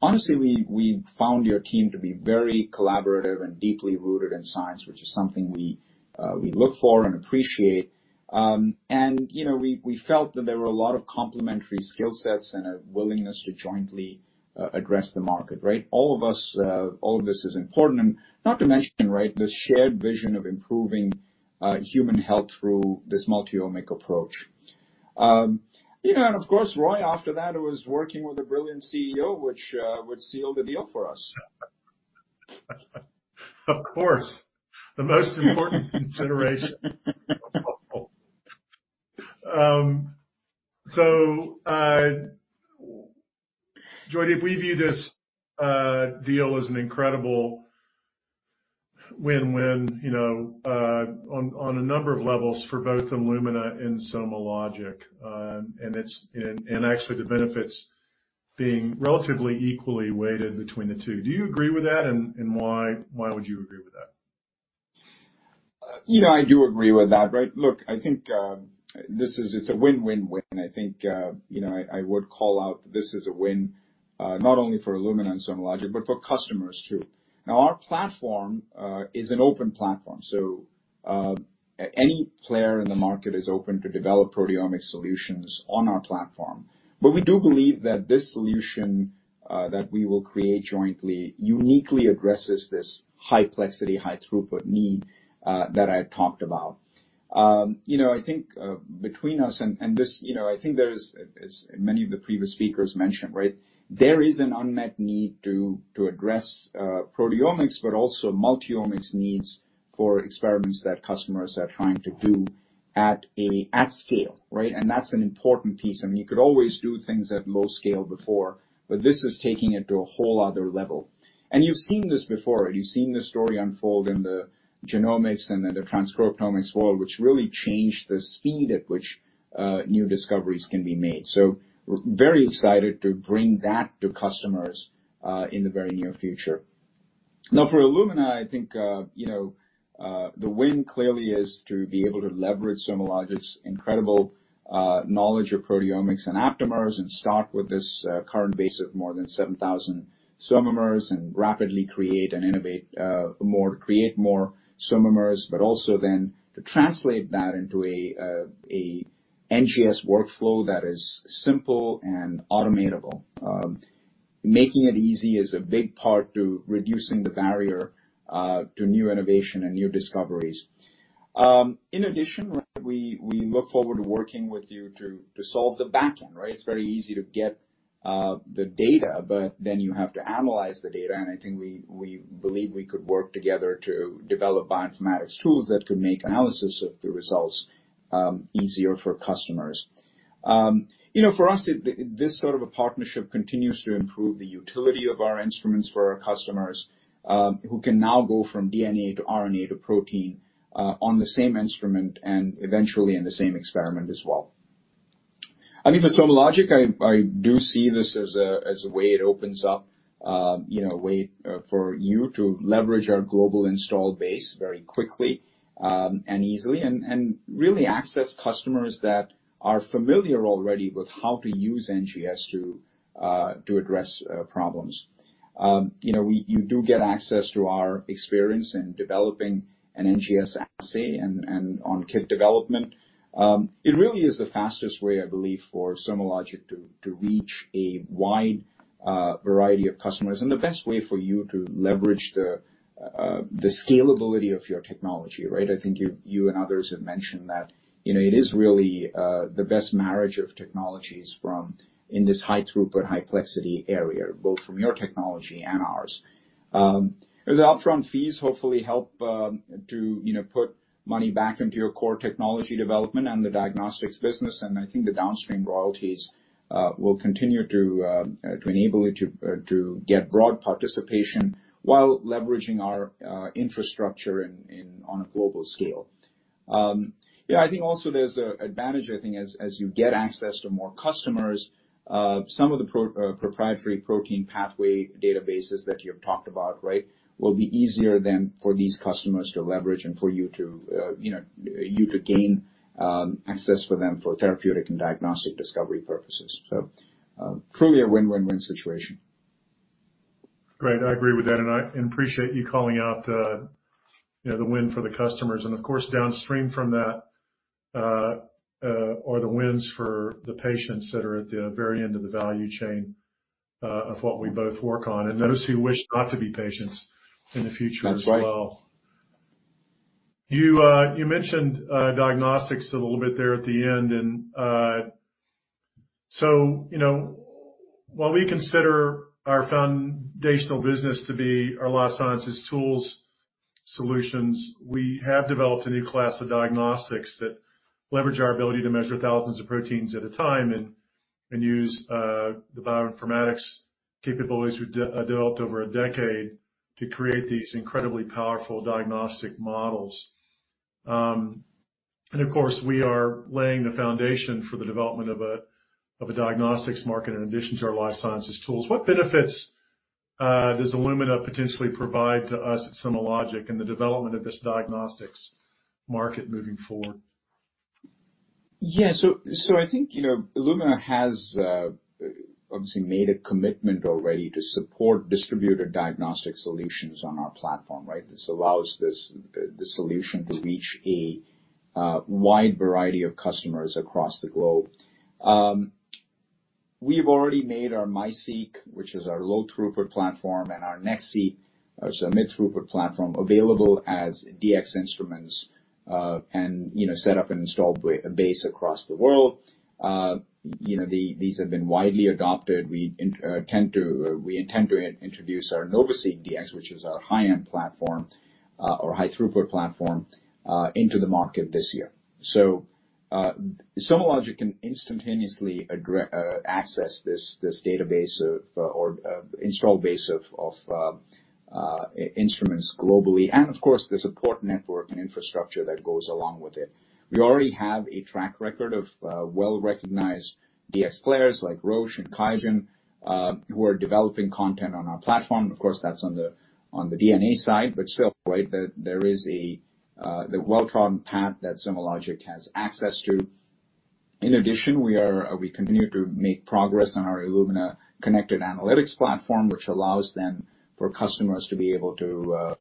Honestly, we found your team to be very collaborative and deeply rooted in science, which is something we look for and appreciate. You know, we felt that there were a lot of complementary skill sets and a willingness to jointly address the market, right? All of us, all of this is important. Not to mention, right, the shared vision of improving human health through this multi-omic approach. You know, of course, Roy, after that, it was working with a brilliant CEO, which would seal the deal for us. Of course. The most important consideration. Joydeep, we view this deal as an incredible win-win, you know, on a number of levels for both Illumina and SomaLogic. It's actually the benefits being relatively equally weighted between the two. Do you agree with that, and why would you agree with that? You know, I do agree with that, right? Look, I think, this is—it's a win-win-win. I think, you know, I would call out this is a win, not only for Illumina and SomaLogic, but for customers, too. Now, our platform is an open platform, so, any player in the market is open to develop proteomic solutions on our platform. But we do believe that this solution, that we will create jointly, uniquely addresses this high-plexity, high-throughput need, that I talked about. You know, I think, between us and this, you know, I think there is, as many of the previous speakers mentioned, right? There is an unmet need to address, proteomics, but also multi-omics needs for experiments that customers are trying to do at scale, right? That's an important piece. I mean, you could always do things at low scale before, but this is taking it to a whole other level. You've seen this before. You've seen this story unfold in the genomics and in the transcriptomics world, which really changed the speed at which new discoveries can be made. We're very excited to bring that to customers in the very near future. Now, for Illumina, I think, you know, the win clearly is to be able to leverage SomaLogic's incredible knowledge of proteomics and aptamers and start with this current base of more than 7,000 SOMAmers and rapidly create and innovate more SOMAmers, but also then to translate that into an NGS workflow that is simple and automatable. Making it easy is a big part to reducing the barrier to new innovation and new discoveries. In addition, we look forward to working with you to solve the [back end], right? It's very easy to get the data, but then you have to analyze the data, and I think we believe we could work together to develop bioinformatics tools that could make analysis of the results easier for customers. You know, for us, this sort of a partnership continues to improve the utility of our instruments for our customers, who can now go from DNA to RNA to protein on the same instrument and eventually in the same experiment as well. I mean, for SomaLogic, I do see this as a way it opens up, you know, a way for you to leverage our global install base very quickly, and easily and really access customers that are familiar already with how to use NGS to address problems. You know, you do get access to our experience in developing an NGS assay and on kit development. It really is the fastest way, I believe, for SomaLogic to reach a wide array of customers, and the best way for you to leverage the scalability of your technology, right? I think you and others have mentioned that, you know, it is really the best marriage of technologies in this high-throughput, high-plex area, both from your technology and ours. Those upfront fees hopefully help to you know put money back into your core technology development and the diagnostics business. I think the downstream royalties will continue to enable you to get broad participation while leveraging our infrastructure in on a global scale. Yeah, I think also there's an advantage I think as you get access to more customers some of the proprietary protein pathway databases that you have talked about right? Will be easier then for these customers to leverage and for you to you know you to gain access for them for therapeutic and diagnostic discovery purposes. Truly a win-win-win situation. Great. I agree with that, and I appreciate you calling out the, you know, the win for the customers. Of course, downstream from that, are the wins for the patients that are at the very end of the value chain, of what we both work on, and those who wish not to be patients in the future as well. That's right. You mentioned diagnostics a little bit there at the end, so you know, while we consider our foundational business to be our life sciences tools solutions, we have developed a new class of diagnostics that leverage our ability to measure thousands of proteins at a time and use the bioinformatics capabilities we developed over a decade to create these incredibly powerful diagnostic models. Of course, we are laying the foundation for the development of a diagnostics market in addition to our life sciences tools. What benefits does Illumina potentially provide to us at SomaLogic in the development of this diagnostics market moving forward? I think, you know, Illumina has obviously made a commitment already to support distributed diagnostic solutions on our platform, right? This allows the solution to reach a wide variety of customers across the globe. We've already made our MiSeq, which is our low-throughput platform, and our NextSeq, our mid-throughput platform, available as DX instruments, and, you know, set up an installed base across the world. You know, these have been widely adopted. We intend to introduce our NovaSeq 6000Dx, which is our high-end platform, or high-throughput platform, into the market this year. SomaLogic can instantaneously access this install base of instruments globally, and of course, the support network and infrastructure that goes along with it. We already have a track record of well-recognized DX players like Roche and QIAGEN who are developing content on our platform. Of course, that's on the DNA side, but still, right, there is the well-trodden path that SomaLogic has access to. In addition, we continue to make progress on our Illumina Connected Analytics platform, which allows for partners to be able to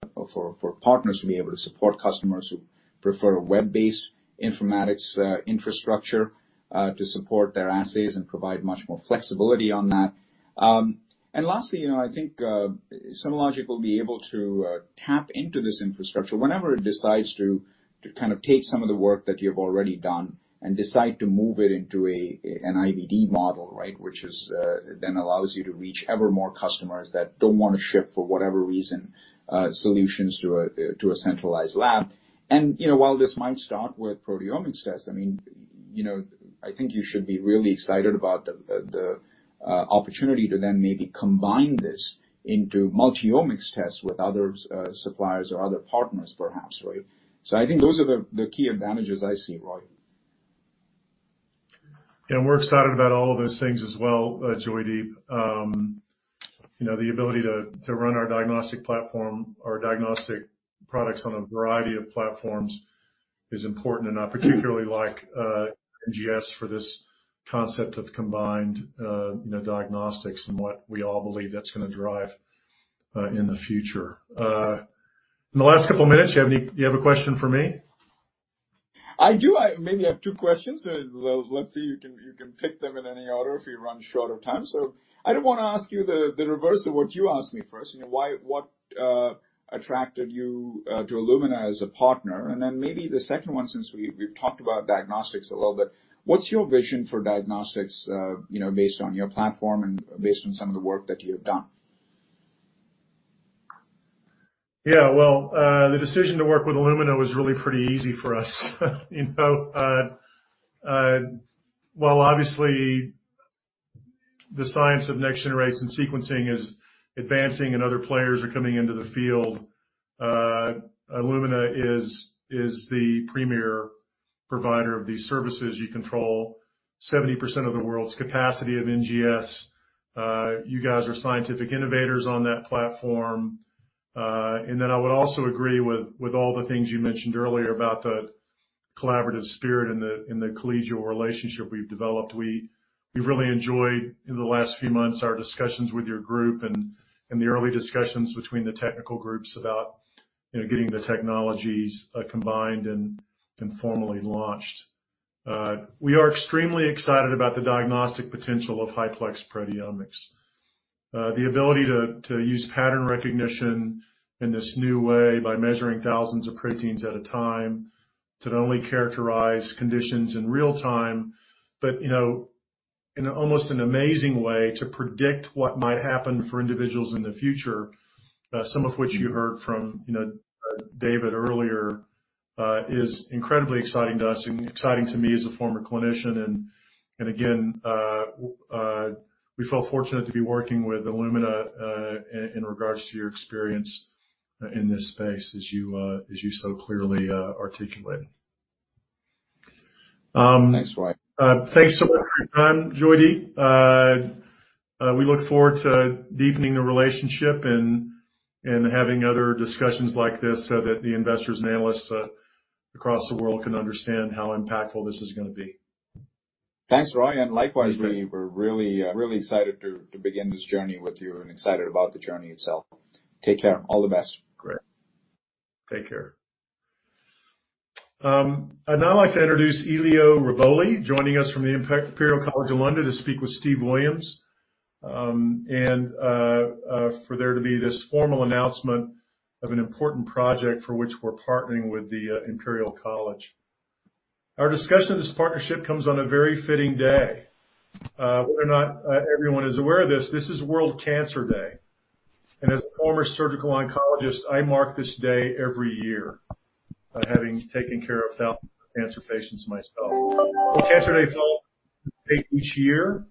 support customers who prefer a web-based informatics infrastructure to support their assays and provide much more flexibility on that. Lastly, you know, I think SomaLogic will be able to tap into this infrastructure whenever it decides to kind of take some of the work that you've already done and decide to move it into an IVD model, right? Which then allows you to reach ever more customers that don't wanna ship for whatever reason solutions to a centralized lab. You know, while this might start with proteomics tests, I mean, you know, I think you should be really excited about the opportunity to then maybe combine this into multi-omics tests with other suppliers or other partners perhaps, right? I think those are the key advantages I see, Roy. Yeah, we're excited about all of those things as well, Joydeep. You know, the ability to run our diagnostic platform, our diagnostic products on a variety of platforms is important. I particularly like NGS for this concept of combined, you know, diagnostics and what we all believe that's gonna drive in the future. In the last couple minutes, you have a question for me? I do. I may have two questions. Well, let's see, you can pick them in any order if we run short of time. I did want to ask you the reverse of what you asked me first. You know, what attracted you to Illumina as a partner? Then maybe the second one, since we've talked about diagnostics a little bit, what's your vision for diagnostics based on your platform and based on some of the work that you've done? Yeah. Well, the decision to work with Illumina was really pretty easy for us. You know, while obviously the science of next-generation sequencing and sequencing is advancing and other players are coming into the field, Illumina is the premier provider of these services. You control 70% of the world's capacity of NGS. You guys are scientific innovators on that platform. Then I would also agree with all the things you mentioned earlier about the collaborative spirit and the collegial relationship we've developed. We've really enjoyed, in the last few months, our discussions with your group and the early discussions between the technical groups about, you know, getting the technologies combined and formally launched. We are extremely excited about the diagnostic potential of high-plex proteomics. The ability to use pattern recognition in this new way by measuring thousands of proteins at a time to not only characterize conditions in real time, but, you know, in almost an amazing way to predict what might happen for individuals in the future, some of which you heard from, you know, David earlier, is incredibly exciting to us and exciting to me as a former clinician. Again, we feel fortunate to be working with Illumina, in regards to your experience, in this space as you so clearly articulated. Thanks, Roy. Thanks so much for your time, Joydeep. We look forward to deepening the relationship and having other discussions like this so that the investors and analysts across the world can understand how impactful this is gonna be. Thanks, Roy, and likewise. Thanks, Joydeep. We're really excited to begin this journey with you and excited about the journey itself. Take care. All the best. Great. Take care. I'd now like to introduce Elio Riboli, joining us from the Imperial College London, to speak with Steve Williams, and for there to be this formal announcement of an important project for which we're partnering with the Imperial College. Our discussion of this partnership comes on a very fitting day. Whether or not everyone is aware of this is World Cancer Day. As a former surgical oncologist, I mark this day every year, having taken care of thousands of cancer patients myself. World Cancer Day falls on the tenth day each year,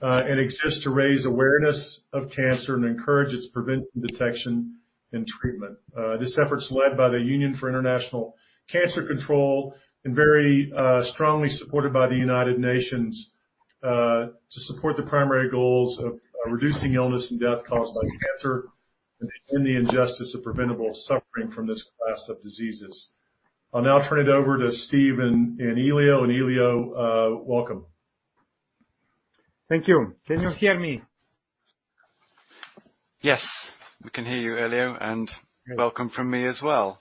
and exists to raise awareness of cancer and encourage its prevention, detection, and treatment. This effort's led by the Union for International Cancer Control and very strongly supported by the United Nations to support the primary goals of reducing illness and death caused by cancer and to end the injustice of preventable suffering from this class of diseases. I'll now turn it over to Steve and Elio. Elio, welcome. Thank you. Can you hear me? Yes. We can hear you, Elio, and welcome from me as well.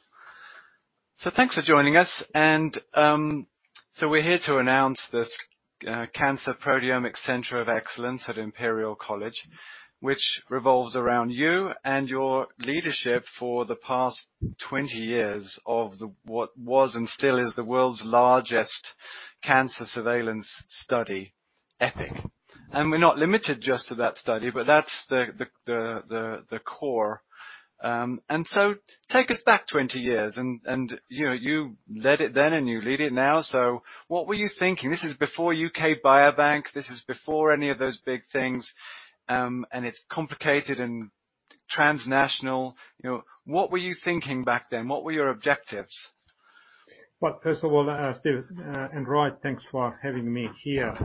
Thanks for joining us. We're here to announce this Cancer Proteomic Center of Excellence at Imperial College, which revolves around you and your leadership for the past 20 years of the what was and still is the world's largest cancer surveillance study, EPIC. We're not limited just to that study, but that's the core. Take us back 20 years and, you know, you led it then and you lead it now. What were you thinking? This is before UK Biobank, this is before any of those big things, and it's complicated and transnational. You know, what were you thinking back then? What were your objectives? Well, first of all, Steve and Roy, thanks for having me here.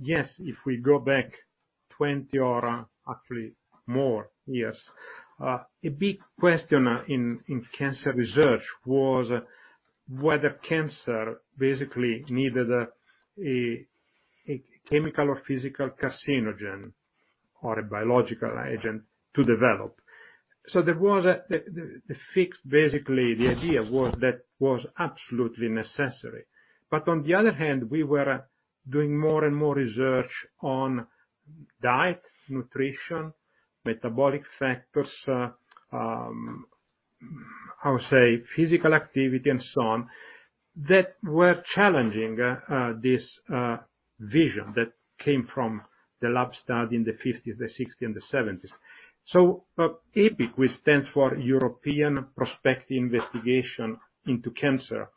Yes, if we go back 20, actually more years, a big question in cancer research was whether cancer basically needed a chemical or physical carcinogen or a biological agent to develop. There was a fixation, basically, the idea that it was absolutely necessary. On the other hand, we were doing more and more research on diet, nutrition, metabolic factors, I would say physical activity, and so on, that were challenging this vision that came from the lab studies in the 1950s, the 1960s, and the 1970s. EPIC, which stands for European Prospective Investigation into Cancer,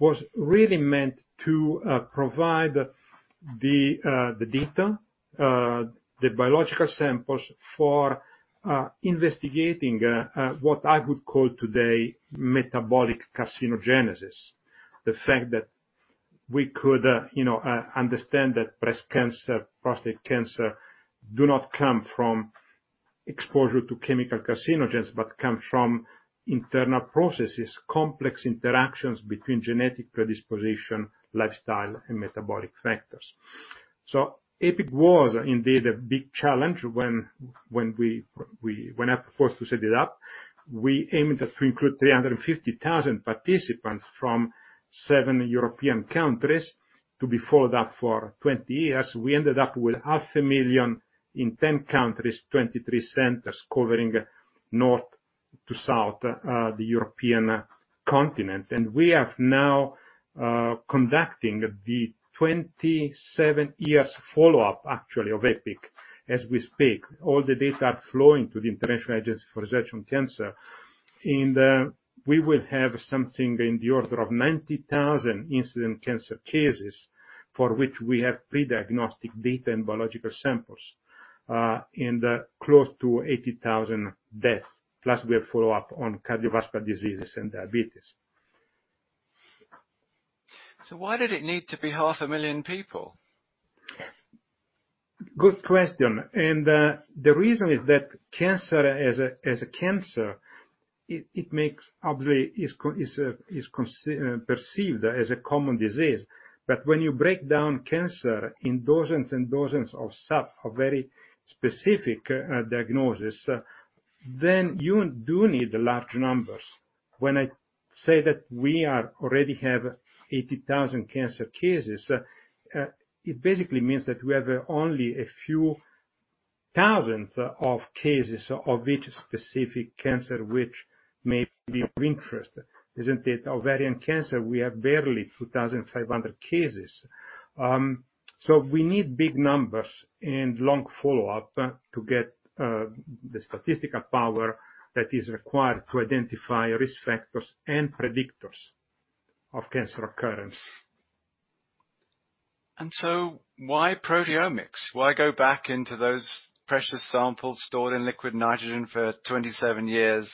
was really meant to provide the data, the biological samples for investigating what I would call today metabolic carcinogenesis. The fact that we could, you know, understand that breast cancer, prostate cancer do not come from exposure to chemical carcinogens, but come from internal processes, complex interactions between genetic predisposition, lifestyle, and metabolic factors. EPIC was indeed a big challenge when I was forced to set it up. We aimed to include 350,000 participants from seven European countries to be followed up for 20 years. We ended up with half a million in 10 countries, 23 centers covering north to south, the European continent. We are now conducting the 27 years follow-up actually of EPIC as we speak. All the data are flowing to the International Agency for Research on Cancer. We will have something in the order of 90,000 incident cancer cases for which we have pre-diagnostic data and biological samples, and close to 80,000 deaths, plus we have follow-up on cardiovascular diseases and diabetes. Why did it need to be half a million people? Good question. The reason is that cancer as a cancer, it is obviously perceived as a common disease. When you break down cancer in dozens and dozens of very specific diagnoses you do need large numbers. When I say that we already have 80,000 cancer cases, it basically means that we have only a few thousand cases of each specific cancer which may be of interest, isn't it? Ovarian cancer, we have barely 2,500 cases. We need big numbers and long follow-up to get the statistical power that is required to identify risk factors and predictors of cancer occurrence. Why proteomics? Why go back into those precious samples stored in liquid nitrogen for 27 years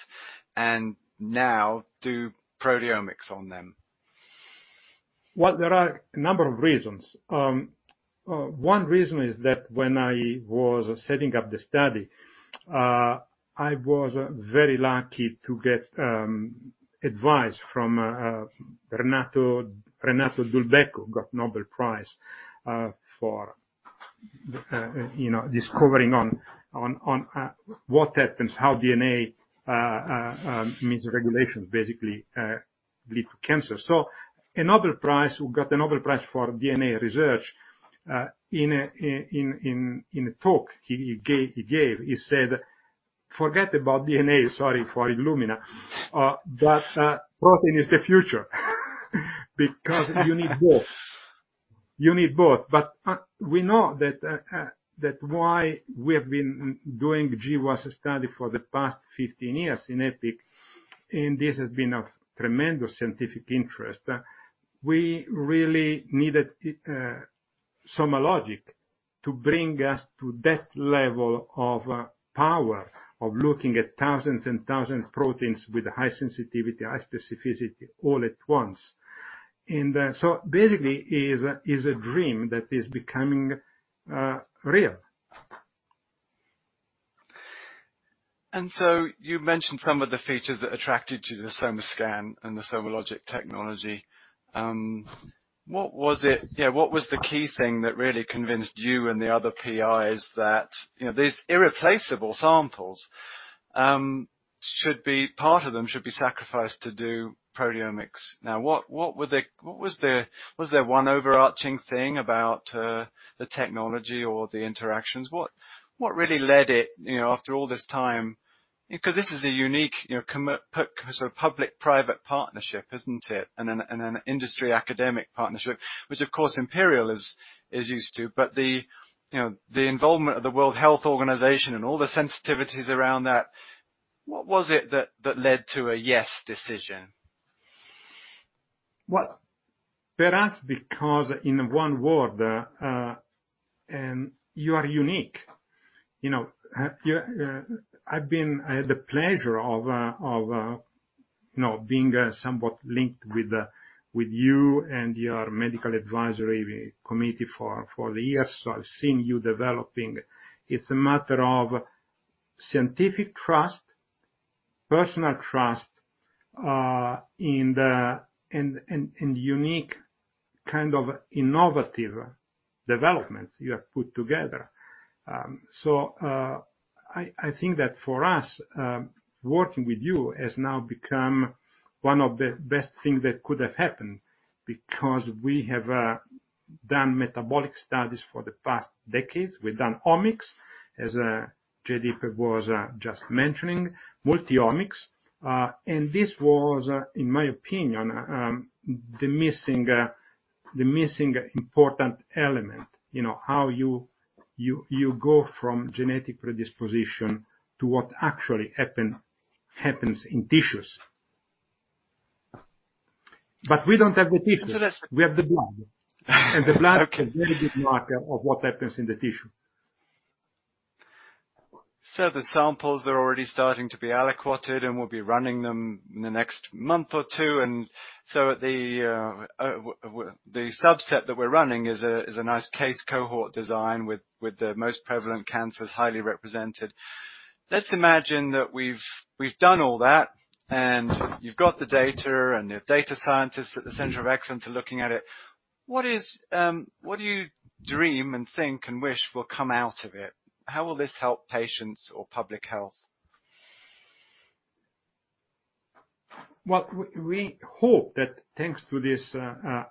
and now do proteomics on them? Well, there are a number of reasons. One reason is that when I was setting up the study, I was very lucky to get advice from Renato Dulbecco, who got Nobel Prize for you know, discovering what happens, how DNA mechanisms regulations basically lead to cancer. So a Nobel Prize, we got a Nobel Prize for DNA research. In a talk he gave, he said, "Forget about DNA. Sorry for Illumina." Protein is the future because you need both. You need both. We know that's why we have been doing GWAS study for the past 15 years in EPIC, and this has been of tremendous scientific interest. We really needed SomaLogic to bring us to that level of power of looking at thousands and thousands of proteins with high sensitivity, high specificity all at once. Basically it is a dream that is becoming real. You've mentioned some of the features that attracted you to the SomaScan and the SomaLogic technology. What was it? Yeah, what was the key thing that really convinced you and the other PIs that, you know, these irreplaceable samples should be, part of them should be sacrificed to do proteomics? Now, what was the one overarching thing about the technology or the interactions? What really led it, you know, after all this time? Because this is a unique, you know, sort of public-private partnership, isn't it? And an industry academic partnership, which of course Imperial is used to. But you know, the involvement of the World Health Organization and all the sensitivities around that, what was it that led to a yes decision? Well, perhaps because in one word, you are unique. You know, I've had the pleasure of you know, being somewhat linked with you and your medical advisory committee for years, so I've seen you developing. It's a matter of scientific trust, personal trust, in the unique kind of innovative developments you have put together. I think that for us, working with you has now become one of the best thing that could have happened because we have done metabolic studies for the past decades. We've done omics, as Joydeep was just mentioning, multi-omics. This was, in my opinion, the missing important element. You know, how you go from genetic predisposition to what actually happens in tissues. We don't have the tissues— So let's— We have the blood. Okay. The blood is a very good marker of what happens in the tissue. The samples are already starting to be aliquoted, and we'll be running them in the next month or two, and the subset that we're running is a nice case cohort design with the most prevalent cancers highly represented. Let's imagine that we've done all that, and you've got the data, and the data scientists at the Center of Excellence are looking at it. What do you dream and think and wish will come out of it? How will this help patients or public health? Well, we hope that thanks to this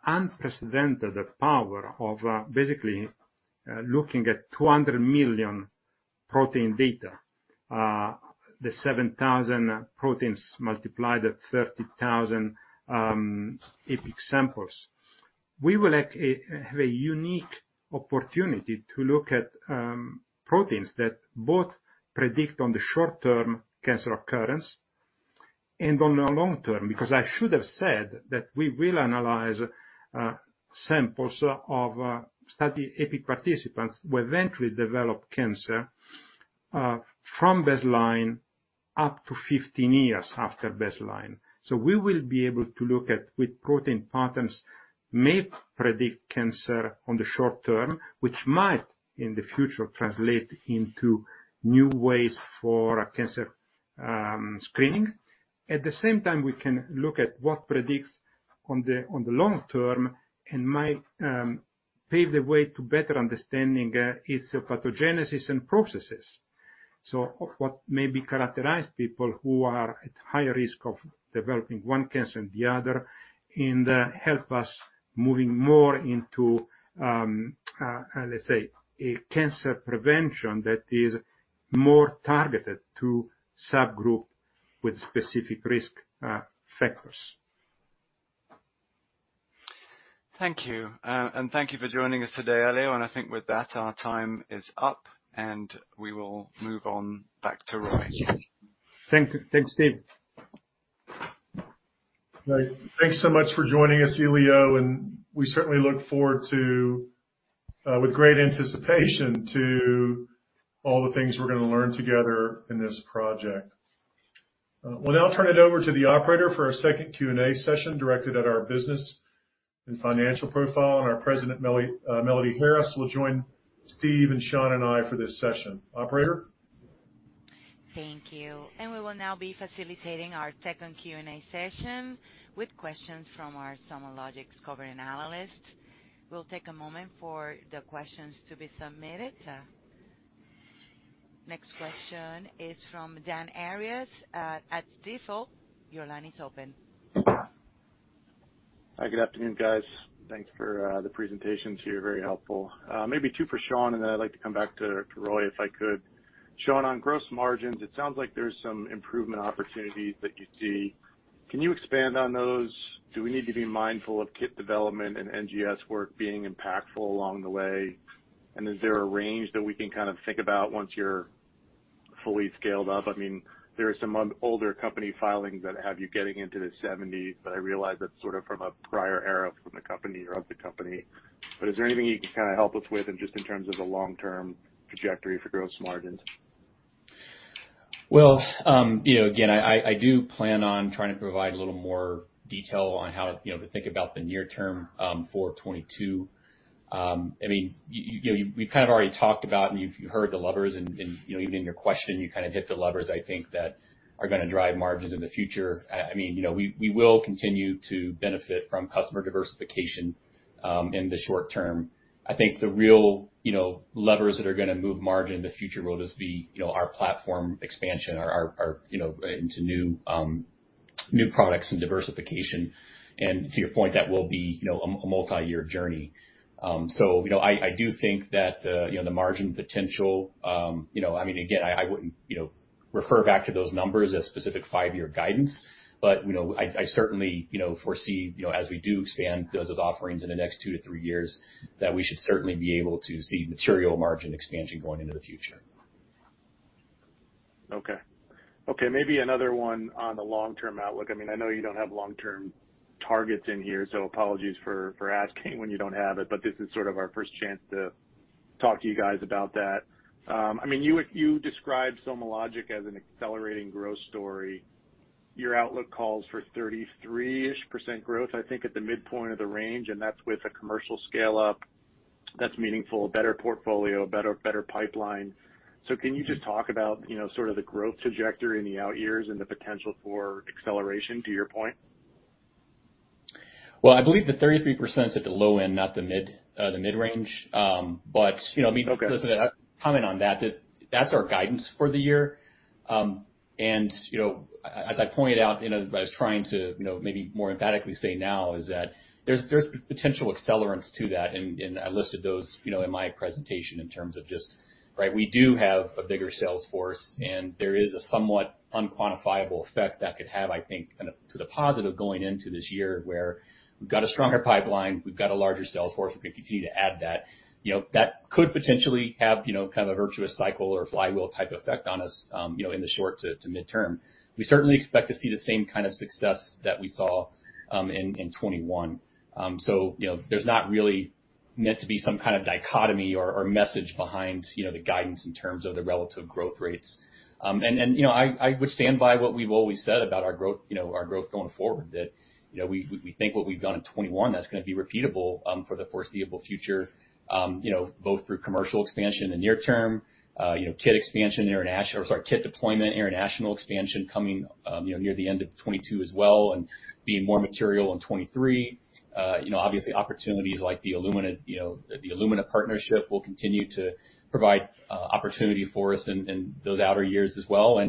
unprecedented power of basically looking at 200 million protein data, the 7,000 proteins multiplied at 30,000 EPIC samples. We will have a unique opportunity to look at proteins that both predict on the short-term cancer occurrence and on the long-term. Because I should have said that we will analyze samples of study EPIC participants who eventually develop cancer from baseline up to 15 years after baseline. We will be able to look at which protein patterns may predict cancer on the short-term, which might, in the future, translate into new ways for cancer screening. At the same time, we can look at what predicts on the long term and might pave the way to better understanding its pathogenesis and processes. Characterize people who are at higher risk of developing one cancer and the other, and help us moving more into, let's say, a cancer prevention that is more targeted to subgroups with specific risk factors. Thank you. Thank you for joining us today, Elio. I think with that, our time is up, and we will move on back to Roy. Thanks, Steve. Right. Thanks so much for joining us, Elio, and we certainly look forward to with great anticipation to all the things we're gonna learn together in this project. We'll now turn it over to the operator for our second Q&A session directed at our business and financial profile, and our President, Melody Harris, will join Steve, and Shaun, and I for this session. Operator? Thank you. We will now be facilitating our second Q&A session with questions from our SomaLogic's covering analysts. We'll take a moment for the questions to be submitted. Next question is from Dan Arias at Stifel. Your line is open. Hi. Good afternoon, guys. Thanks for the presentations here, very helpful. Maybe two for Shaun, and then I'd like to come back to Roy, if I could. Shaun, on gross margins, it sounds like there's some improvement opportunities that you see. Can you expand on those? Do we need to be mindful of kit development and NGS work being impactful along the way? And is there a range that we can kind of think about once you're fully scaled up? I mean, there are some older company filings that have you getting into the seventies, but I realize that's sort of from a prior era from the company or of the company. Is there anything you can kinda help us with in just in terms of the long-term trajectory for gross margins? Well, you know, again, I do plan on trying to provide a little more detail on how, you know, to think about the near term, for 2022. I mean, you know, we've kind of already talked about, and you've heard the levers and, you know, even in your question, you kind of hit the levers, I think, that are gonna drive margins in the future. I mean, you know, we will continue to benefit from customer diversification, in the short term. I think the real, you know, levers that are gonna move margin in the future will just be, you know, our platform expansion or our into new products and diversification. To your point, that will be, you know, a multi-year journey. I do think that the margin potential, I mean, again, I wouldn't refer back to those numbers as specific five-year guidance. I certainly foresee, as we do expand those offerings in the next two to three years, that we should certainly be able to see material margin expansion going into the future. Okay. Okay, maybe another one on the long-term outlook. I mean, I know you don't have long-term targets in here, so apologies for asking when you don't have it, but this is sort of our first chance to talk to you guys about that. I mean, you describe SomaLogic as an accelerating growth story. Your outlook calls for 33%-ish growth, I think, at the midpoint of the range, and that's with a commercial scale-up that's meaningful, a better portfolio, a better pipeline. Can you just talk about, you know, sort of the growth trajectory in the outyears and the potential for acceleration to your point? Well, I believe the 33% is at the low end, not the mid, the mid-range. You know, I mean— Okay. Listen, a comment on that. That's our guidance for the year. You know, as I pointed out and, you know, I was trying to, you know, maybe more emphatically say now is that there's potential accelerants to that, and I listed those, you know, in my presentation in terms of just, right, we do have a bigger sales force, and there is a somewhat unquantifiable effect that could have, I think, kind of to the positive going into this year, where we've got a stronger pipeline, we've got a larger sales force. We're gonna continue to add that. You know, that could potentially have, you know, kind of a virtuous cycle or flywheel type effect on us, you know, in the short to mid-term. We certainly expect to see the same kind of success that we saw in 2021. There's not really meant to be some kind of dichotomy or message behind the guidance in terms of the relative growth rates. You know, I would stand by what we've always said about our growth going forward, that you know, we think what we've done in 2021, that's gonna be repeatable for the foreseeable future, you know, both through commercial expansion in the near term, you know, kit deployment, international expansion coming near the end of 2022 as well and being more material in 2023. You know, obviously opportunities like the Illumina partnership will continue to provide opportunity for us in those outer years as well.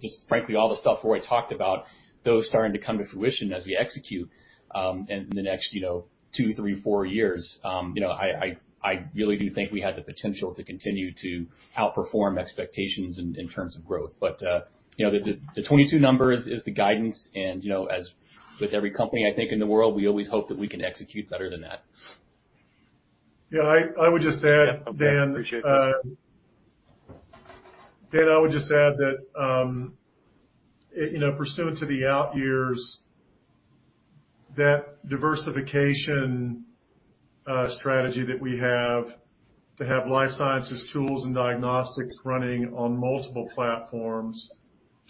Just frankly, all the stuff Roy talked about, those starting to come to fruition as we execute in the next, you know, two, three, four years. You know, I really do think we have the potential to continue to outperform expectations in terms of growth. You know, the 2022 number is the guidance and, you know, as with every company I think in the world, we always hope that we can execute better than that. Yeah, I would just add, Dan. Yeah. Okay. I appreciate that. Dan, I would just add that, you know, pursuant to the outyears, that diversification strategy that we have to have life sciences tools and diagnostics running on multiple platforms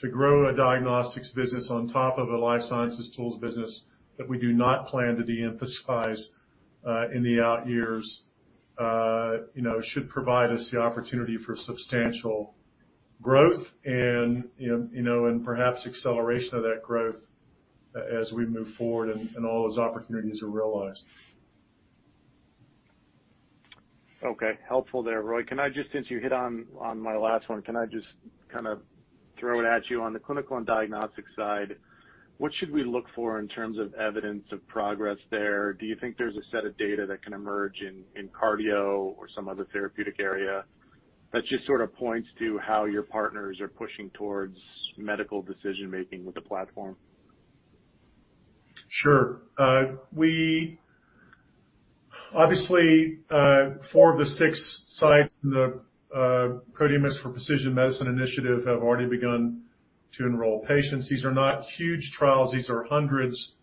to grow a diagnostics business on top of a life sciences tools business that we do not plan to de-emphasize in the outyears, you know, should provide us the opportunity for substantial growth and, you know, and perhaps acceleration of that growth as we move forward and all those opportunities are realized. Okay. Helpful there, Roy. Since you hit on my last one, can I just kind of throw it at you? On the clinical and diagnostic side, what should we look for in terms of evidence of progress there? Do you think there's a set of data that can emerge in cardio or some other therapeutic area that just sort of points to how your partners are pushing towards medical decision-making with the platform? Sure. Obviously, four of the six sites in the Proteomics for Precision Medicine initiative have already begun to enroll patients. These are not huge trials. These are hundreds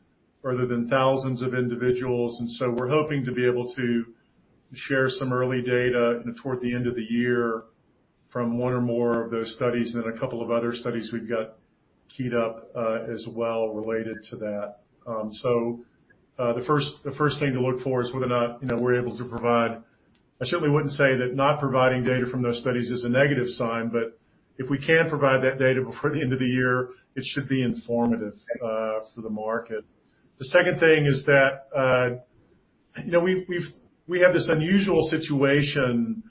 rather than thousands of individuals. We're hoping to be able to share some early data toward the end of the year from one or more of those studies and a couple of other studies we've got keyed up as well related to that. The first thing to look for is whether or not we're able to provide data from those studies. I certainly wouldn't say that not providing data from those studies is a negative sign, but if we can provide that data before the end of the year, it should be informative for the market. The second thing is that we have this unusual situation.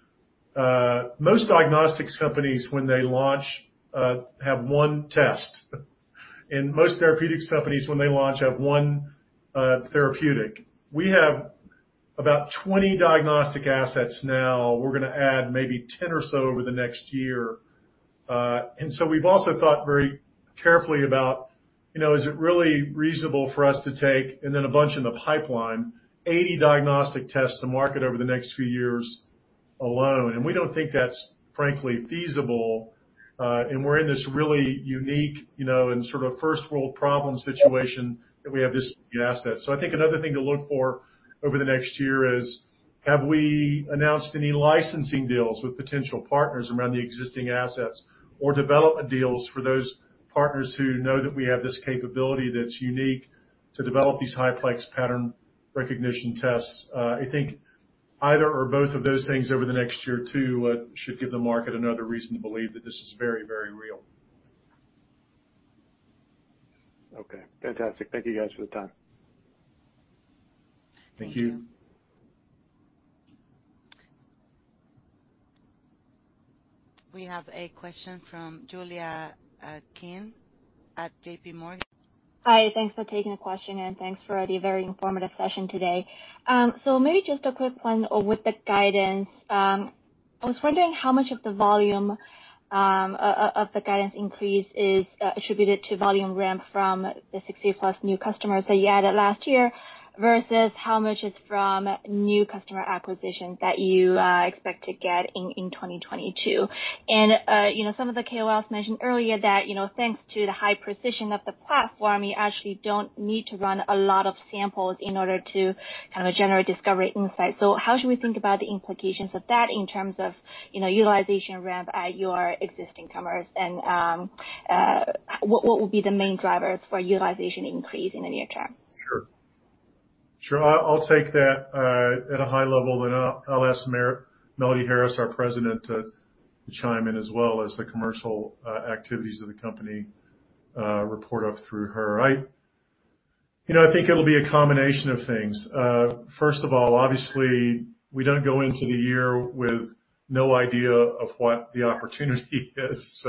Most diagnostics companies when they launch, have one test. Most therapeutics companies when they launch, have one therapeutic. We have about 20 diagnostic assets now. We're gonna add maybe 10 or so over the next year. We've also thought very carefully about, you know, is it really reasonable for us to take, and then a bunch in the pipeline, 80 diagnostic tests to market over the next few years alone. We don't think that's frankly feasible. We're in this really unique, you know, and sort of first-world problem situation that we have this many assets. I think another thing to look for over the next year is, have we announced any licensing deals with potential partners around the existing assets or development deals for those partners who know that we have this capability that's unique to develop these high-plex pattern recognition tests? I think either or both of those things over the next year or two should give the market another reason to believe that this is very, very real. Okay, fantastic. Thank you guys for the time. Thank you. We have a question from Julia Qin at JPMorgan. Hi. Thanks for taking the question, and thanks for the very informative session today. Maybe just a quick one with the guidance. I was wondering how much of the volume of the guidance increase is attributed to volume ramp from the 60+ new customers that you added last year, versus how much is from new customer acquisitions that you expect to get in 2022. You know, some of the KOLs mentioned earlier that, you know, thanks to the high precision of the platform, you actually don't need to run a lot of samples in order to kind of generate discovery insights. How should we think about the implications of that in terms of, you know, utilization ramp at your existing customers? What will be the main drivers for utilization increase in the near term? Sure. I'll take that at a high level, then I'll ask Melody Harris, our President, to chime in as well as the commercial activities of the company report up through her. You know, I think it'll be a combination of things. First of all, obviously, we don't go into the year with no idea of what the opportunity is.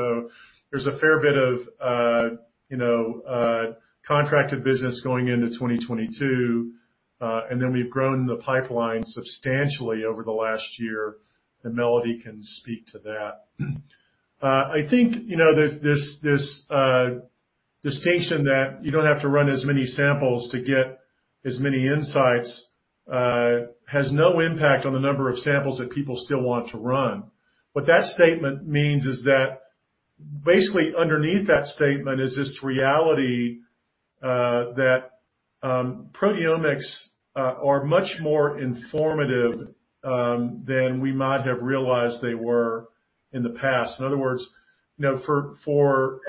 There's a fair bit of you know contracted business going into 2022. We've grown the pipeline substantially over the last year, and Melody can speak to that. I think you know this distinction that you don't have to run as many samples to get as many insights has no impact on the number of samples that people still want to run. What that statement means is that basically underneath that statement is this reality, that proteomics are much more informative than we might have realized they were in the past. In other words, you know, for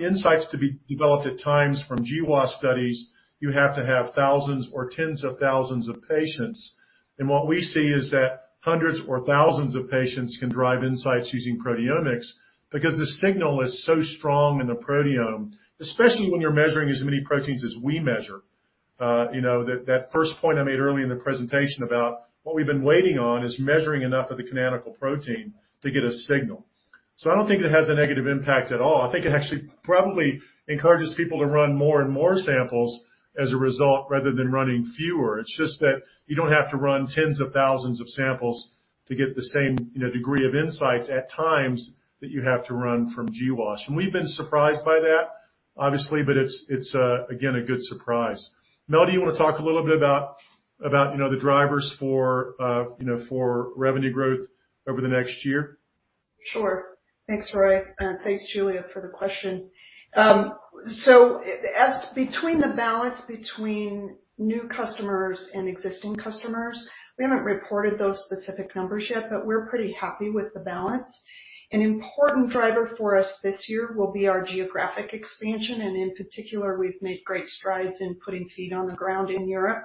insights to be developed at times from GWAS studies, you have to have thousands or tens of thousands of patients. What we see is that hundreds or thousands of patients can drive insights using proteomics because the signal is so strong in the proteome, especially when you're measuring as many proteins as we measure. You know, that first point I made early in the presentation about what we've been waiting on is measuring enough of the canonical protein to get a signal. I don't think it has a negative impact at all. I think it actually probably encourages people to run more and more samples as a result, rather than running fewer. It's just that you don't have to run tens of thousands of samples to get the same, you know, degree of insights at times that you have to run from GWAS. We've been surprised by that, obviously, but it's again, a good surprise. Melody, you wanna talk a little bit about, you know, the drivers for, you know, for revenue growth over the next year? Sure. Thanks, Roy. Thanks, Julia, for the question. Between the balance between new customers and existing customers, we haven't reported those specific numbers yet, but we're pretty happy with the balance. An important driver for us this year will be our geographic expansion, and in particular, we've made great strides in putting feet on the ground in Europe.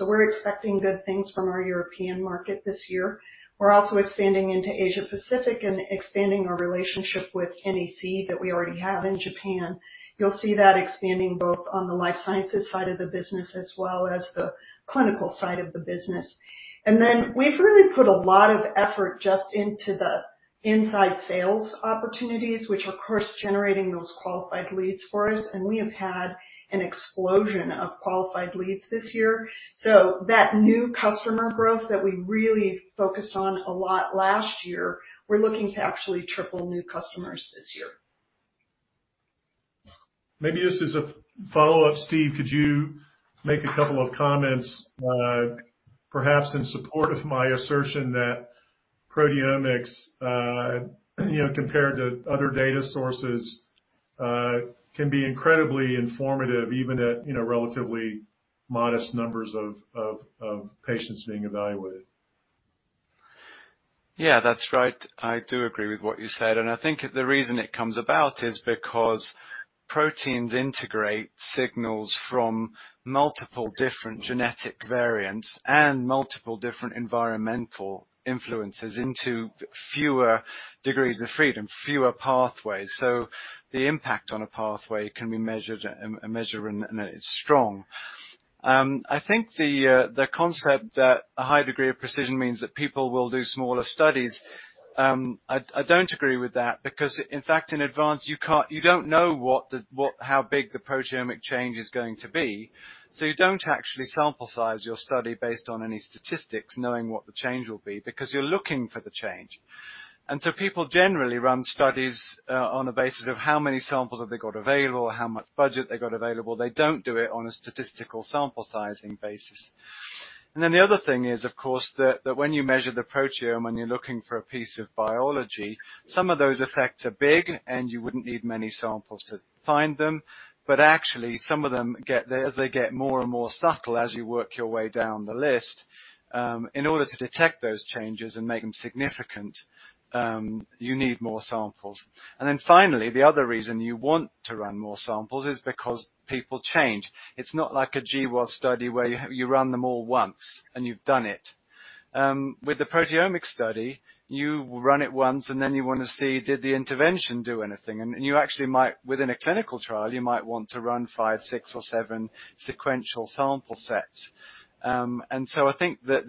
We're expecting good things from our European market this year. We're also expanding into Asia-Pacific and expanding our relationship with NEC that we already have in Japan. You'll see that expanding both on the life sciences side of the business as well as the clinical side of the business. We've really put a lot of effort just into inside sales opportunities, which are, of course, generating those qualified leads for us. We have had an explosion of qualified leads this year. That new customer growth that we really focused on a lot last year, we're looking to actually triple new customers this year. Maybe just as a follow-up, Steve, could you make a couple of comments, perhaps in support of my assertion that proteomics, you know, compared to other data sources, can be incredibly informative even at, you know, relatively modest numbers of patients being evaluated. Yeah, that's right. I do agree with what you said, and I think the reason it comes about is because proteins integrate signals from multiple different genetic variants and multiple different environmental influences into fewer degrees of freedom, fewer pathways. So the impact on a pathway can be measured, and it's strong. I think the concept that a high degree of precision means that people will do smaller studies, I don't agree with that because in fact, in advance, you don't know how big the proteomic change is going to be. So you don't actually sample size your study based on any statistics knowing what the change will be because you're looking for the change. People generally run studies on the basis of how many samples have they got available, how much budget they got available. They don't do it on a statistical sample-sizing basis. Then the other thing is, of course, that when you measure the proteome, when you're looking for a piece of biology, some of those effects are big, and you wouldn't need many samples to find them. Actually, some of them get more and more subtle as you work your way down the list, in order to detect those changes and make them significant, you need more samples. Finally, the other reason you want to run more samples is because people change. It's not like a GWAS study where you run them all once and you've done it. With the proteomic study, you run it once, and then you wanna see, did the intervention do anything? You actually might, within a clinical trial, want to run five, six or seven sequential sample sets. I think that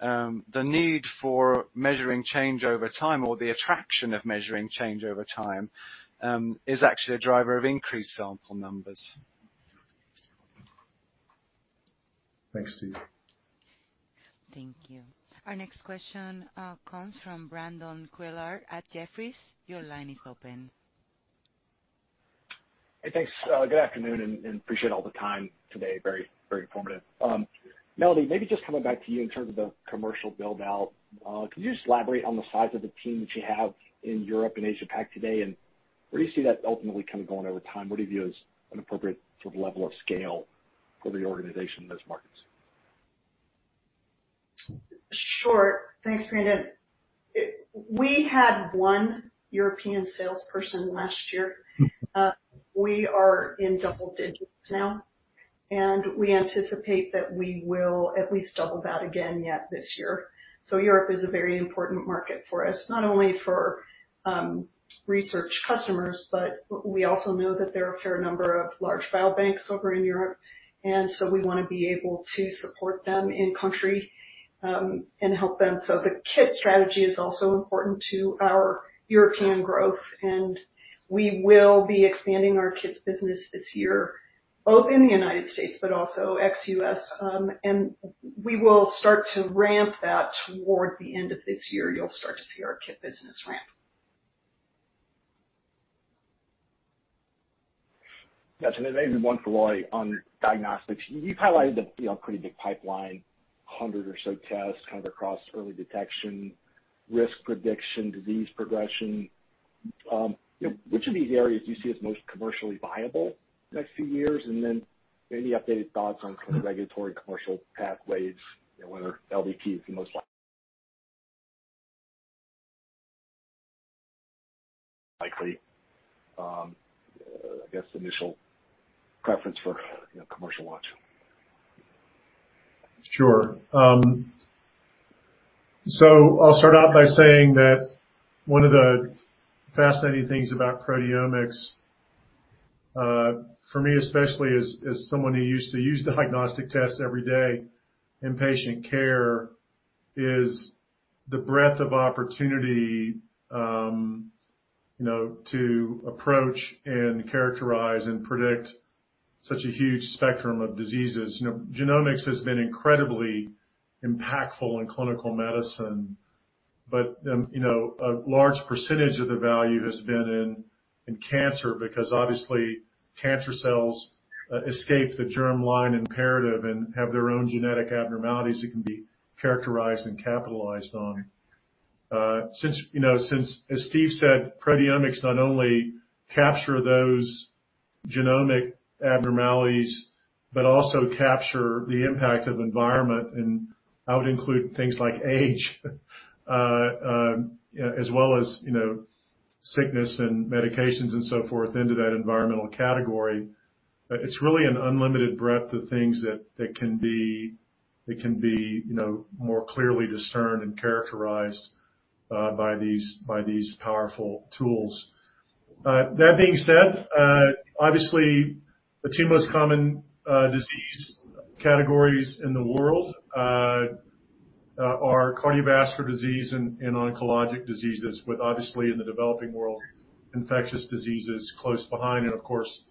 the need for measuring change over time or the attraction of measuring change over time is actually a driver of increased sample numbers. Thanks, Steve. Thank you. Our next question comes from Brandon Couillard at Jefferies. Your line is open. Hey, thanks. Good afternoon and appreciate all the time today. Very informative. Melody, maybe just coming back to you in terms of the commercial build-out. Could you just elaborate on the size of the team that you have in Europe and Asia-Pacific today? Where do you see that ultimately kind of going over time? What do you view as an appropriate sort of level of scale for the organization in those markets? Sure. Thanks, Brandon. We had one European salesperson last year. We are in double digits now, and we anticipate that we will at least double that again yet this year. Europe is a very important market for us, not only for research customers, but we also know that there are a fair number of large biobanks over in Europe, and so we wanna be able to support them in country and help them. The kit strategy is also important to our European growth, and we will be expanding our kits business this year, both in the United States but also ex-U.S. And we will start to ramp that toward the end of this year. You'll start to see our kit business ramp. Got you. Maybe one for Roy on diagnostics. You've highlighted the, you know, pretty big pipeline, 100 or so tests kind of across early detection, risk prediction, disease progression. You know, which of these areas do you see as most commercially viable the next few years? Maybe updated thoughts on kind of regulatory commercial pathways, you know, whether LDT is the most likely, I guess initial preference for, you know, commercial launch. Sure. I'll start out by saying that one of the fascinating things about proteomics, for me especially as someone who used to use diagnostic tests every day in patient care, is the breadth of opportunity, you know, to approach and characterize and predict such a huge spectrum of diseases. You know, genomics has been incredibly impactful in clinical medicine, but, you know, a large percentage of the value has been in cancer because obviously cancer cells, escape the germline imperative and have their own genetic abnormalities that can be characterized and capitalized on. As Steve said, proteomics not only capture those genomic abnormalities but also capture the impact of environment, and I would include things like age, as well as, you know, sickness and medications and so forth into that environmental category. It's really an unlimited breadth of things that can be, you know, more clearly discerned and characterized by these powerful tools. That being said, obviously the two most common disease categories in the world are cardiovascular disease and oncologic diseases, with obviously in the developing world, infectious diseases close behind. Of course,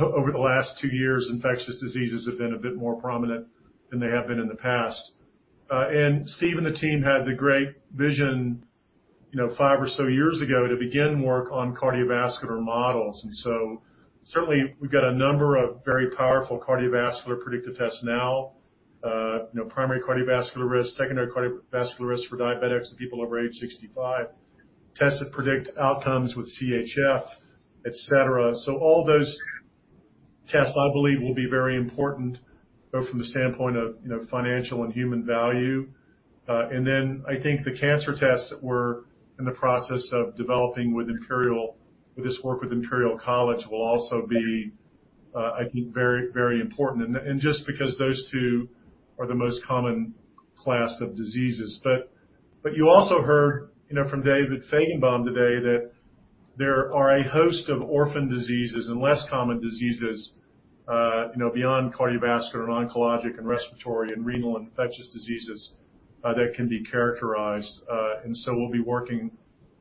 over the last two years, infectious diseases have been a bit more prominent than they have been in the past. Steve and the team had the great vision, you know, five or so years ago to begin work on cardiovascular models. Certainly we've got a number of very powerful cardiovascular predictive tests now. You know, primary cardiovascular risk, secondary cardiovascular risk for diabetics and people over age 65, tests that predict outcomes with CHF, etc. All those tests, I believe, will be very important, both from the standpoint of, you know, financial and human value. Then I think the cancer tests that we're in the process of developing with Imperial, with this work with Imperial College, will also be, I think, very, very important. Just because those two are the most common class of diseases. You also heard, you know, from David Fajgenbaum today that there are a host of orphan diseases and less common diseases, you know, beyond cardiovascular and oncologic and respiratory and renal and infectious diseases, that can be characterized. We'll be working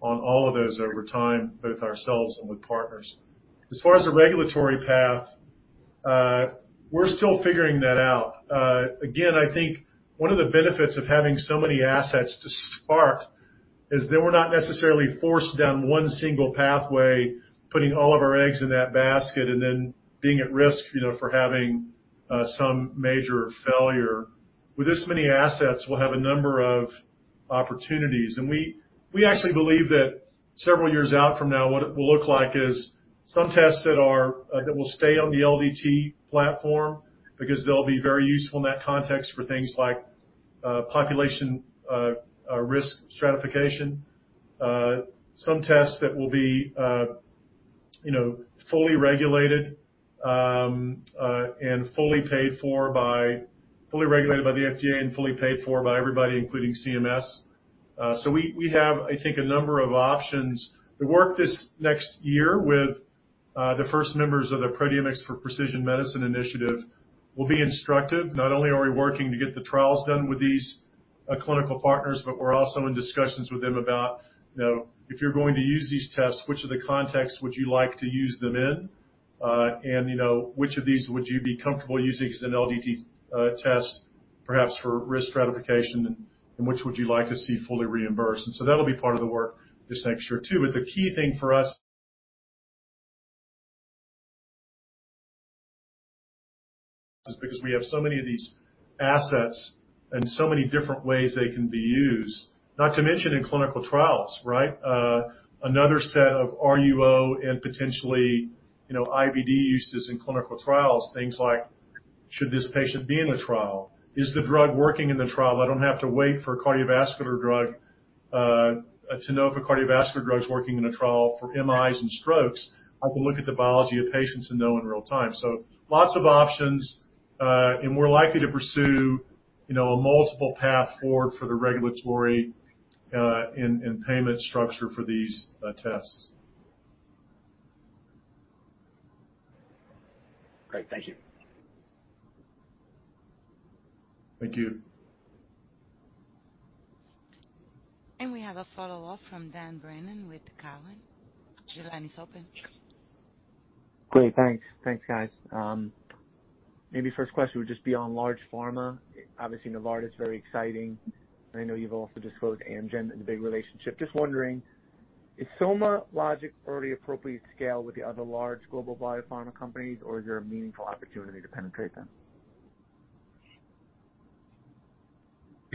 on all of those over time, both ourselves and with partners. As far as the regulatory path, we're still figuring that out. Again, I think one of the benefits of having so many assets to start is that we're not necessarily forced down one single pathway, putting all of our eggs in that basket and then being at risk, you know, for having some major failure. With this many assets, we'll have a number of opportunities. We actually believe that several years out from now, what it will look like is some tests that will stay on the LDT platform because they'll be very useful in that context for things like population risk stratification. Some tests that will be, you know, fully regulated by the FDA and fully paid for by everybody, including CMS. We have, I think, a number of options. The work this next year with the first members of the Proteomics for Precision Medicine initiative will be instructive. Not only are we working to get the trials done with these clinical partners, but we're also in discussions with them about, you know, if you're going to use these tests, which of the contexts would you like to use them in? And you know, which of these would you be comfortable using as an LDT test, perhaps for risk stratification, and which would you like to see fully reimbursed? And so that'll be part of the work this next year too. But the key thing for us is because we have so many of these assets and so many different ways they can be used, not to mention in clinical trials, right? Another set of RUO and potentially, you know, IVD uses in clinical trials, things like should this patient be in the trial? Is the drug working in the trial? I don't have to wait for a cardiovascular drug to know if a cardiovascular drug is working in a trial for MIs and strokes. I can look at the biology of patients and know in real time. Lots of options, and we're likely to pursue, you know, a multiple path forward for the regulatory, and payment structure for these tests. Great. Thank you. Thank you. We have a follow-up from Dan Brennan with Cowen. Your line is open. Great. Thanks. Thanks, guys. Maybe first question would just be on large pharma. Obviously, Novartis, very exciting. I know you've also disclosed Amgen is a big relationship. Just wondering, is SomaLogic already appropriate scale with the other large global biopharma companies, or is there a meaningful opportunity to penetrate them?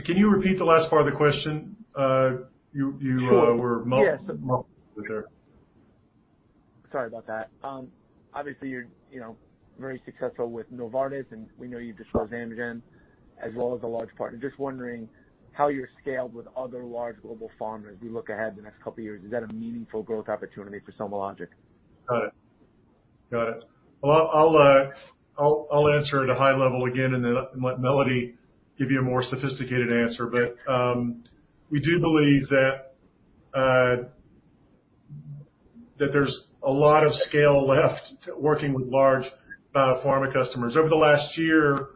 Can you repeat the last part of the question? Sure. Sorry about that. Obviously, you're, you know, very successful with Novartis, and we know you disclosed Amgen as well as a large partner. Just wondering how you're scaled with other large global pharmas as we look ahead the next couple of years. Is that a meaningful growth opportunity for SomaLogic? Got it. Well, I'll answer at a high level again and then let Melody give you a more sophisticated answer. We do believe that there's a lot of scale left working with large pharma customers. Over the last year,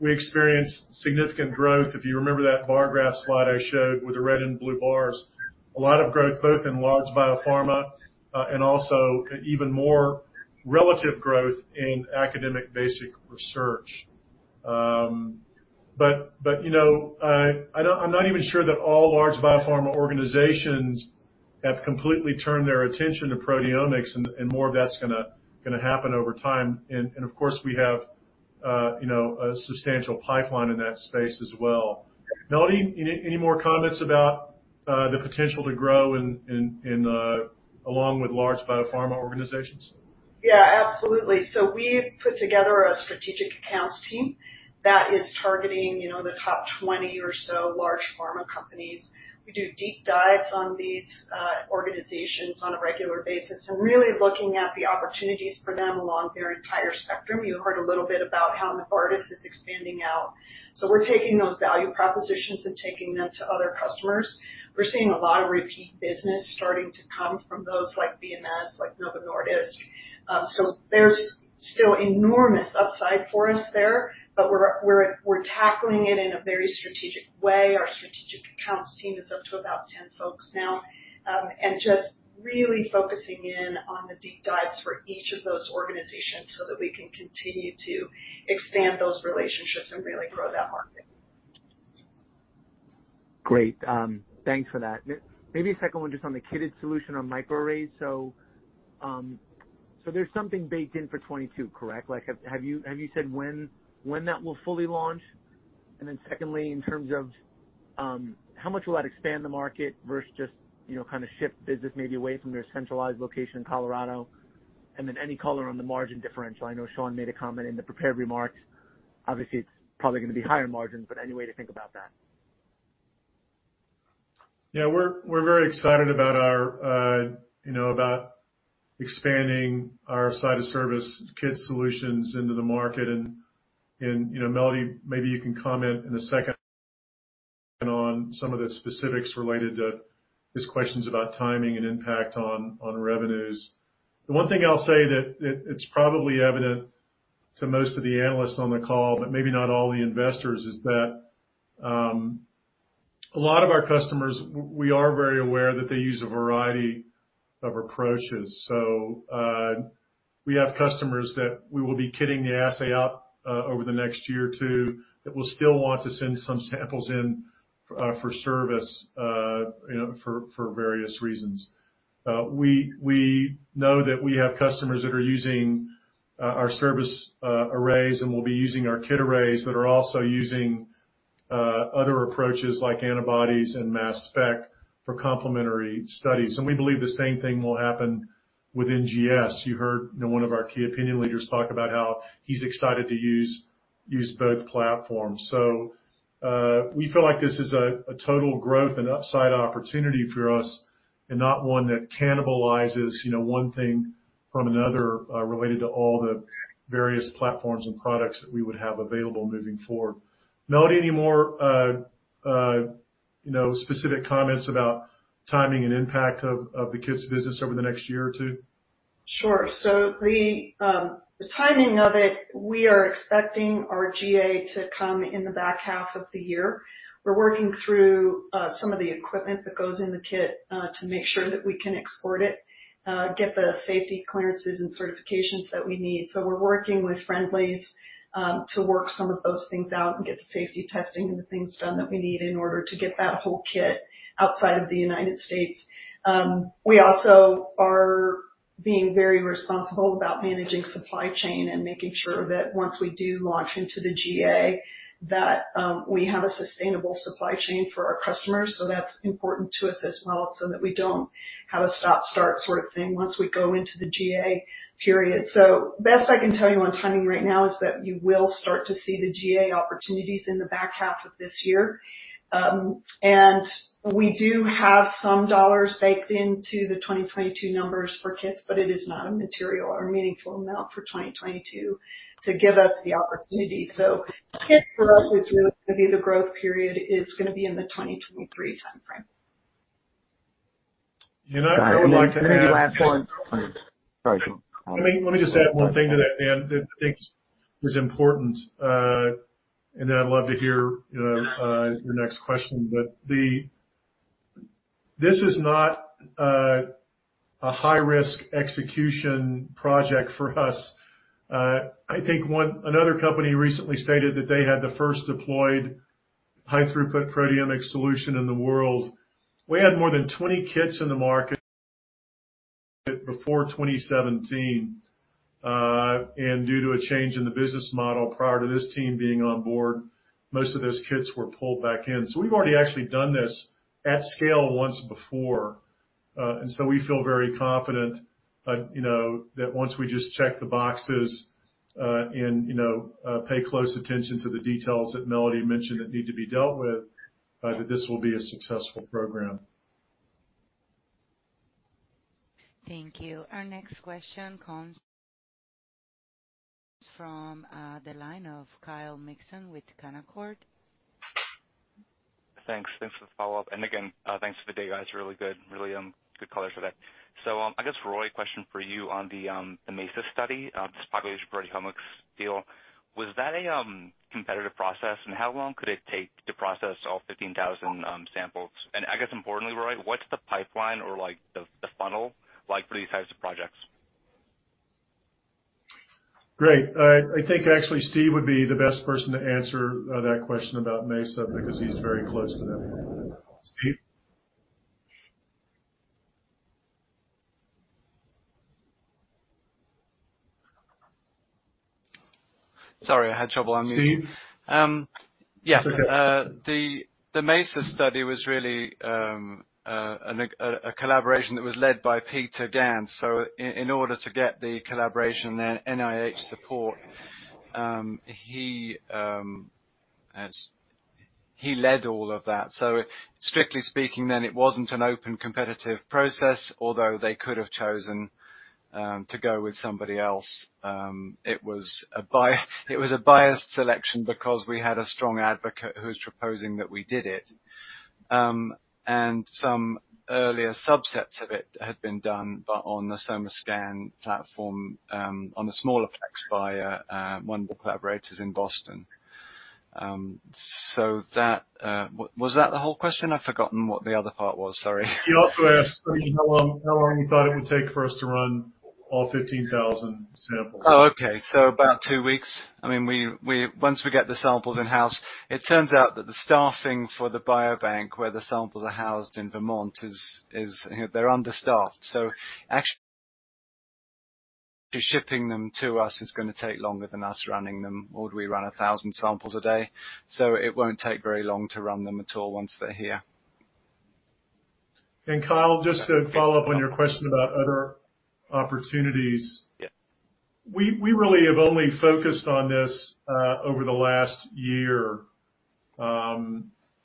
we experienced significant growth. If you remember that bar graph slide I showed with the red and blue bars, a lot of growth both in large biopharma and also even more relative growth in academic basic research. You know, I'm not even sure that all large biopharma organizations have completely turned their attention to proteomics and more of that's gonna happen over time. And of course, we have you know, a substantial pipeline in that space as well. Melody, any more comments about the potential to grow in along with large biopharma organizations? Yeah, absolutely. We've put together a strategic accounts team that is targeting, you know, the top 20 or so large pharma companies. We do deep dives on these organizations on a regular basis and really looking at the opportunities for them along their entire spectrum. You heard a little bit about how Novartis is expanding out. We're taking those value propositions and taking them to other customers. We're seeing a lot of repeat business starting to come from those like BMS, like Novo Nordisk. There's still enormous upside for us there, but we're tackling it in a very strategic way. Our strategic accounts team is up to about 10 folks now, and just really focusing in on the deep dives for each of those organizations so that we can continue to expand those relationships and really grow that market. Great. Thanks for that. Maybe a second one just on the kitted solution on microarray. So, there's something baked in for 2022, correct? Like, have you said when that will fully launch? And then secondly, in terms of, how much will that expand the market versus just, you know, kind of shift business maybe away from your centralized location in Colorado? And then any color on the margin differential. I know Shaun made a comment in the prepared remarks. Obviously, it's probably gonna be higher margins, but any way to think about that. Yeah, we're very excited, you know, about expanding our suite of service kit solutions into the market. You know, Melody, maybe you can comment in a second on some of the specifics related to his questions about timing and impact on revenues. The one thing I'll say that it's probably evident to most of the analysts on the call, but maybe not all the investors, is that a lot of our customers, we are very aware that they use a variety of approaches. We have customers that we will be kitting the assay out over the next year or two that will still want to send some samples in for service, you know, for various reasons. We know that we have customers that are using our service arrays, and will be using our kit arrays that are also using other approaches like antibodies and mass spec for complementary studies. We believe the same thing will happen with NGS. You heard, you know, one of our key opinion leaders talk about how he's excited to use both platforms. We feel like this is a total growth and upside opportunity for us and not one that cannibalizes, you know, one thing from another related to all the various platforms and products that we would have available moving forward. Melody, any more you know specific comments about timing and impact of the kits business over the next year or two? Sure. The timing of it, we are expecting our GA to come in the back half of the year. We're working through some of the equipment that goes in the kit to make sure that we can export it, get the safety clearances and certifications that we need. We're working with friendlies to work some of those things out and get the safety testing and the things done that we need in order to get that whole kit outside of the United States. We also are being very responsible about managing supply chain and making sure that once we do launch into the GA, that we have a sustainable supply chain for our customers. That's important to us as well, so that we don't have a stop-start sort of thing once we go into the GA period. Best I can tell you on timing right now is that you will start to see the GA opportunities in the back half of this year. We do have some dollars baked into the 2022 numbers for kits, but it is not a material or meaningful amount for 2022 to give us the opportunity. Kits for us is really gonna be—the growth period is gonna be in the 2023 timeframe. You know, I would like to add. Maybe last one—sorry, Shaun, Roy. Let me just add one thing to that, Dan, that I think is important, and then I'd love to hear your next question. This is not a high-risk execution project for us. I think another company recently stated that they had the first deployed high-throughput proteomic solution in the world. We had more than 20 kits in the market before 2017. Due to a change in the business model prior to this team being on board, most of those kits were pulled back in. So we've already actually done this at scale once before. We feel very confident, you know, that once we just check the boxes and, you know, pay close attention to the details that Melody mentioned that need to be dealt with, that this will be a successful program. Thank you. Our next question comes from the line of Kyle Mikson with Canaccord Genuity. Thanks. Thanks for the follow-up. Again, thanks for the day, guys. Really good. Really good colors today. I guess, Roy, a question for you on the MESA study, this population proteomics deal. Was that a competitive process, and how long could it take to process all 15,000 samples? I guess importantly, Roy, what's the pipeline or, like, the funnel, like, for these types of projects? Great. I think actually Steve would be the best person to answer that question about MESA because he's very close to them. Steve? Sorry, I had trouble unmuting. Steve? Yes. The MESA study was really a collaboration that was led by Peter Ganz. In order to get the collaboration, the NIH support, he has. He led all of that. Strictly speaking then, it wasn't an open competitive process, although they could have chosen to go with somebody else. It was a biased selection because we had a strong advocate who's proposing that we did it. Some earlier subsets of it had been done, but on the SomaScan platform, on a smaller plex by one of the collaborators in Boston. Was that the whole question? I've forgotten what the other part was, sorry. He also asked, I mean, how long you thought it would take for us to run all 15,000 samples. About two weeks. I mean, once we get the samples in-house. It turns out that the staffing for the biobank where the samples are housed in Vermont is—that they're understaffed. Actually, shipping them to us is gonna take longer than us running them, or we run 1,000 samples a day. It won't take very long to run them at all once they're here. Kyle, just to follow up on your question about other opportunities. Yeah. We really have only focused on this over the last year.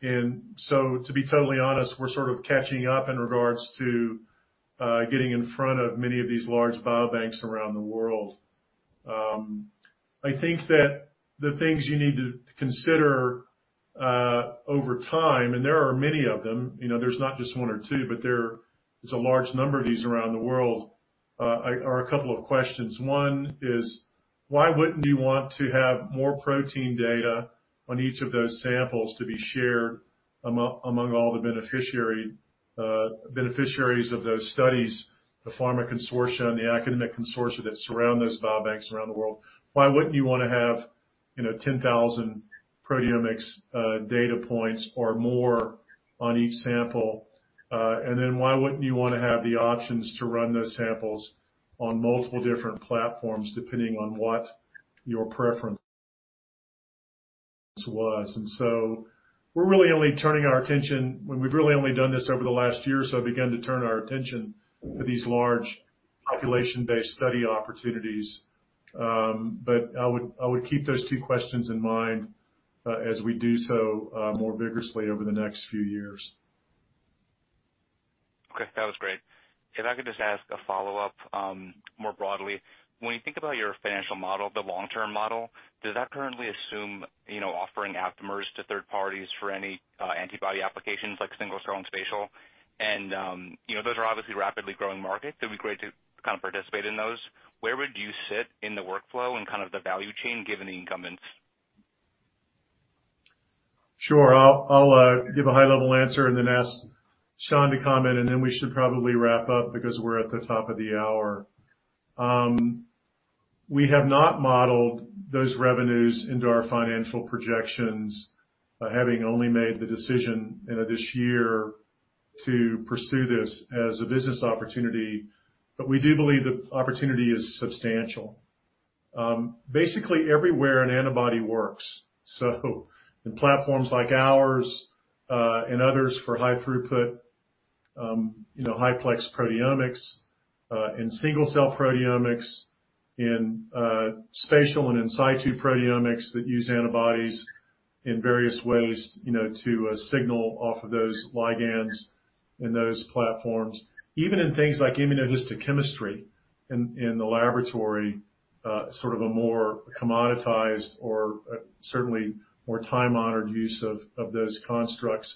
To be totally honest, we're sort of catching up in regards to getting in front of many of these large biobanks around the world. I think that the things you need to consider over time, and there are many of them, you know, there's not just one or two, but there is a large number of these around the world, are a couple of questions. One is, why wouldn't you want to have more protein data on each of those samples to be shared among all the beneficiaries of those studies, the pharma consortia and the academic consortia that surround those biobanks around the world? Why wouldn't you wanna have, you know, 10,000 proteomics data points or more on each sample? Why wouldn't you wanna have the options to run those samples on multiple different platforms, depending on what your preference was? We're really only turning our attention when we've really only done this over the last year or so. We began to turn our attention to these large population-based study opportunities. I would keep those two questions in mind as we do so more vigorously over the next few years. Okay. That was great. If I could just ask a follow-up, more broadly. When you think about your financial model, the long-term model, does that currently assume, you know, offering aptamers to third parties for any, antibody applications like single cell and spatial? And, you know, those are obviously rapidly growing markets. It'd be great to kind of participate in those. Where would you sit in the workflow and kind of the value chain given the incumbents? Sure. I'll give a high-level answer and then ask Shaun to comment, and then we should probably wrap up because we're at the top of the hour. We have not modeled those revenues into our financial projections, having only made the decision end of this year to pursue this as a business opportunity, but we do believe the opportunity is substantial. Basically everywhere an antibody works, so in platforms like ours, and others for high-throughput, you know, high-plex proteomics, in single-cell proteomics, in spatial and in situ proteomics that use antibodies in various ways, you know, to signal off of those ligands in those platforms. Even in things like immunohistochemistry in the laboratory, sort of a more commoditized or certainly more time-honored use of those constructs.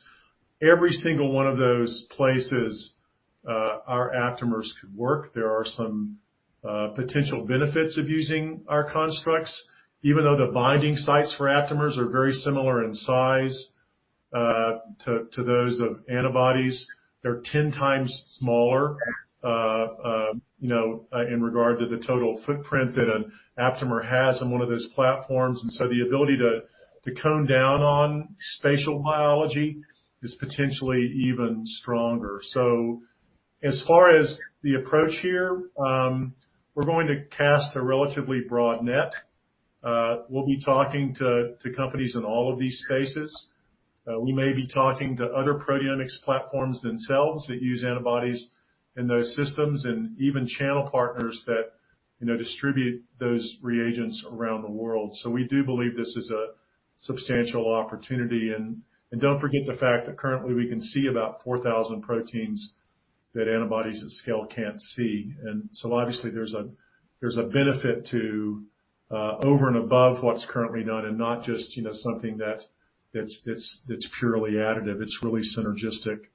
Every single one of those places, our aptamers could work. There are some potential benefits of using our constructs. Even though the binding sites for aptamers are very similar in size to those of antibodies, they're 10x smaller, you know, in regard to the total footprint that an aptamer has on one of those platforms. The ability to zoom in on spatial biology is potentially even stronger. As far as the approach here, we're going to cast a relatively broad net. We'll be talking to companies in all of these cases. We may be talking to other proteomics platforms themselves that use antibodies in those systems and even channel partners that, you know, distribute those reagents around the world. We do believe this is a substantial opportunity. Don't forget the fact that currently we can see about 4,000 proteins that antibodies at scale can't see. Obviously, there's a benefit to over and above what's currently done and not just something that's purely additive. It's really synergistic.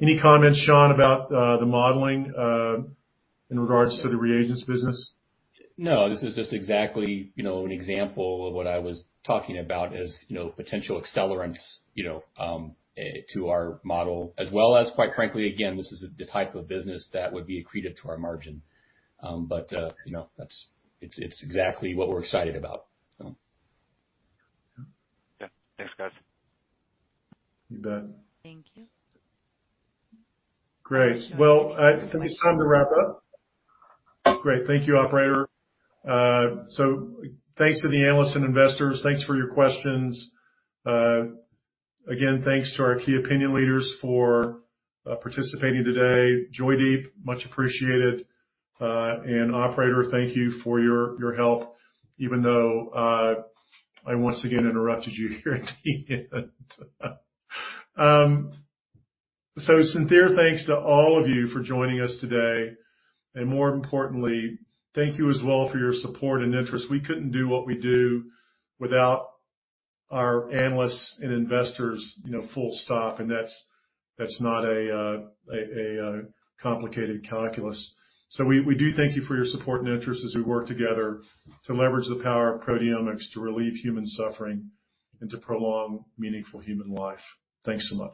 Any comments, Shaun, about the modeling in regards to the reagents business? No, this is just exactly, you know, an example of what I was talking about as, you know, potential accelerants, you know, to our model, as well as quite frankly, again, this is the type of business that would be accretive to our margin. You know, it's exactly what we're excited about. Yeah. Thanks, guys. You bet. Thank you. Great. Well, I think it's time to wrap up. Great. Thank you, operator. Thanks to the analysts and investors. Thanks for your questions. Again, thanks to our key opinion leaders for participating today. Joydeep, much appreciated. Operator, thank you for your help, even though I once again interrupted you here at the end. Sincere thanks to all of you for joining us today. More importantly, thank you as well for your support and interest. We couldn't do what we do without our analysts and investors, you know, full stop. That's not a complicated calculus. We do thank you for your support and interest as we work together to leverage the power of proteomics to relieve human suffering and to prolong meaningful human life. Thanks so much.